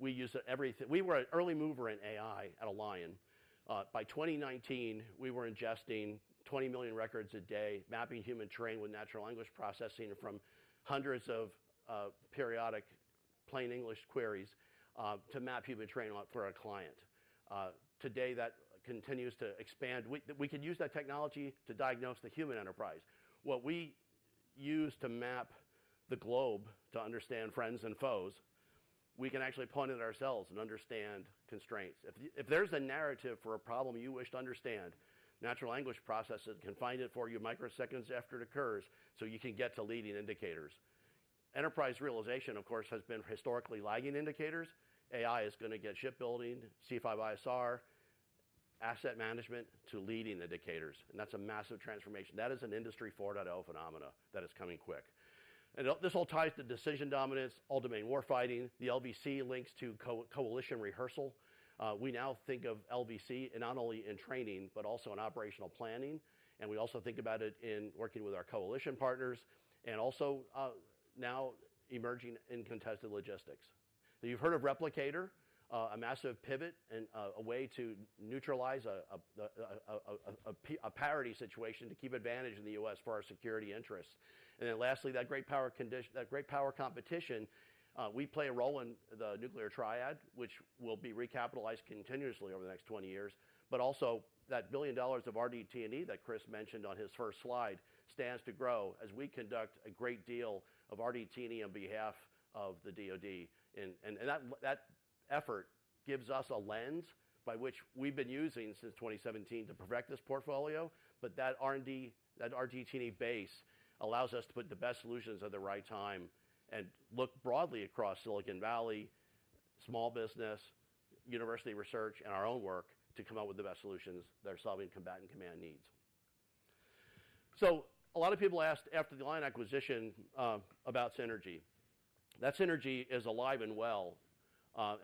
We were an early mover in AI at Alion. By 2019, we were ingesting 20 million records a day, mapping human terrain with natural language processing from hundreds of periodic plain English queries to map human terrain for a client. Today, that continues to expand. We, we can use that technology to diagnose the human enterprise. What we use to map the globe to understand friends and foes, we can actually point it at ourselves and understand constraints. If, if there's a narrative for a problem you wish to understand, natural language processes can find it for you microseconds after it occurs, so you can get to leading indicators. Enterprise realization, of course, has been historically lagging indicators. AI is gonna get shipbuilding, C5ISR, asset management to leading indicators, and that's a massive transformation. That is an Industry 4.0 phenomenon that is coming quick. And this all ties to decision dominance, all-domain warfighting. The LVC links to coalition rehearsal. We now think of LVC and not only in training, but also in operational planning, and we also think about it in working with our coalition partners and also, now emerging in contested logistics. You've heard of Replicator, a massive pivot and, a way to neutralize a parity situation to keep advantage in the US for our security interests. And then lastly, that great power competition, we play a role in the nuclear triad, which will be recapitalized continuously over the next 20 years. But also, that $1 billion of RDT&E that Chris mentioned on his first slide stands to grow as we conduct a great deal of RDT&E on behalf of the DOD. And that effort gives us a lens by which we've been using since 2017 to perfect this portfolio, but that R&D, that RDT&E base allows us to put the best solutions at the right time and look broadly across Silicon Valley, small business, university research, and our own work to come up with the best solutions that are solving combatant command needs. So a lot of people asked after the Alion acquisition about synergy. That synergy is alive and well,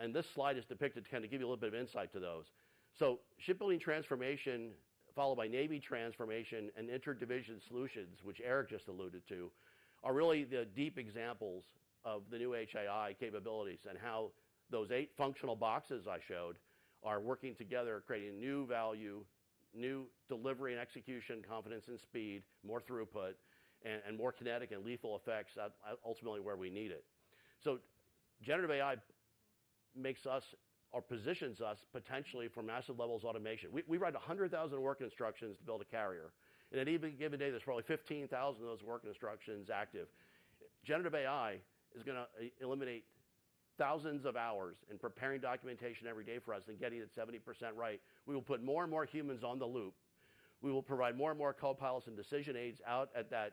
and this slide is depicted to kind of give you a little bit of insight to those. So shipbuilding transformation, followed by Navy transformation and interdivision solutions, which Eric just alluded to, are really the deep examples of the new HII capabilities and how those eight functional boxes I showed are working together, creating new value, new delivery and execution, confidence and speed, more throughput, and more kinetic and lethal effects at ultimately where we need it. So generative AI makes us or positions us potentially for massive levels of automation. We write 100,000 work instructions to build a carrier, and any given day, there's probably 15,000 of those work instructions active. Generative AI is gonna eliminate thousands of hours in preparing documentation every day for us and getting it 70% right. We will put more and more humans on the loop. We will provide more and more copilots and decision aids out at that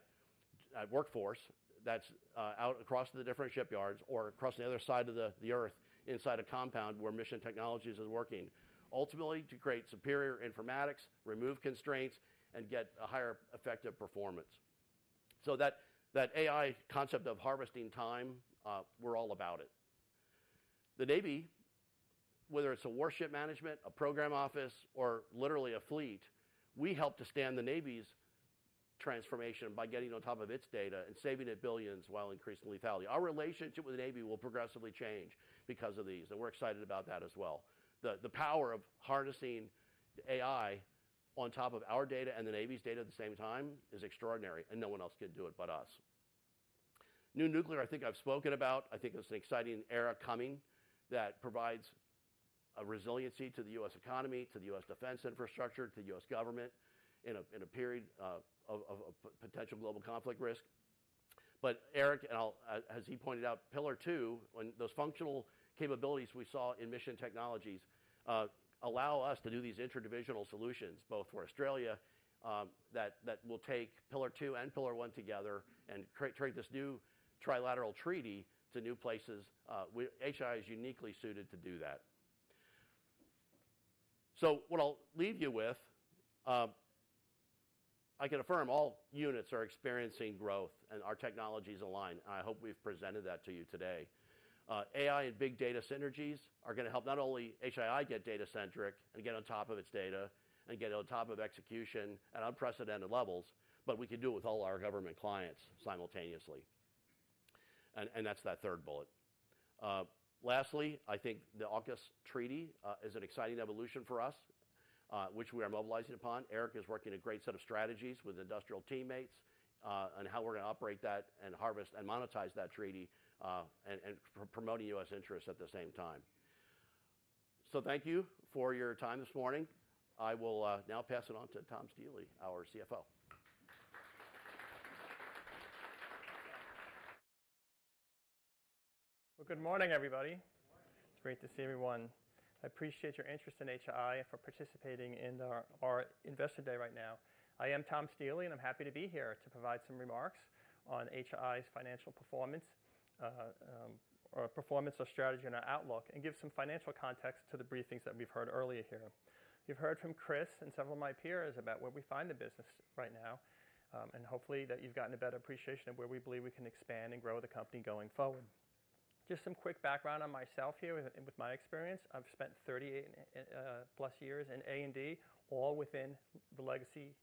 workforce that's out across the different shipyards or across the other side of the Earth, inside a compound where Mission Technologies is working, ultimately to create superior informatics, remove constraints, and get a higher effective performance. So that AI concept of harvesting time, we're all about it. The Navy, whether it's a warship management, a program office, or literally a fleet, we help to stand the Navy's transformation by getting on top of its data and saving it in billions while increasing lethality. Our relationship with the Navy will progressively change because of these, and we're excited about that as well. The power of harnessing AI on top of our data and the Navy's data at the same time is extraordinary, and no one else can do it but us. New nuclear, I think I've spoken about. I think there's an exciting era coming that provides a resiliency to the U.S. economy, to the U.S. defense infrastructure, to the U.S. government in a period of potential global conflict risk. But Eric, and I'll as he pointed out, Pillar Two, when those functional capabilities we saw in Mission Technologies allow us to do these interdivisional solutions, both for Australia, that will take Pillar Two and Pillar One together and create this new trilateral treaty to new places, HII is uniquely suited to do that. So what I'll leave you with, I can affirm all units are experiencing growth, and our technologies align. I hope we've presented that to you today. AI and big data synergies are gonna help not only HII get data-centric and get on top of its data and get on top of execution at unprecedented levels, but we can do it with all our government clients simultaneously, and that's that third bullet. Lastly, I think the AUKUS treaty is an exciting evolution for us, which we are mobilizing upon. Eric is working a great set of strategies with industrial teammates on how we're gonna operate that and harvest and monetize that treaty, and promoting U.S. interests at the same time. So thank you for your time this morning. I will now pass it on to Tom Stiehle, our CFO. Well, good morning, everybody. Good morning. It's great to see everyone. I appreciate your interest in HII and for participating in our Investor Day right now. I am Tom Stiehle, and I'm happy to be here to provide some remarks on HII's financial performance, or performance of strategy and our outlook, and give some financial context to the briefings that we've heard earlier here. .You've heard from Chris and several of my peers about where we find the business right now, and hopefully that you've gotten a better appreciation of where we believe we can expand and grow the company going forward. Just some quick background on myself here with my experience. I've spent 30+ years in A&D, all within the legacy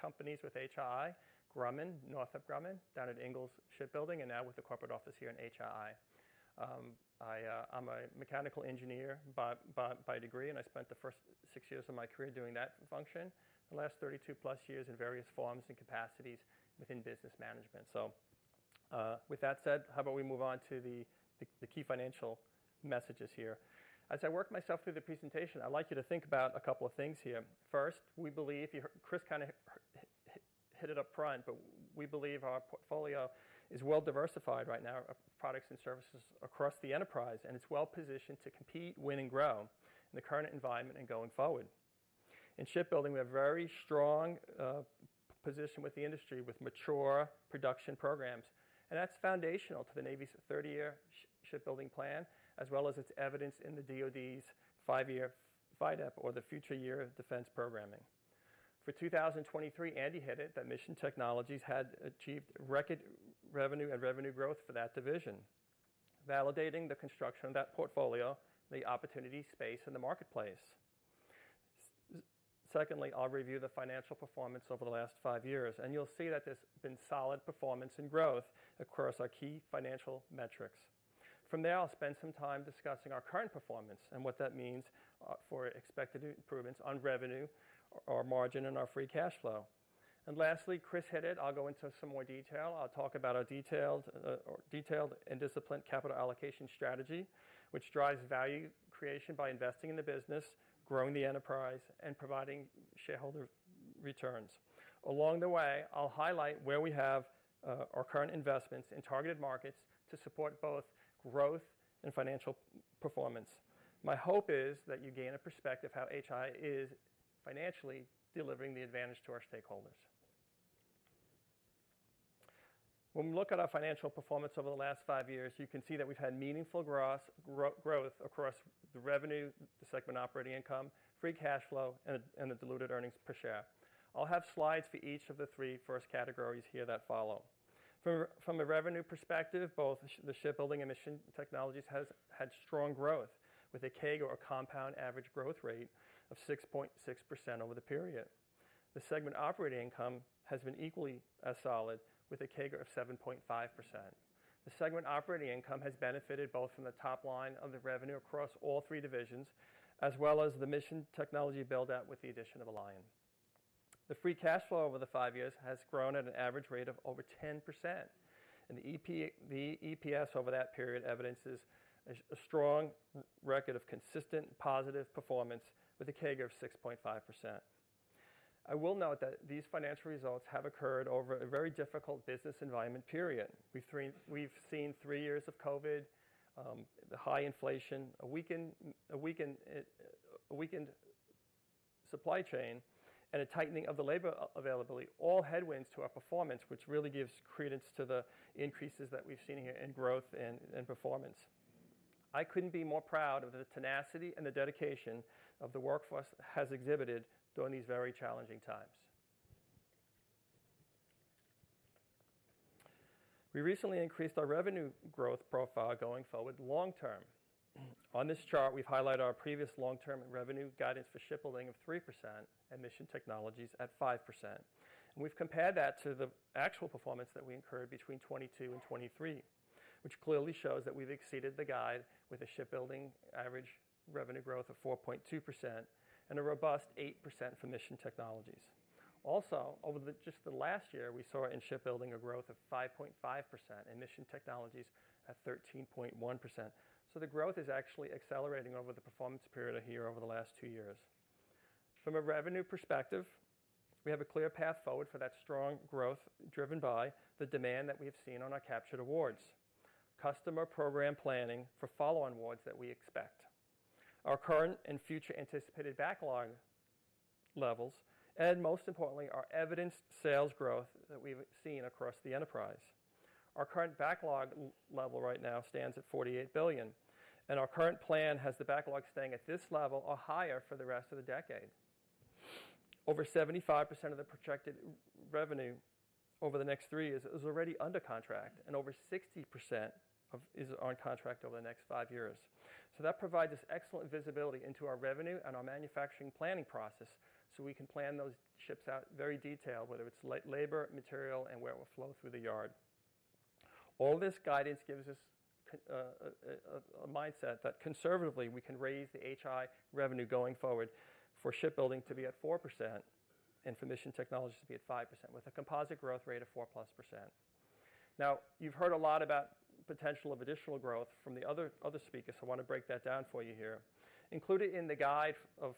companies with HII, Grumman, Northrop Grumman, down at Ingalls Shipbuilding, and now with the corporate office here in HII. I am a mechanical engineer by degree, and I spent the first 6 years of my career doing that function, the last 32+ years in various forms and capacities within business management. So, with that said, how about we move on to the key financial messages here. As I work myself through the presentation, I'd like you to think about a couple of things here. First, we believe, you hear Chris kind of hit it up front, but we believe our portfolio is well diversified right now of products and services across the enterprise, and it's well positioned to compete, win, and grow in the current environment and going forward. In shipbuilding, we have very strong position with the industry, with mature production programs, and that's foundational to the Navy's 30-year shipbuilding plan, as well as its evidence in the DOD's five year FYDP or the Future Years Defense Program. For 2023, Andy hit it, that Mission Technologies had achieved record revenue and revenue growth for that division, validating the construction of that portfolio, the opportunity space in the marketplace. Secondly, I'll review the financial performance over the last five years, and you'll see that there's been solid performance and growth across our key financial metrics. From there, I'll spend some time discussing our current performance and what that means for expected improvements on revenue, our margin, and our free cash flow. Lastly, Chris hit it. I'll go into some more detail. I'll talk about our detailed or detailed and disciplined capital allocation strategy, which drives value creation by investing in the business, growing the enterprise, and providing shareholder returns. Along the way, I'll highlight where we have our current investments in targeted markets to support both growth and financial performance. My hope is that you gain a perspective how HII is financially delivering the advantage to our stakeholders. When we look at our financial performance over the last five years, you can see that we've had meaningful gross growth across the revenue, the segment operating income, free cash flow, and the diluted earnings per share. I'll have slides for each of the three first categories here that follow. From a revenue perspective, both the shipbuilding and Mission Technologies has had strong growth, with a CAGR or compound average growth rate of 6.6% over the period. The segment operating income has been equally as solid, with a CAGR of 7.5%. The segment operating income has benefited both from the top line of the revenue across all three divisions, as well as the Mission Technology build-out with the addition of Alion. The free cash flow over the five years has grown at an average rate of over 10%, and the EPS over that period evidences a strong record of consistent, positive performance with a CAGR of 6.5%. I will note that these financial results have occurred over a very difficult business environment period. We've seen three years of COVID, high inflation, a weakened supply chain, and a tightening of the labor availability, all headwinds to our performance, which really gives credence to the increases that we've seen here in growth and performance. I couldn't be more proud of the tenacity and the dedication of the workforce has exhibited during these very challenging times. We recently increased our revenue growth profile going forward long term. On this chart, we've highlighted our previous long-term revenue guidance for shipbuilding of 3% and Mission Technologies at 5%. We've compared that to the actual performance that we incurred between 2022 and 2023, which clearly shows that we've exceeded the guide with a shipbuilding average revenue growth of 4.2% and a robust 8% for Mission Technologies. Also, over just the last year, we saw in shipbuilding a growth of 5.5% and Mission Technologies at 13.1%. So the growth is actually accelerating over the performance period over the last two years. From a revenue perspective, we have a clear path forward for that strong growth, driven by the demand that we have seen on our captured awards, customer program planning for follow-on awards that we expect, our current and future anticipated backlog levels, and most importantly, our evidenced sales growth that we've seen across the enterprise. Our current backlog level right now stands at $48 billion, and our current plan has the backlog staying at this level or higher for the rest of the decade. Over 75% of the projected revenue over the next three years is already under contract, and over 60% is on contract over the next five years. So that provides us excellent visibility into our revenue and our manufacturing planning process, so we can plan those ships out very detailed, whether it's labor, material, and where it will flow through the yard. All this guidance gives us a mindset that conservatively we can raise the HII revenue going forward for shipbuilding to be at 4% and for Mission Technologies to be at 5%, with a composite growth rate of 4%+. Now, you've heard a lot about potential of additional growth from the other speakers, so I want to break that down for you here. Included in the guide of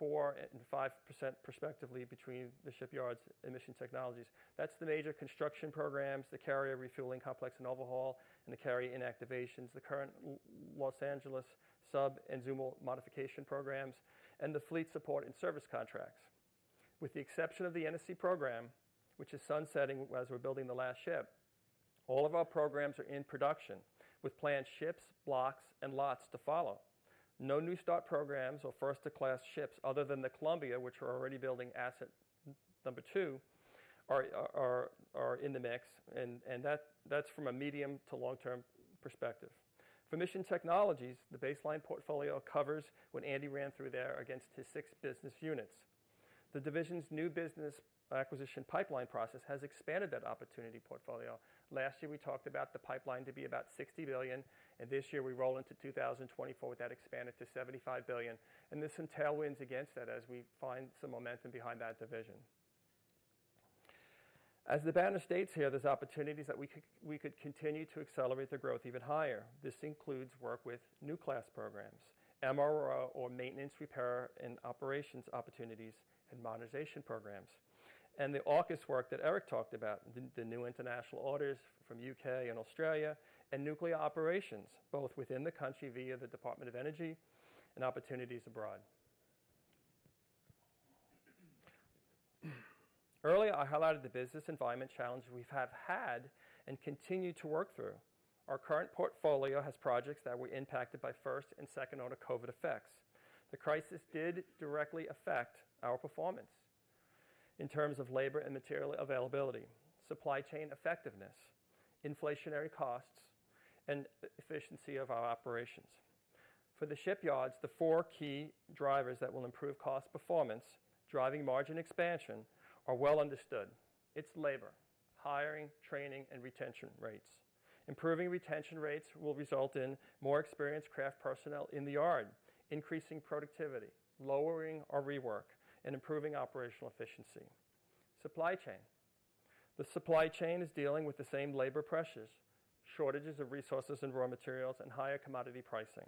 4% and 5% respectively between the shipyards and Mission Technologies, that's the major construction programs, the carrier refueling complex and overhaul, and the carrier inactivations, the current Los Angeles sub and Zumwalt modification programs, and the fleet support and service contracts. With the exception of the NSC program, which is sunsetting as we're building the last ship, all of our programs are in production, with planned ships, blocks, and lots to follow. No new start programs or first-to-class ships other than the Columbia, which we're already building asset number two, are in the mix, and that's from a medium to long-term perspective. For Mission Technologies, the baseline portfolio covers what Andy ran through there against his six business units. The division's new business acquisition pipeline process has expanded that opportunity portfolio. Last year, we talked about the pipeline to be about $60 billion, and this year we roll into 2024, with that expanded to $75 billion, and there's some tailwinds against that as we find some momentum behind that division. As the banner states here, there's opportunities that we could continue to accelerate their growth even higher. This includes work with new class programs, MRO or maintenance, repair, and operations opportunities and modernization programs. The AUKUS work that Eric talked about, the new international orders from U.K. and Australia, and nuclear operations, both within the country via the Department of Energy and opportunities abroad. Earlier, I highlighted the business environment challenge we have had and continue to work through. Our current portfolio has projects that were impacted by first and second order COVID effects. The crisis did directly affect our performance in terms of labor and material availability, supply chain effectiveness, inflationary costs, and efficiency of our operations. For the shipyards, the four key drivers that will improve cost performance, driving margin expansion, are well understood. It's labor, hiring, training, and retention rates. Improving retention rates will result in more experienced craft personnel in the yard, increasing productivity, lowering our rework, and improving operational efficiency. Supply chain. The supply chain is dealing with the same labor pressures, shortages of resources and raw materials, and higher commodity pricing.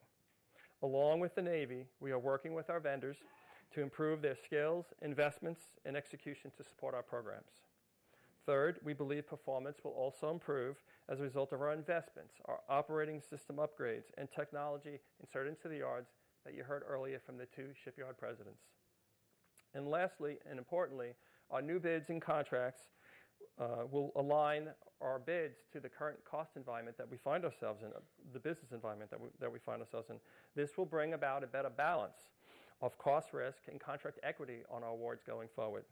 Along with the Navy, we are working with our vendors to improve their skills, investments, and execution to support our programs. Third, we believe performance will also improve as a result of our investments, our operating system upgrades, and technology inserted into the yards that you heard earlier from the two shipyard presidents. And lastly, and importantly, our new bids and contracts will align our bids to the current cost environment that we find ourselves in, the business environment that we, that we find ourselves in. This will bring about a better balance of cost risk and contract equity on our awards going forward.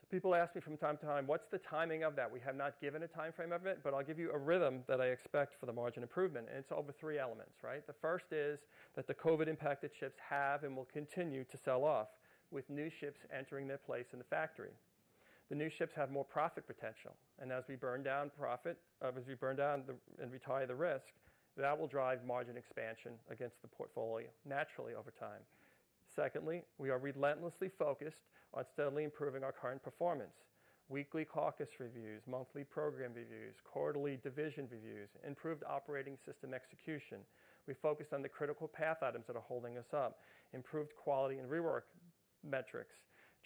So people ask me from time to time, "What's the timing of that?" We have not given a time frame of it, but I'll give you a rhythm that I expect for the margin improvement, and it's over three elements, right? The first is that the COVID-impacted ships have and will continue to sell off, with new ships entering their place in the factory. The new ships have more profit potential, and as we burn down the risk and retire the risk, that will drive margin expansion against the portfolio naturally over time. Secondly, we are relentlessly focused on steadily improving our current performance. Weekly cadence reviews, monthly program reviews, quarterly division reviews, improved operating system execution. We focus on the critical path items that are holding us up, improved quality and rework metrics,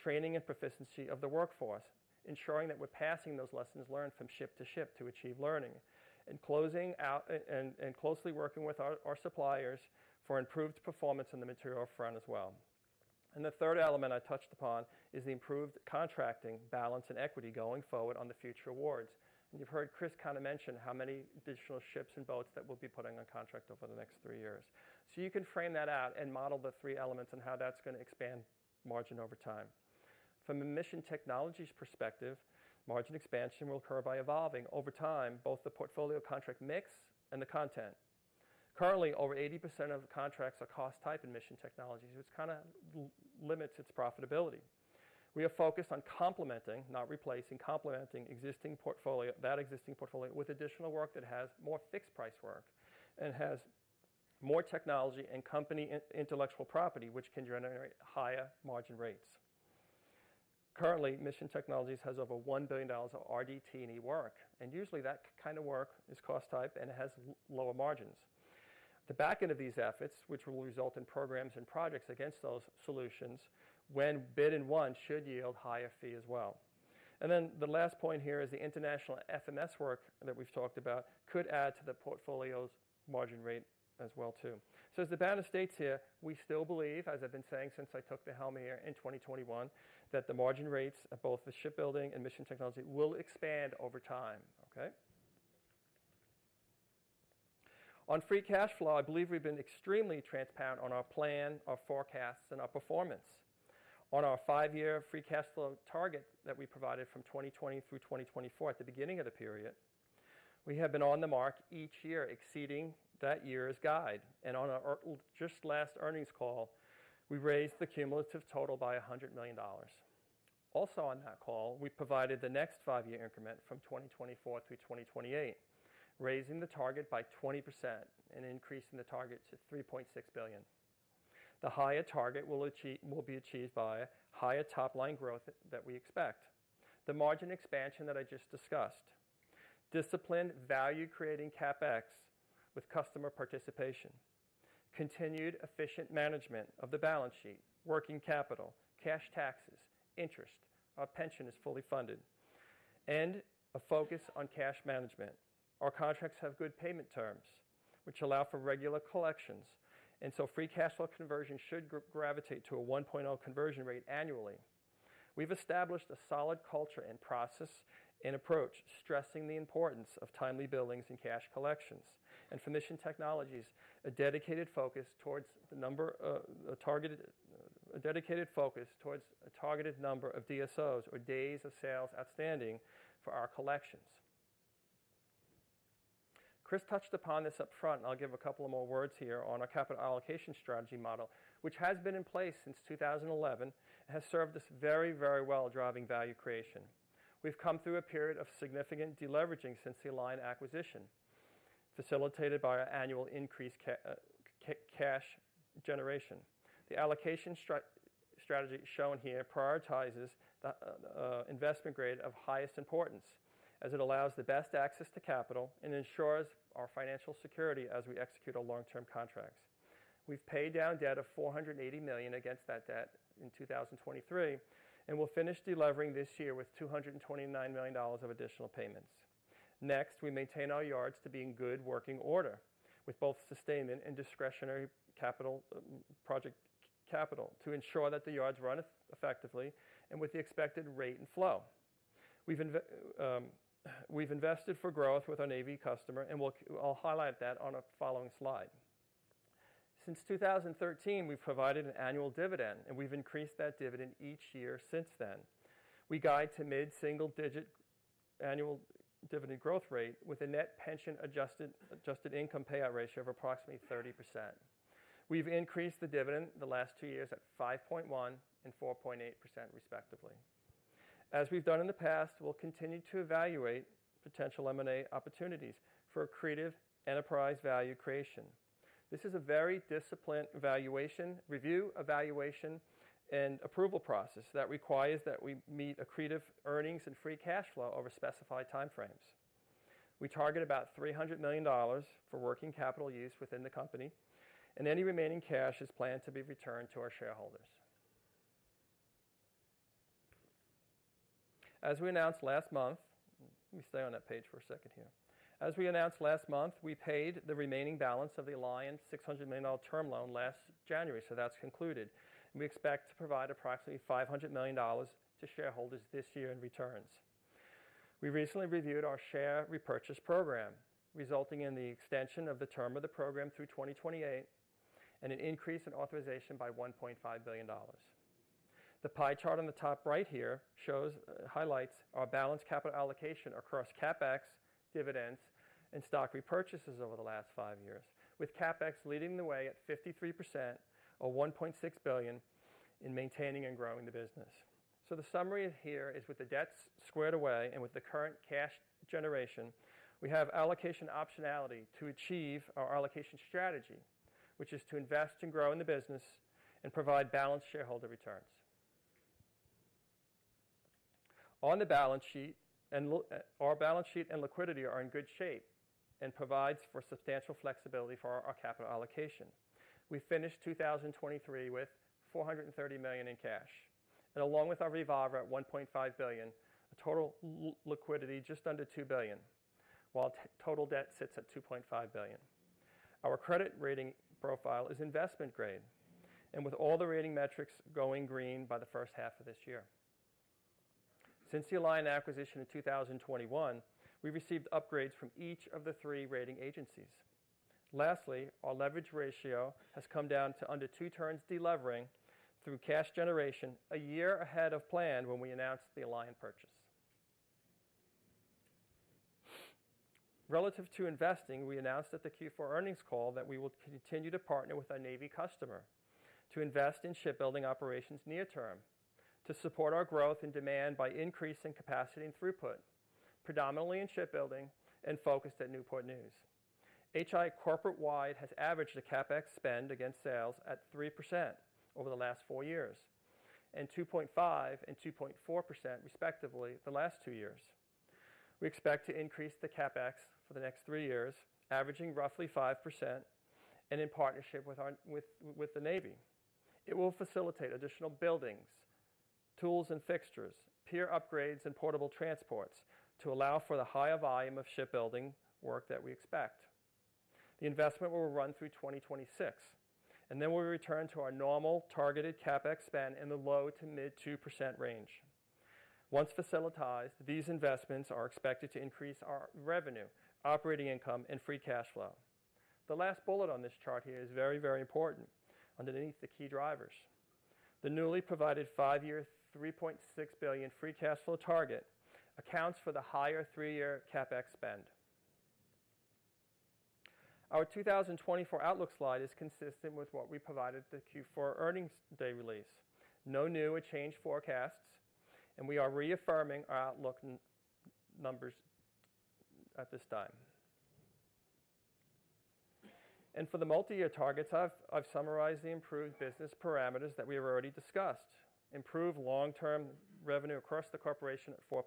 training and proficiency of the workforce, ensuring that we're passing those lessons learned from ship to ship to achieve learning, and closing out and closely working with our suppliers for improved performance on the material front as well. The third element I touched upon is the improved contracting balance and equity going forward on the future awards. You've heard Chris kind of mention how many additional ships and boats that we'll be putting on contract over the next three years. You can frame that out and model the three elements and how that's gonna expand margin over time. From a Mission Technologies perspective, margin expansion will occur by evolving over time, both the portfolio contract mix and the content. Currently, over 80% of contracts are cost type in Mission Technologies, which kinda limits its profitability. We are focused on complementing, not replacing, complementing existing portfolio, that existing portfolio with additional work that has more fixed price work and has more technology and company intellectual property, which can generate higher margin rates. Currently, Mission Technologies has over $1 billion of RDT&E work, and usually that kind of work is cost type and has lower margins. The back end of these efforts, which will result in programs and projects against those solutions when bid and won, should yield higher fee as well. And then the last point here is the international FMS work that we've talked about could add to the portfolio's margin rate as well, too. So as the banner states here, we still believe, as I've been saying since I took the helm here in 2021, that the margin rates of both the shipbuilding and Mission Technologies will expand over time, okay? On free cash flow, I believe we've been extremely transparent on our plan, our forecasts, and our performance. On our five-year free cash flow target that we provided from 2020 through 2024 at the beginning of the period, we have been on the mark each year, exceeding that year's guide, and just last earnings call, we raised the cumulative total by $100 million. Also, on that call, we provided the next five-year increment from 2024 through 2028, raising the target by 20% and increasing the target to $3.6 billion. The higher target will achieve, will be achieved by higher top-line growth that we expect. The margin expansion that I just discussed, disciplined value creating CapEx with customer participation, continued efficient management of the balance sheet, working capital, cash taxes, interest. Our pension is fully funded and a focus on cash management. Our contracts have good payment terms, which allow for regular collections, and so free cash flow conversion should gravitate to a 1.0 conversion rate annually. We've established a solid culture and process and approach, stressing the importance of timely billings and cash collections, and for Mission Technologies, a dedicated focus towards the number, a targeted, a dedicated focus towards a targeted number of DSOs or days of sales outstanding for our collections. Chris touched upon this up front, and I'll give a couple of more words here on our capital allocation strategy model, which has been in place since 2011 and has served us very, very well driving value creation. We've come through a period of significant deleveraging since the Alion acquisition, facilitated by our annual increased cash generation. The allocation strategy shown here prioritizes the investment grade of highest importance, as it allows the best access to capital and ensures our financial security as we execute our long-term contracts. We've paid down debt of $480 million against that debt in 2023, and we'll finish delevering this year with $229 million of additional payments. Next, we maintain our yards to be in good working order, with both sustainment and discretionary capital, project capital, to ensure that the yards run effectively and with the expected rate and flow. We've invested for growth with our Navy customer, and we'll, I'll highlight that on a following slide. Since 2013, we've provided an annual dividend, and we've increased that dividend each year since then. We guide to mid-single-digit annual dividend growth rate with a net pension adjusted, adjusted income payout ratio of approximately 30%. We've increased the dividend the last two years at 5.1% and 4.8%, respectively. As we've done in the past, we'll continue to evaluate potential M&A opportunities for accretive enterprise value creation. This is a very disciplined evaluation, review, evaluation, and approval process that requires that we meet accretive earnings and free cash flow over specified time frames. We target about $300 million for working capital use within the company, and any remaining cash is planned to be returned to our shareholders. As we announced last month. Let me stay on that page for a second here. As we announced last month, we paid the remaining balance of the Alion $600 million term loan last January, so that's concluded. We expect to provide approximately $500 million to shareholders this year in returns. We recently reviewed our share repurchase program, resulting in the extension of the term of the program through 2028 and an increase in authorization by $1.5 billion. The pie chart on the top right here shows highlights our balanced capital allocation across CapEx, dividends, and stock repurchases over the last five years, with CapEx leading the way at 53% or $1.6 billion in maintaining and growing the business. So the summary here is with the debts squared away and with the current cash generation, we have allocation optionality to achieve our allocation strategy, which is to invest and grow in the business and provide balanced shareholder returns. Our balance sheet and liquidity are in good shape and provides for substantial flexibility for our capital allocation. We finished 2023 with $430 million in cash, and along with our revolver at $1.5 billion, a total liquidity just under $2 billion, while total debt sits at $2.5 billion. Our credit rating profile is investment grade, and with all the rating metrics going green by the first half of this year. Since the Alion acquisition in 2021, we received upgrades from each of the three rating agencies. Lastly, our leverage ratio has come down to under two turns, delevering through cash generation, a year ahead of plan when we announced the Alion purchase. Relative to investing, we announced at the Q4 earnings call that we will continue to partner with our Navy customer to invest in shipbuilding operations near term, to support our growth and demand by increasing capacity and throughput, predominantly in shipbuilding and focused at Newport News. HII corporate-wide has averaged a CapEx spend against sales at 3% over the last four years, and 2.5% and 2.4% respectively, the last two years. We expect to increase the CapEx for the next three years, averaging roughly 5% and in partnership with our with the Navy. It will facilitate additional buildings, tools and fixtures, pier upgrades, and portable transports to allow for the higher volume of shipbuilding work that we expect. The investment will run through 2026, and then we'll return to our normal targeted CapEx spend in the low to mid 2% range. Once facilitized, these investments are expected to increase our revenue, operating income, and free cash flow. The last bullet on this chart here is very, very important underneath the key drivers. The newly provided five-year, $3.6 billion free cash flow target accounts for the higher three-year CapEx spend. Our 2024 outlook slide is consistent with what we provided the Q4 earnings day release. No new or changed forecasts, and we are reaffirming our outlook numbers at this time. For the multi-year targets, I've summarized the improved business parameters that we have already discussed. Improved long-term revenue across the corporation at 4%+.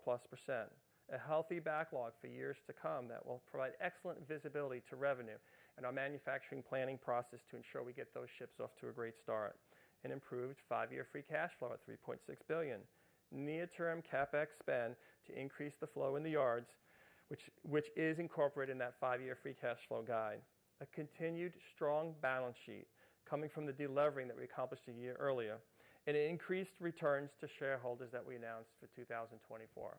A healthy backlog for years to come that will provide excellent visibility to revenue, and our manufacturing planning process to ensure we get those ships off to a great start. An improved five-year free cash flow of $3.6 billion. Near-term CapEx spend to increase the flow in the yards, which is incorporated in that five-year free cash flow guide. A continued strong balance sheet coming from the delevering that we accomplished a year earlier, and increased returns to shareholders that we announced for 2024.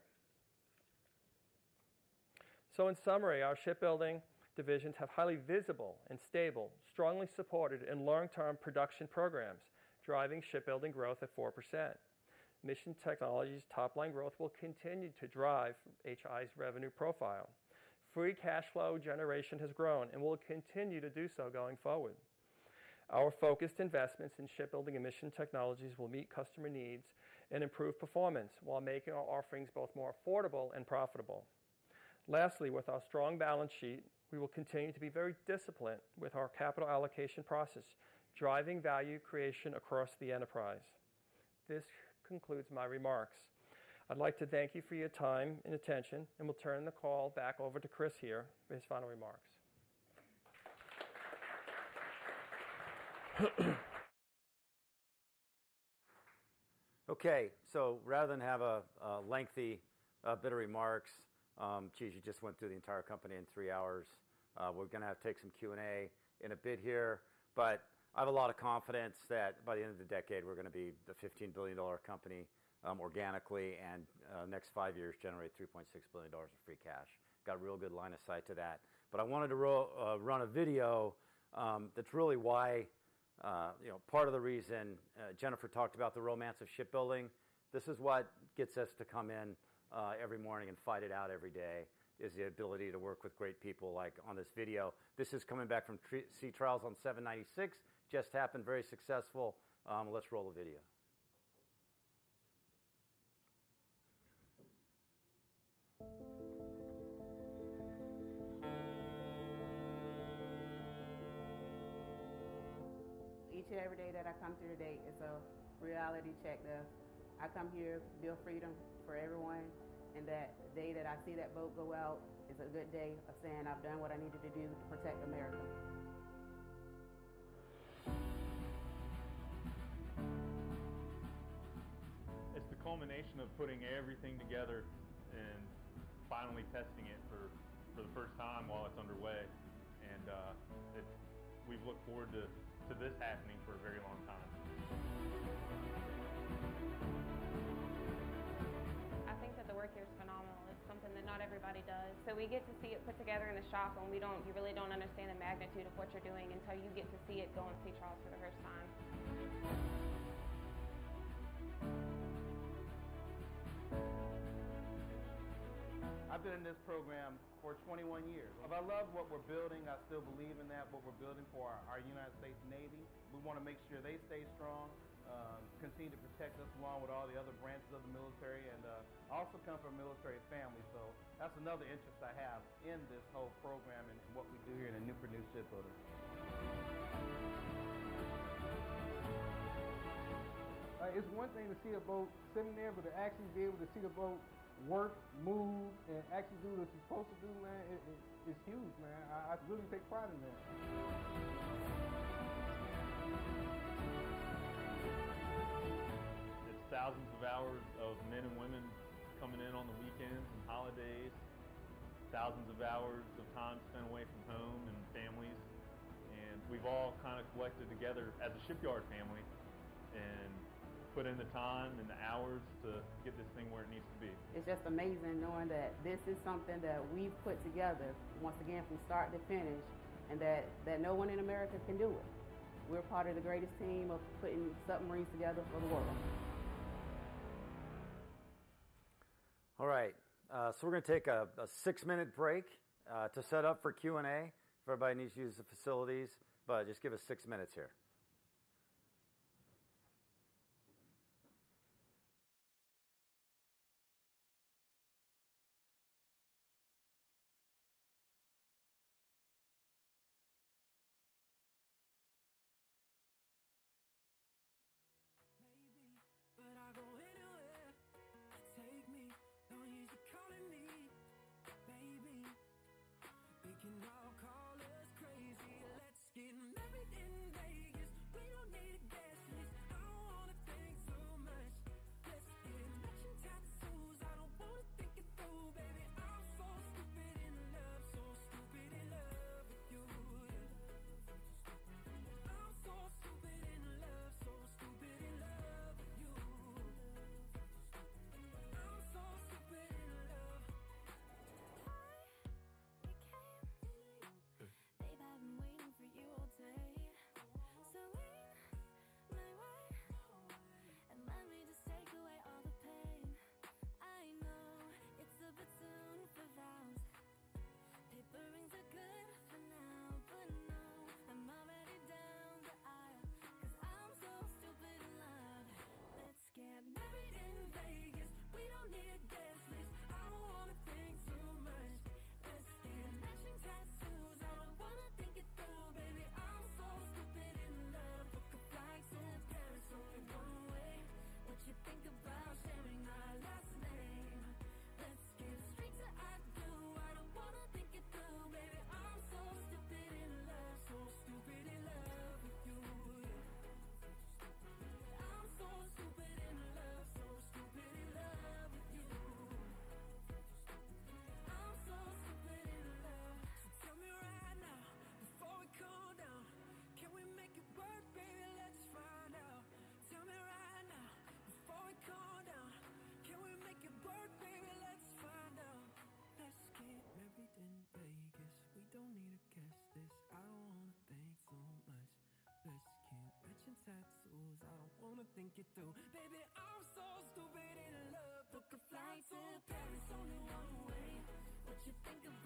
So in summary, our shipbuilding divisions have highly visible and stable, strongly supported and long-term production programs, driving shipbuilding growth at 4%. Mission Technologies' top-line growth will continue to drive HII's revenue profile. Free cash flow generation has grown and will continue to do so going forward. Our focused investments in shipbuilding and mission technologies will meet customer needs and improve performance while making our offerings both more affordable and profitable. Lastly, with our strong balance sheet, we will continue to be very disciplined with our capital allocation process, driving value creation across the enterprise. This concludes my remarks. I'd like to thank you for your time and attention, and we'll turn the call back over to Chris here for his final remarks. Okay, so rather than have a lengthy bit of remarks, you just went through the entire company in three hours. We're gonna have to take some Q&A in a bit here, but I have a lot of confidence that by the end of the decade, we're gonna be the 15 billion-dollar company, organically, and next five years, generate $3.6 billion in free cash. Got a real good line of sight to that. But I wanted to run a video, that's really why, you know, part of the reason Jennifer talked about the romance of shipbuilding. This is what gets us to come in every morning and fight it out every day, is the ability to work with great people like on this video. This is coming back from sea trials on 796. Just happened, very successful. Let's roll the video. Each and every day that I come through the gate is a reality check that I come here to build freedom for everyone, and that the day that I see that boat go out is a good day of saying, "I've done what I needed to do to protect America." It's the culmination of putting everything together and finally testing it for the first time while it's underway. We've looked forward to this happening for a very long time. I think that the work here is phenomenal. It's something that not everybody does. So we get to see it put together in a shop. You really don't understand the magnitude of what you're doing until you get to see it go on sea trials for the first time. I've been in this program for 21 years. I love what we're building. I still believe in that, what we're building for our United States Navy. We wanna make sure they stay strong, continue to protect us along with all the other branches of the military. I also come from a military family, so that's another interest I have in this whole program and what we do here in the Newport News Shipbuilding. It's one thing to see a boat sitting there, but to actually be able to see the boat work, move, and actually do what it's supposed to do, man, it, it's huge, man. I really take pride in that. It's thousands of hours of men and women coming in on the weekends and holidays, thousands of hours of time spent away from home and families, and we've all kind of collected together as a shipyard family and put in the time and the hours to get this thing where it needs to be. It's just amazing knowing that this is something that we've put together, once again, from start to finish, and that no one in America can do it. We're part of the greatest team of putting submarines together for the world. All right, so we're gonna take a six-minute break to set up for Q&A. If everybody needs to use the facilities, but just give us six minutes here. Christie,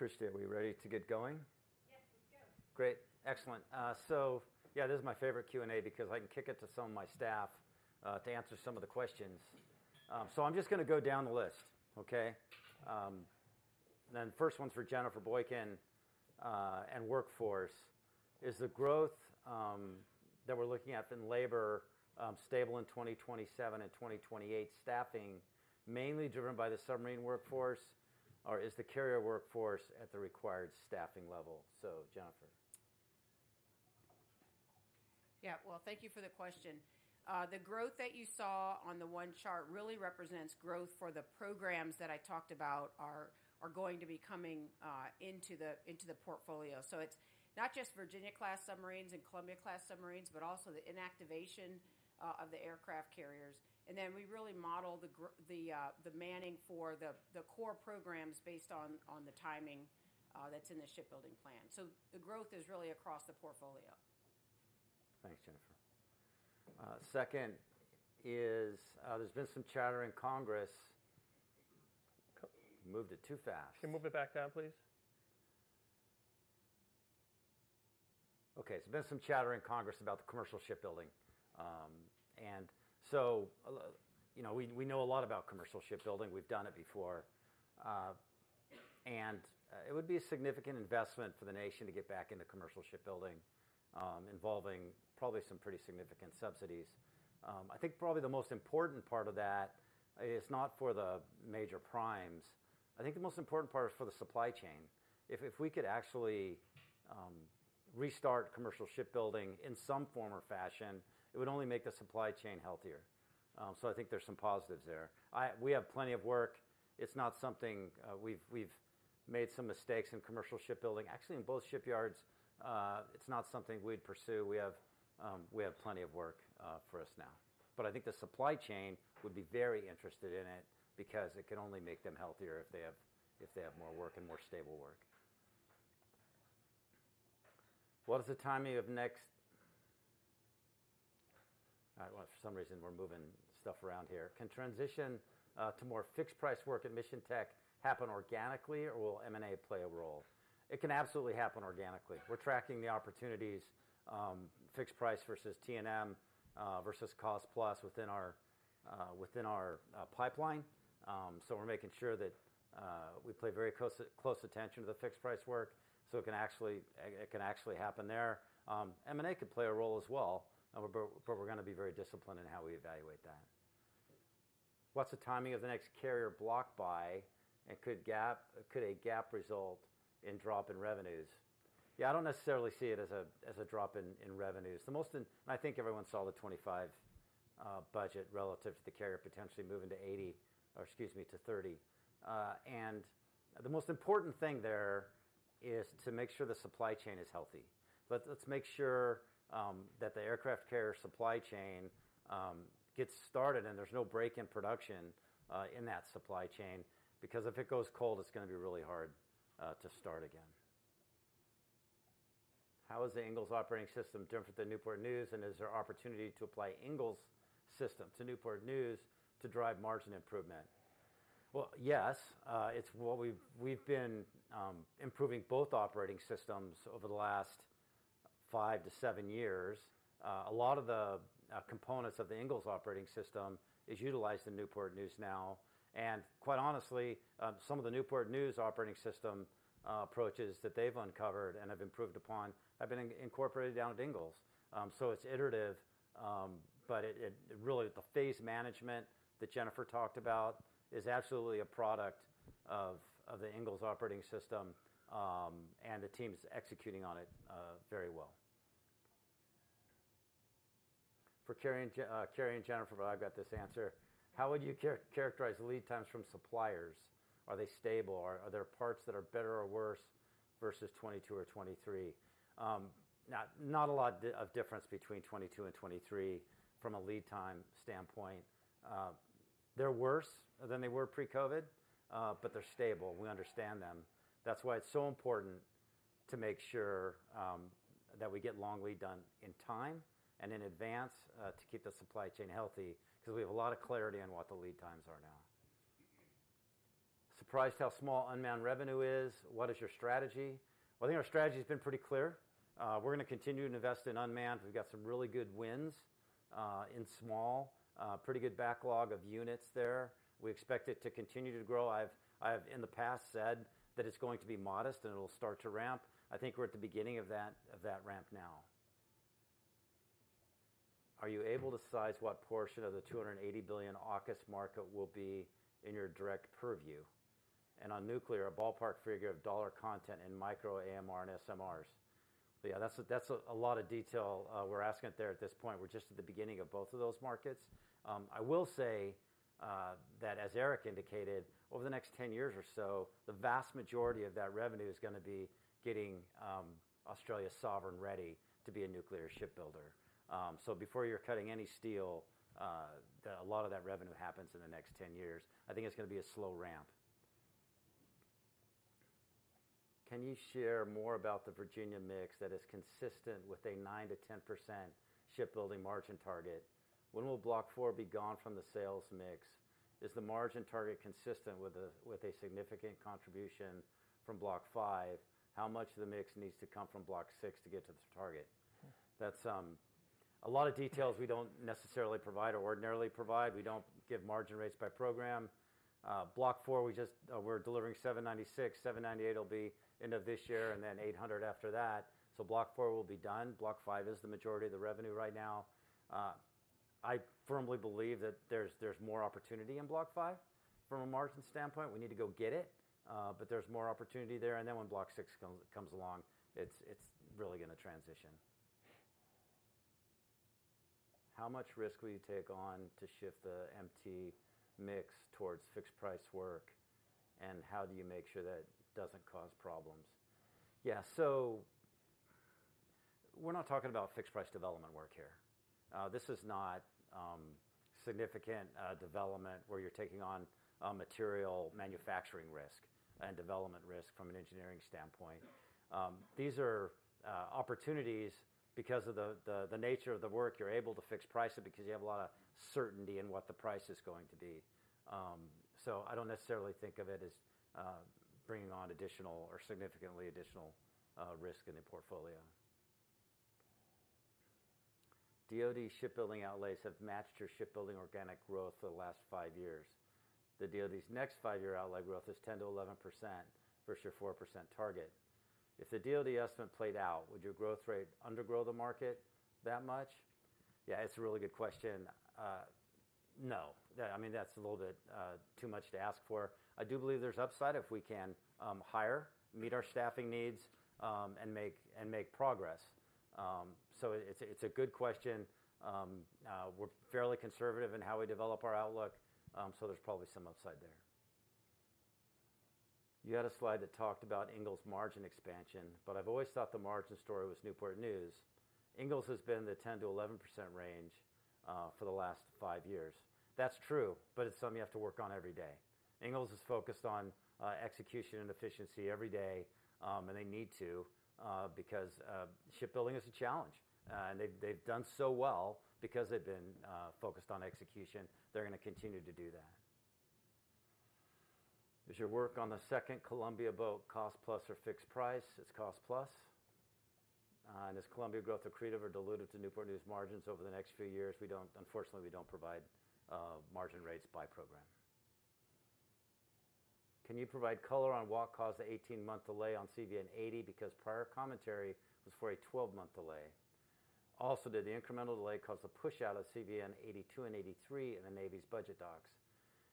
are we ready to get going? Yes, let's go. Great, excellent. So yeah, this is my favorite Q&A because I can kick it to some of my staff to answer some of the questions. So I'm just gonna go down the list, okay? Then first one's for Jennifer Boykin, and workforce. Is the growth that we're looking at in labor stable in 2027 and 2028 staffing mainly driven by the submarine workforce, or is the carrier workforce at the required staffing level? So, Jennifer. Yeah. Well, thank you for the question. The growth that you saw on the one chart really represents growth for the programs that I talked about are, are going to be coming into the portfolio. So it's not just Virginia-class submarines and Columbia-class submarines, but also the inactivation of the aircraft carriers. And then we really model the manning for the core programs based on the timing that's in the shipbuilding plan. So the growth is really across the portfolio. Thanks, Jennifer. Second is, there's been some chatter in Congress.. Moved it too fast. Can you move it back down, please? Okay, so there's been some chatter in Congress about the commercial shipbuilding. And so, you know, we know a lot about commercial shipbuilding. We've done it before. And, it would be a significant investment for the nation to get back into commercial shipbuilding, involving probably some pretty significant subsidies. I think probably the most important part of that is not for the major primes. I think the most important part is for the supply chain. If we could actually restart commercial shipbuilding in some form or fashion, it would only make the supply chain healthier. So I think there's some positives there. We have plenty of work. It's not something we've made some mistakes in commercial shipbuilding, actually in both shipyards. It's not something we'd pursue. We have, we have plenty of work for us now. But I think the supply chain would be very interested in it because it can only make them healthier if they have more work and more stable work. What is the timing of next? Well, for some reason, we're moving stuff around here. Can transition to more fixed price work at Mission Tech happen organically, or will M&A play a role? It can absolutely happen organically. We're tracking the opportunities, fixed price versus T&M versus cost plus within our pipeline. So we're making sure that we pay very close attention to the fixed price work, so it can actually happen there. M&A could play a role as well, but we're gonna be very disciplined in how we evaluate that. What's the timing of the next carrier block buy, and could a gap result in drop in revenues? Yeah, I don't necessarily see it as a drop in revenues. And I think everyone saw the 25 budget relative to the carrier potentially moving to 80, or excuse me, to 30. And the most important thing there is to make sure the supply chain is healthy. Let's make sure that the aircraft carrier supply chain gets started, and there's no break in production in that supply chain, because if it goes cold, it's gonna be really hard to start again. How is the Ingalls operating system different than Newport News, and is there opportunity to apply Ingalls system to Newport News to drive margin improvement? Well, yes, it's what we've been improving both operating systems over the last five to seven years. A lot of the components of the Ingalls operating system is utilized in Newport News now, and quite honestly, some of the Newport News operating system approaches that they've uncovered and have improved upon have been incorporated down at Ingalls. So it's iterative, but it really the phase management that Jennifer talked about is absolutely a product of the Ingalls operating system, and the team's executing on it very well. For Kari and Jennifer, but I've got this answer: How would you characterize the lead times from suppliers? Are they stable, or are there parts that are better or worse versus 22 or 23? Not a lot of difference between 22 and 23 from a lead time standpoint. They're worse than they were pre-COVID, but they're stable. We understand them. That's why it's so important to make sure that we get long lead done in time and in advance to keep the supply chain healthy, because we have a lot of clarity on what the lead times are now. Surprised how small unmanned revenue is. What is your strategy? Well, I think our strategy's been pretty clear. We're gonna continue to invest in unmanned. We've got some really good wins in small pretty good backlog of units there. We expect it to continue to grow. I've in the past said that it's going to be modest, and it'll start to ramp. I think we're at the beginning of that ramp now. Are you able to size what portion of the $280 billion AUKUS market will be in your direct purview? And on nuclear, a ballpark figure of dollar content in micro AMR and SMRs. Yeah, that's a lot of detail we're asking there at this point. We're just at the beginning of both of those markets. I will say that as Eric indicated, over the next 10 years or so, the vast majority of that revenue is gonna be getting Australia sovereign ready to be a nuclear shipbuilder. So before you're cutting any steel, a lot of that revenue happens in the next 10 years. I think it's gonna be a slow ramp. Can you share more about the Virginia mix that is consistent with a 9%-10% shipbuilding margin target? When will Block IV be gone from the sales mix? Is the margin target consistent with a significant contribution from Block V? How much of the mix needs to come from Block VI to get to the target? That's a lot of details we don't necessarily provide or ordinarily provide. We don't give margin rates by program. Block IV, we just, we're delivering 796. 798 will be end of this year, and then 800 after that. So Block IV will be done. Block V is the majority of the revenue right now. I firmly believe that there's more opportunity in Block V from a margin standpoint. We need to go get it, but there's more opportunity there, and then when Block VI comes along, it's really gonna transition. How much risk will you take on to shift the MT mix towards fixed-price work, and how do you make sure that it doesn't cause problems? Yeah, so we're not talking about fixed-price development work here. This is not significant development, where you're taking on material manufacturing risk and development risk from an engineering standpoint. These are opportunities because of the nature of the work, you're able to fix price it because you have a lot of certainty in what the price is going to be. So I don't necessarily think of it as bringing on additional or significantly additional risk in the portfolio. DOD shipbuilding outlays have matched your shipbuilding organic growth for the last five years. The DOD's next five-year outlay growth is 10%-11% versus your 4% target. If the DOD estimate played out, would your growth rate undergrow the market that much? Yeah, it's a really good question. No. That, I mean, that's a little bit too much to ask for. I do believe there's upside if we can hire, meet our staffing needs, and make progress. So it's a good question. We're fairly conservative in how we develop our outlook, so there's probably some upside there. You had a slide that talked about Ingalls' margin expansion, but I've always thought the margin story was Newport News. Ingalls has been in the 10%-11% range for the last five years. That's true, but it's something you have to work on every day. Ingalls is focused on execution and efficiency every day, and they need to because shipbuilding is a challenge. They've done so well because they've been focused on execution. They're gonna continue to do that. Is your work on the second Columbia boat cost plus or fixed price? It's cost plus. And is Columbia growth accretive or dilutive to Newport News margins over the next few years? We don't, unfortunately, we don't provide margin rates by program. Can you provide color on what caused the 18-month delay on CVN-80? Because prior commentary was for a 12-month delay. Also, did the incremental delay cause the push out of CVN-82 and 83 in the Navy's budget docs?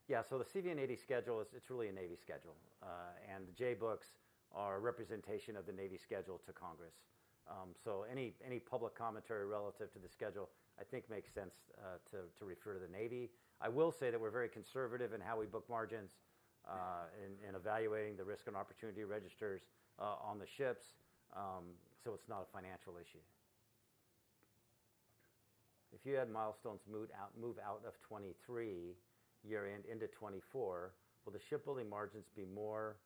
Yeah, so the CVN-80 schedule is, it's really a Navy schedule. The J-books are a representation of the Navy schedule to Congress. So any public commentary relative to the schedule, I think makes sense to refer to the Navy. I will say that we're very conservative in how we book margins in evaluating the risk and opportunity registers on the ships. So it's not a financial issue. If you had milestones move out of 2023 year-end into 2024, will the shipbuilding margins be more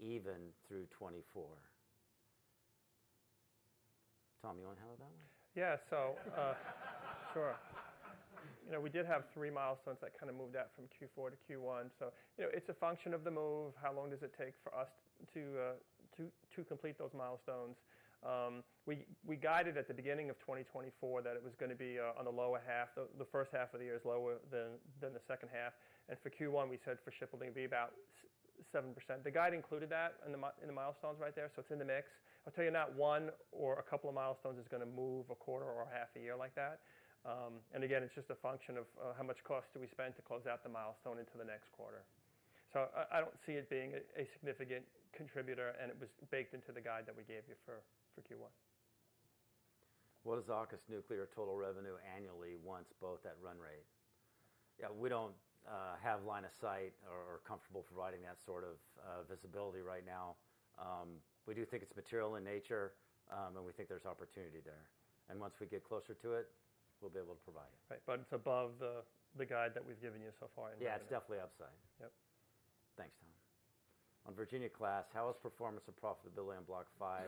even through 2024? Tom, you wanna handle that one? Yeah. So, sure. You know, we did have three milestones that kinda moved out from Q4 to Q1. So, you know, it's a function of the move. How long does it take for us to complete those milestones? We guided at the beginning of 2024 that it was gonna be on the lower half, the first half of the year is lower than the second half. And for Q1, we said for shipbuilding, it'd be about 7%. The guide included that in the milestones right there, so it's in the mix. I'll tell you, not one or a couple of milestones is gonna move a quarter or a half a year like that. And again, it's just a function of how much cost do we spend to close out the milestone into the next quarter. So I don't see it being a significant contributor, and it was baked into the guide that we gave you for Q1. What is AUKUS Nuclear total revenue annually once both at run rate? Yeah, we don't have line of sight or comfortable providing that sort of visibility right now. We do think it's material in nature, and we think there's opportunity there. Once we get closer to it, we'll be able to provide it. Right, but it's above the guide that we've given you so far? Yeah, it's definitely upside. Yep. Thanks, Tom. On Virginia-class, how is performance and profitability on Block V,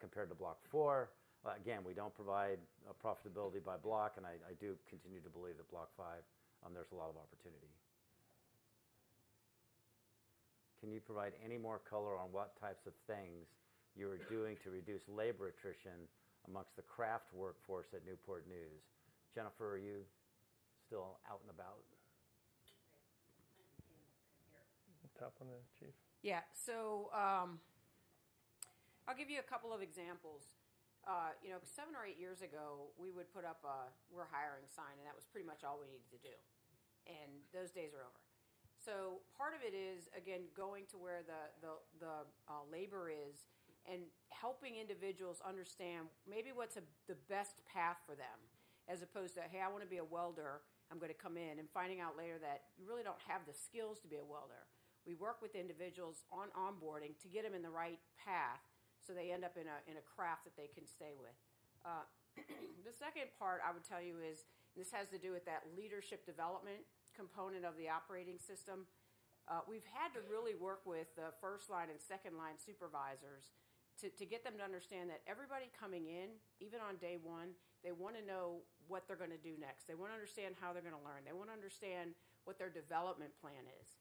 compared to Block IV? Again, we don't provide a profitability by block, and I, I do continue to believe that Block V, there's a lot of opportunity. Can you provide any more color on what types of things you are doing to reduce labor attrition amongst the craft workforce at Newport News? Jennifer, are you still out and about? I'm in here. Hop on in, chief. Yeah. So, I'll give you a couple of examples. You know, seven or eight years ago, we would put up a, "We're hiring" sign, and that was pretty much all we needed to do, and those days are over. So part of it is, again, going to where the labor is and helping individuals understand maybe what's the best path for them, as opposed to, "Hey, I wanna be a welder. I'm gonna come in," and finding out later that you really don't have the skills to be a welder. We work with individuals on onboarding to get them in the right path, so they end up in a craft that they can stay with. The second part I would tell you is, this has to do with that leadership development component of the operating system. We've had to really work with the first line and second-line supervisors to get them to understand that everybody coming in, even on day one, they wanna know what they're gonna do next. They wanna understand how they're gonna learn. They wanna understand what their development plan is.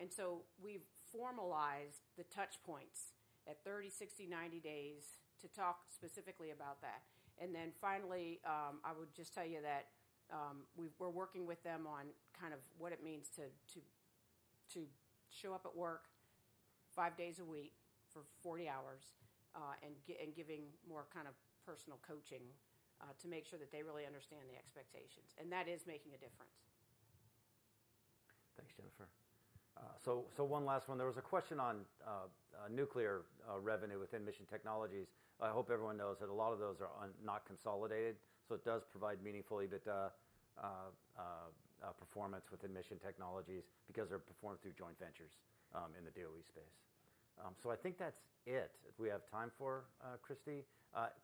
And so we've formalized the touch points at 30, 60, 90 days to talk specifically about that. And then finally, I would just tell you that, we're working with them on kind of what it means to show up at work five days a week for 40 hours, and giving more kind of personal coaching to make sure that they really understand the expectations, and that is making a difference. Thanks, Jennifer. So, one last one. There was a question on nuclear revenue within Mission Technologies. I hope everyone knows that a lot of those are not consolidated, so it does provide meaningful EBITDA performance within Mission Technologies because they're performed through joint ventures in the DOE space. So I think that's it. If we have time for Christie,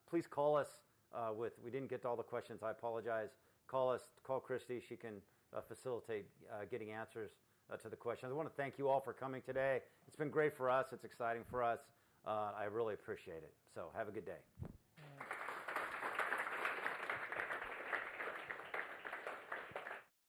please call us with... We didn't get to all the questions. I apologize. Call us. Call Christie, she can facilitate getting answers to the questions. I wanna thank you all for coming today. It's been great for us. It's exciting for us. I really appreciate it. So have a good day.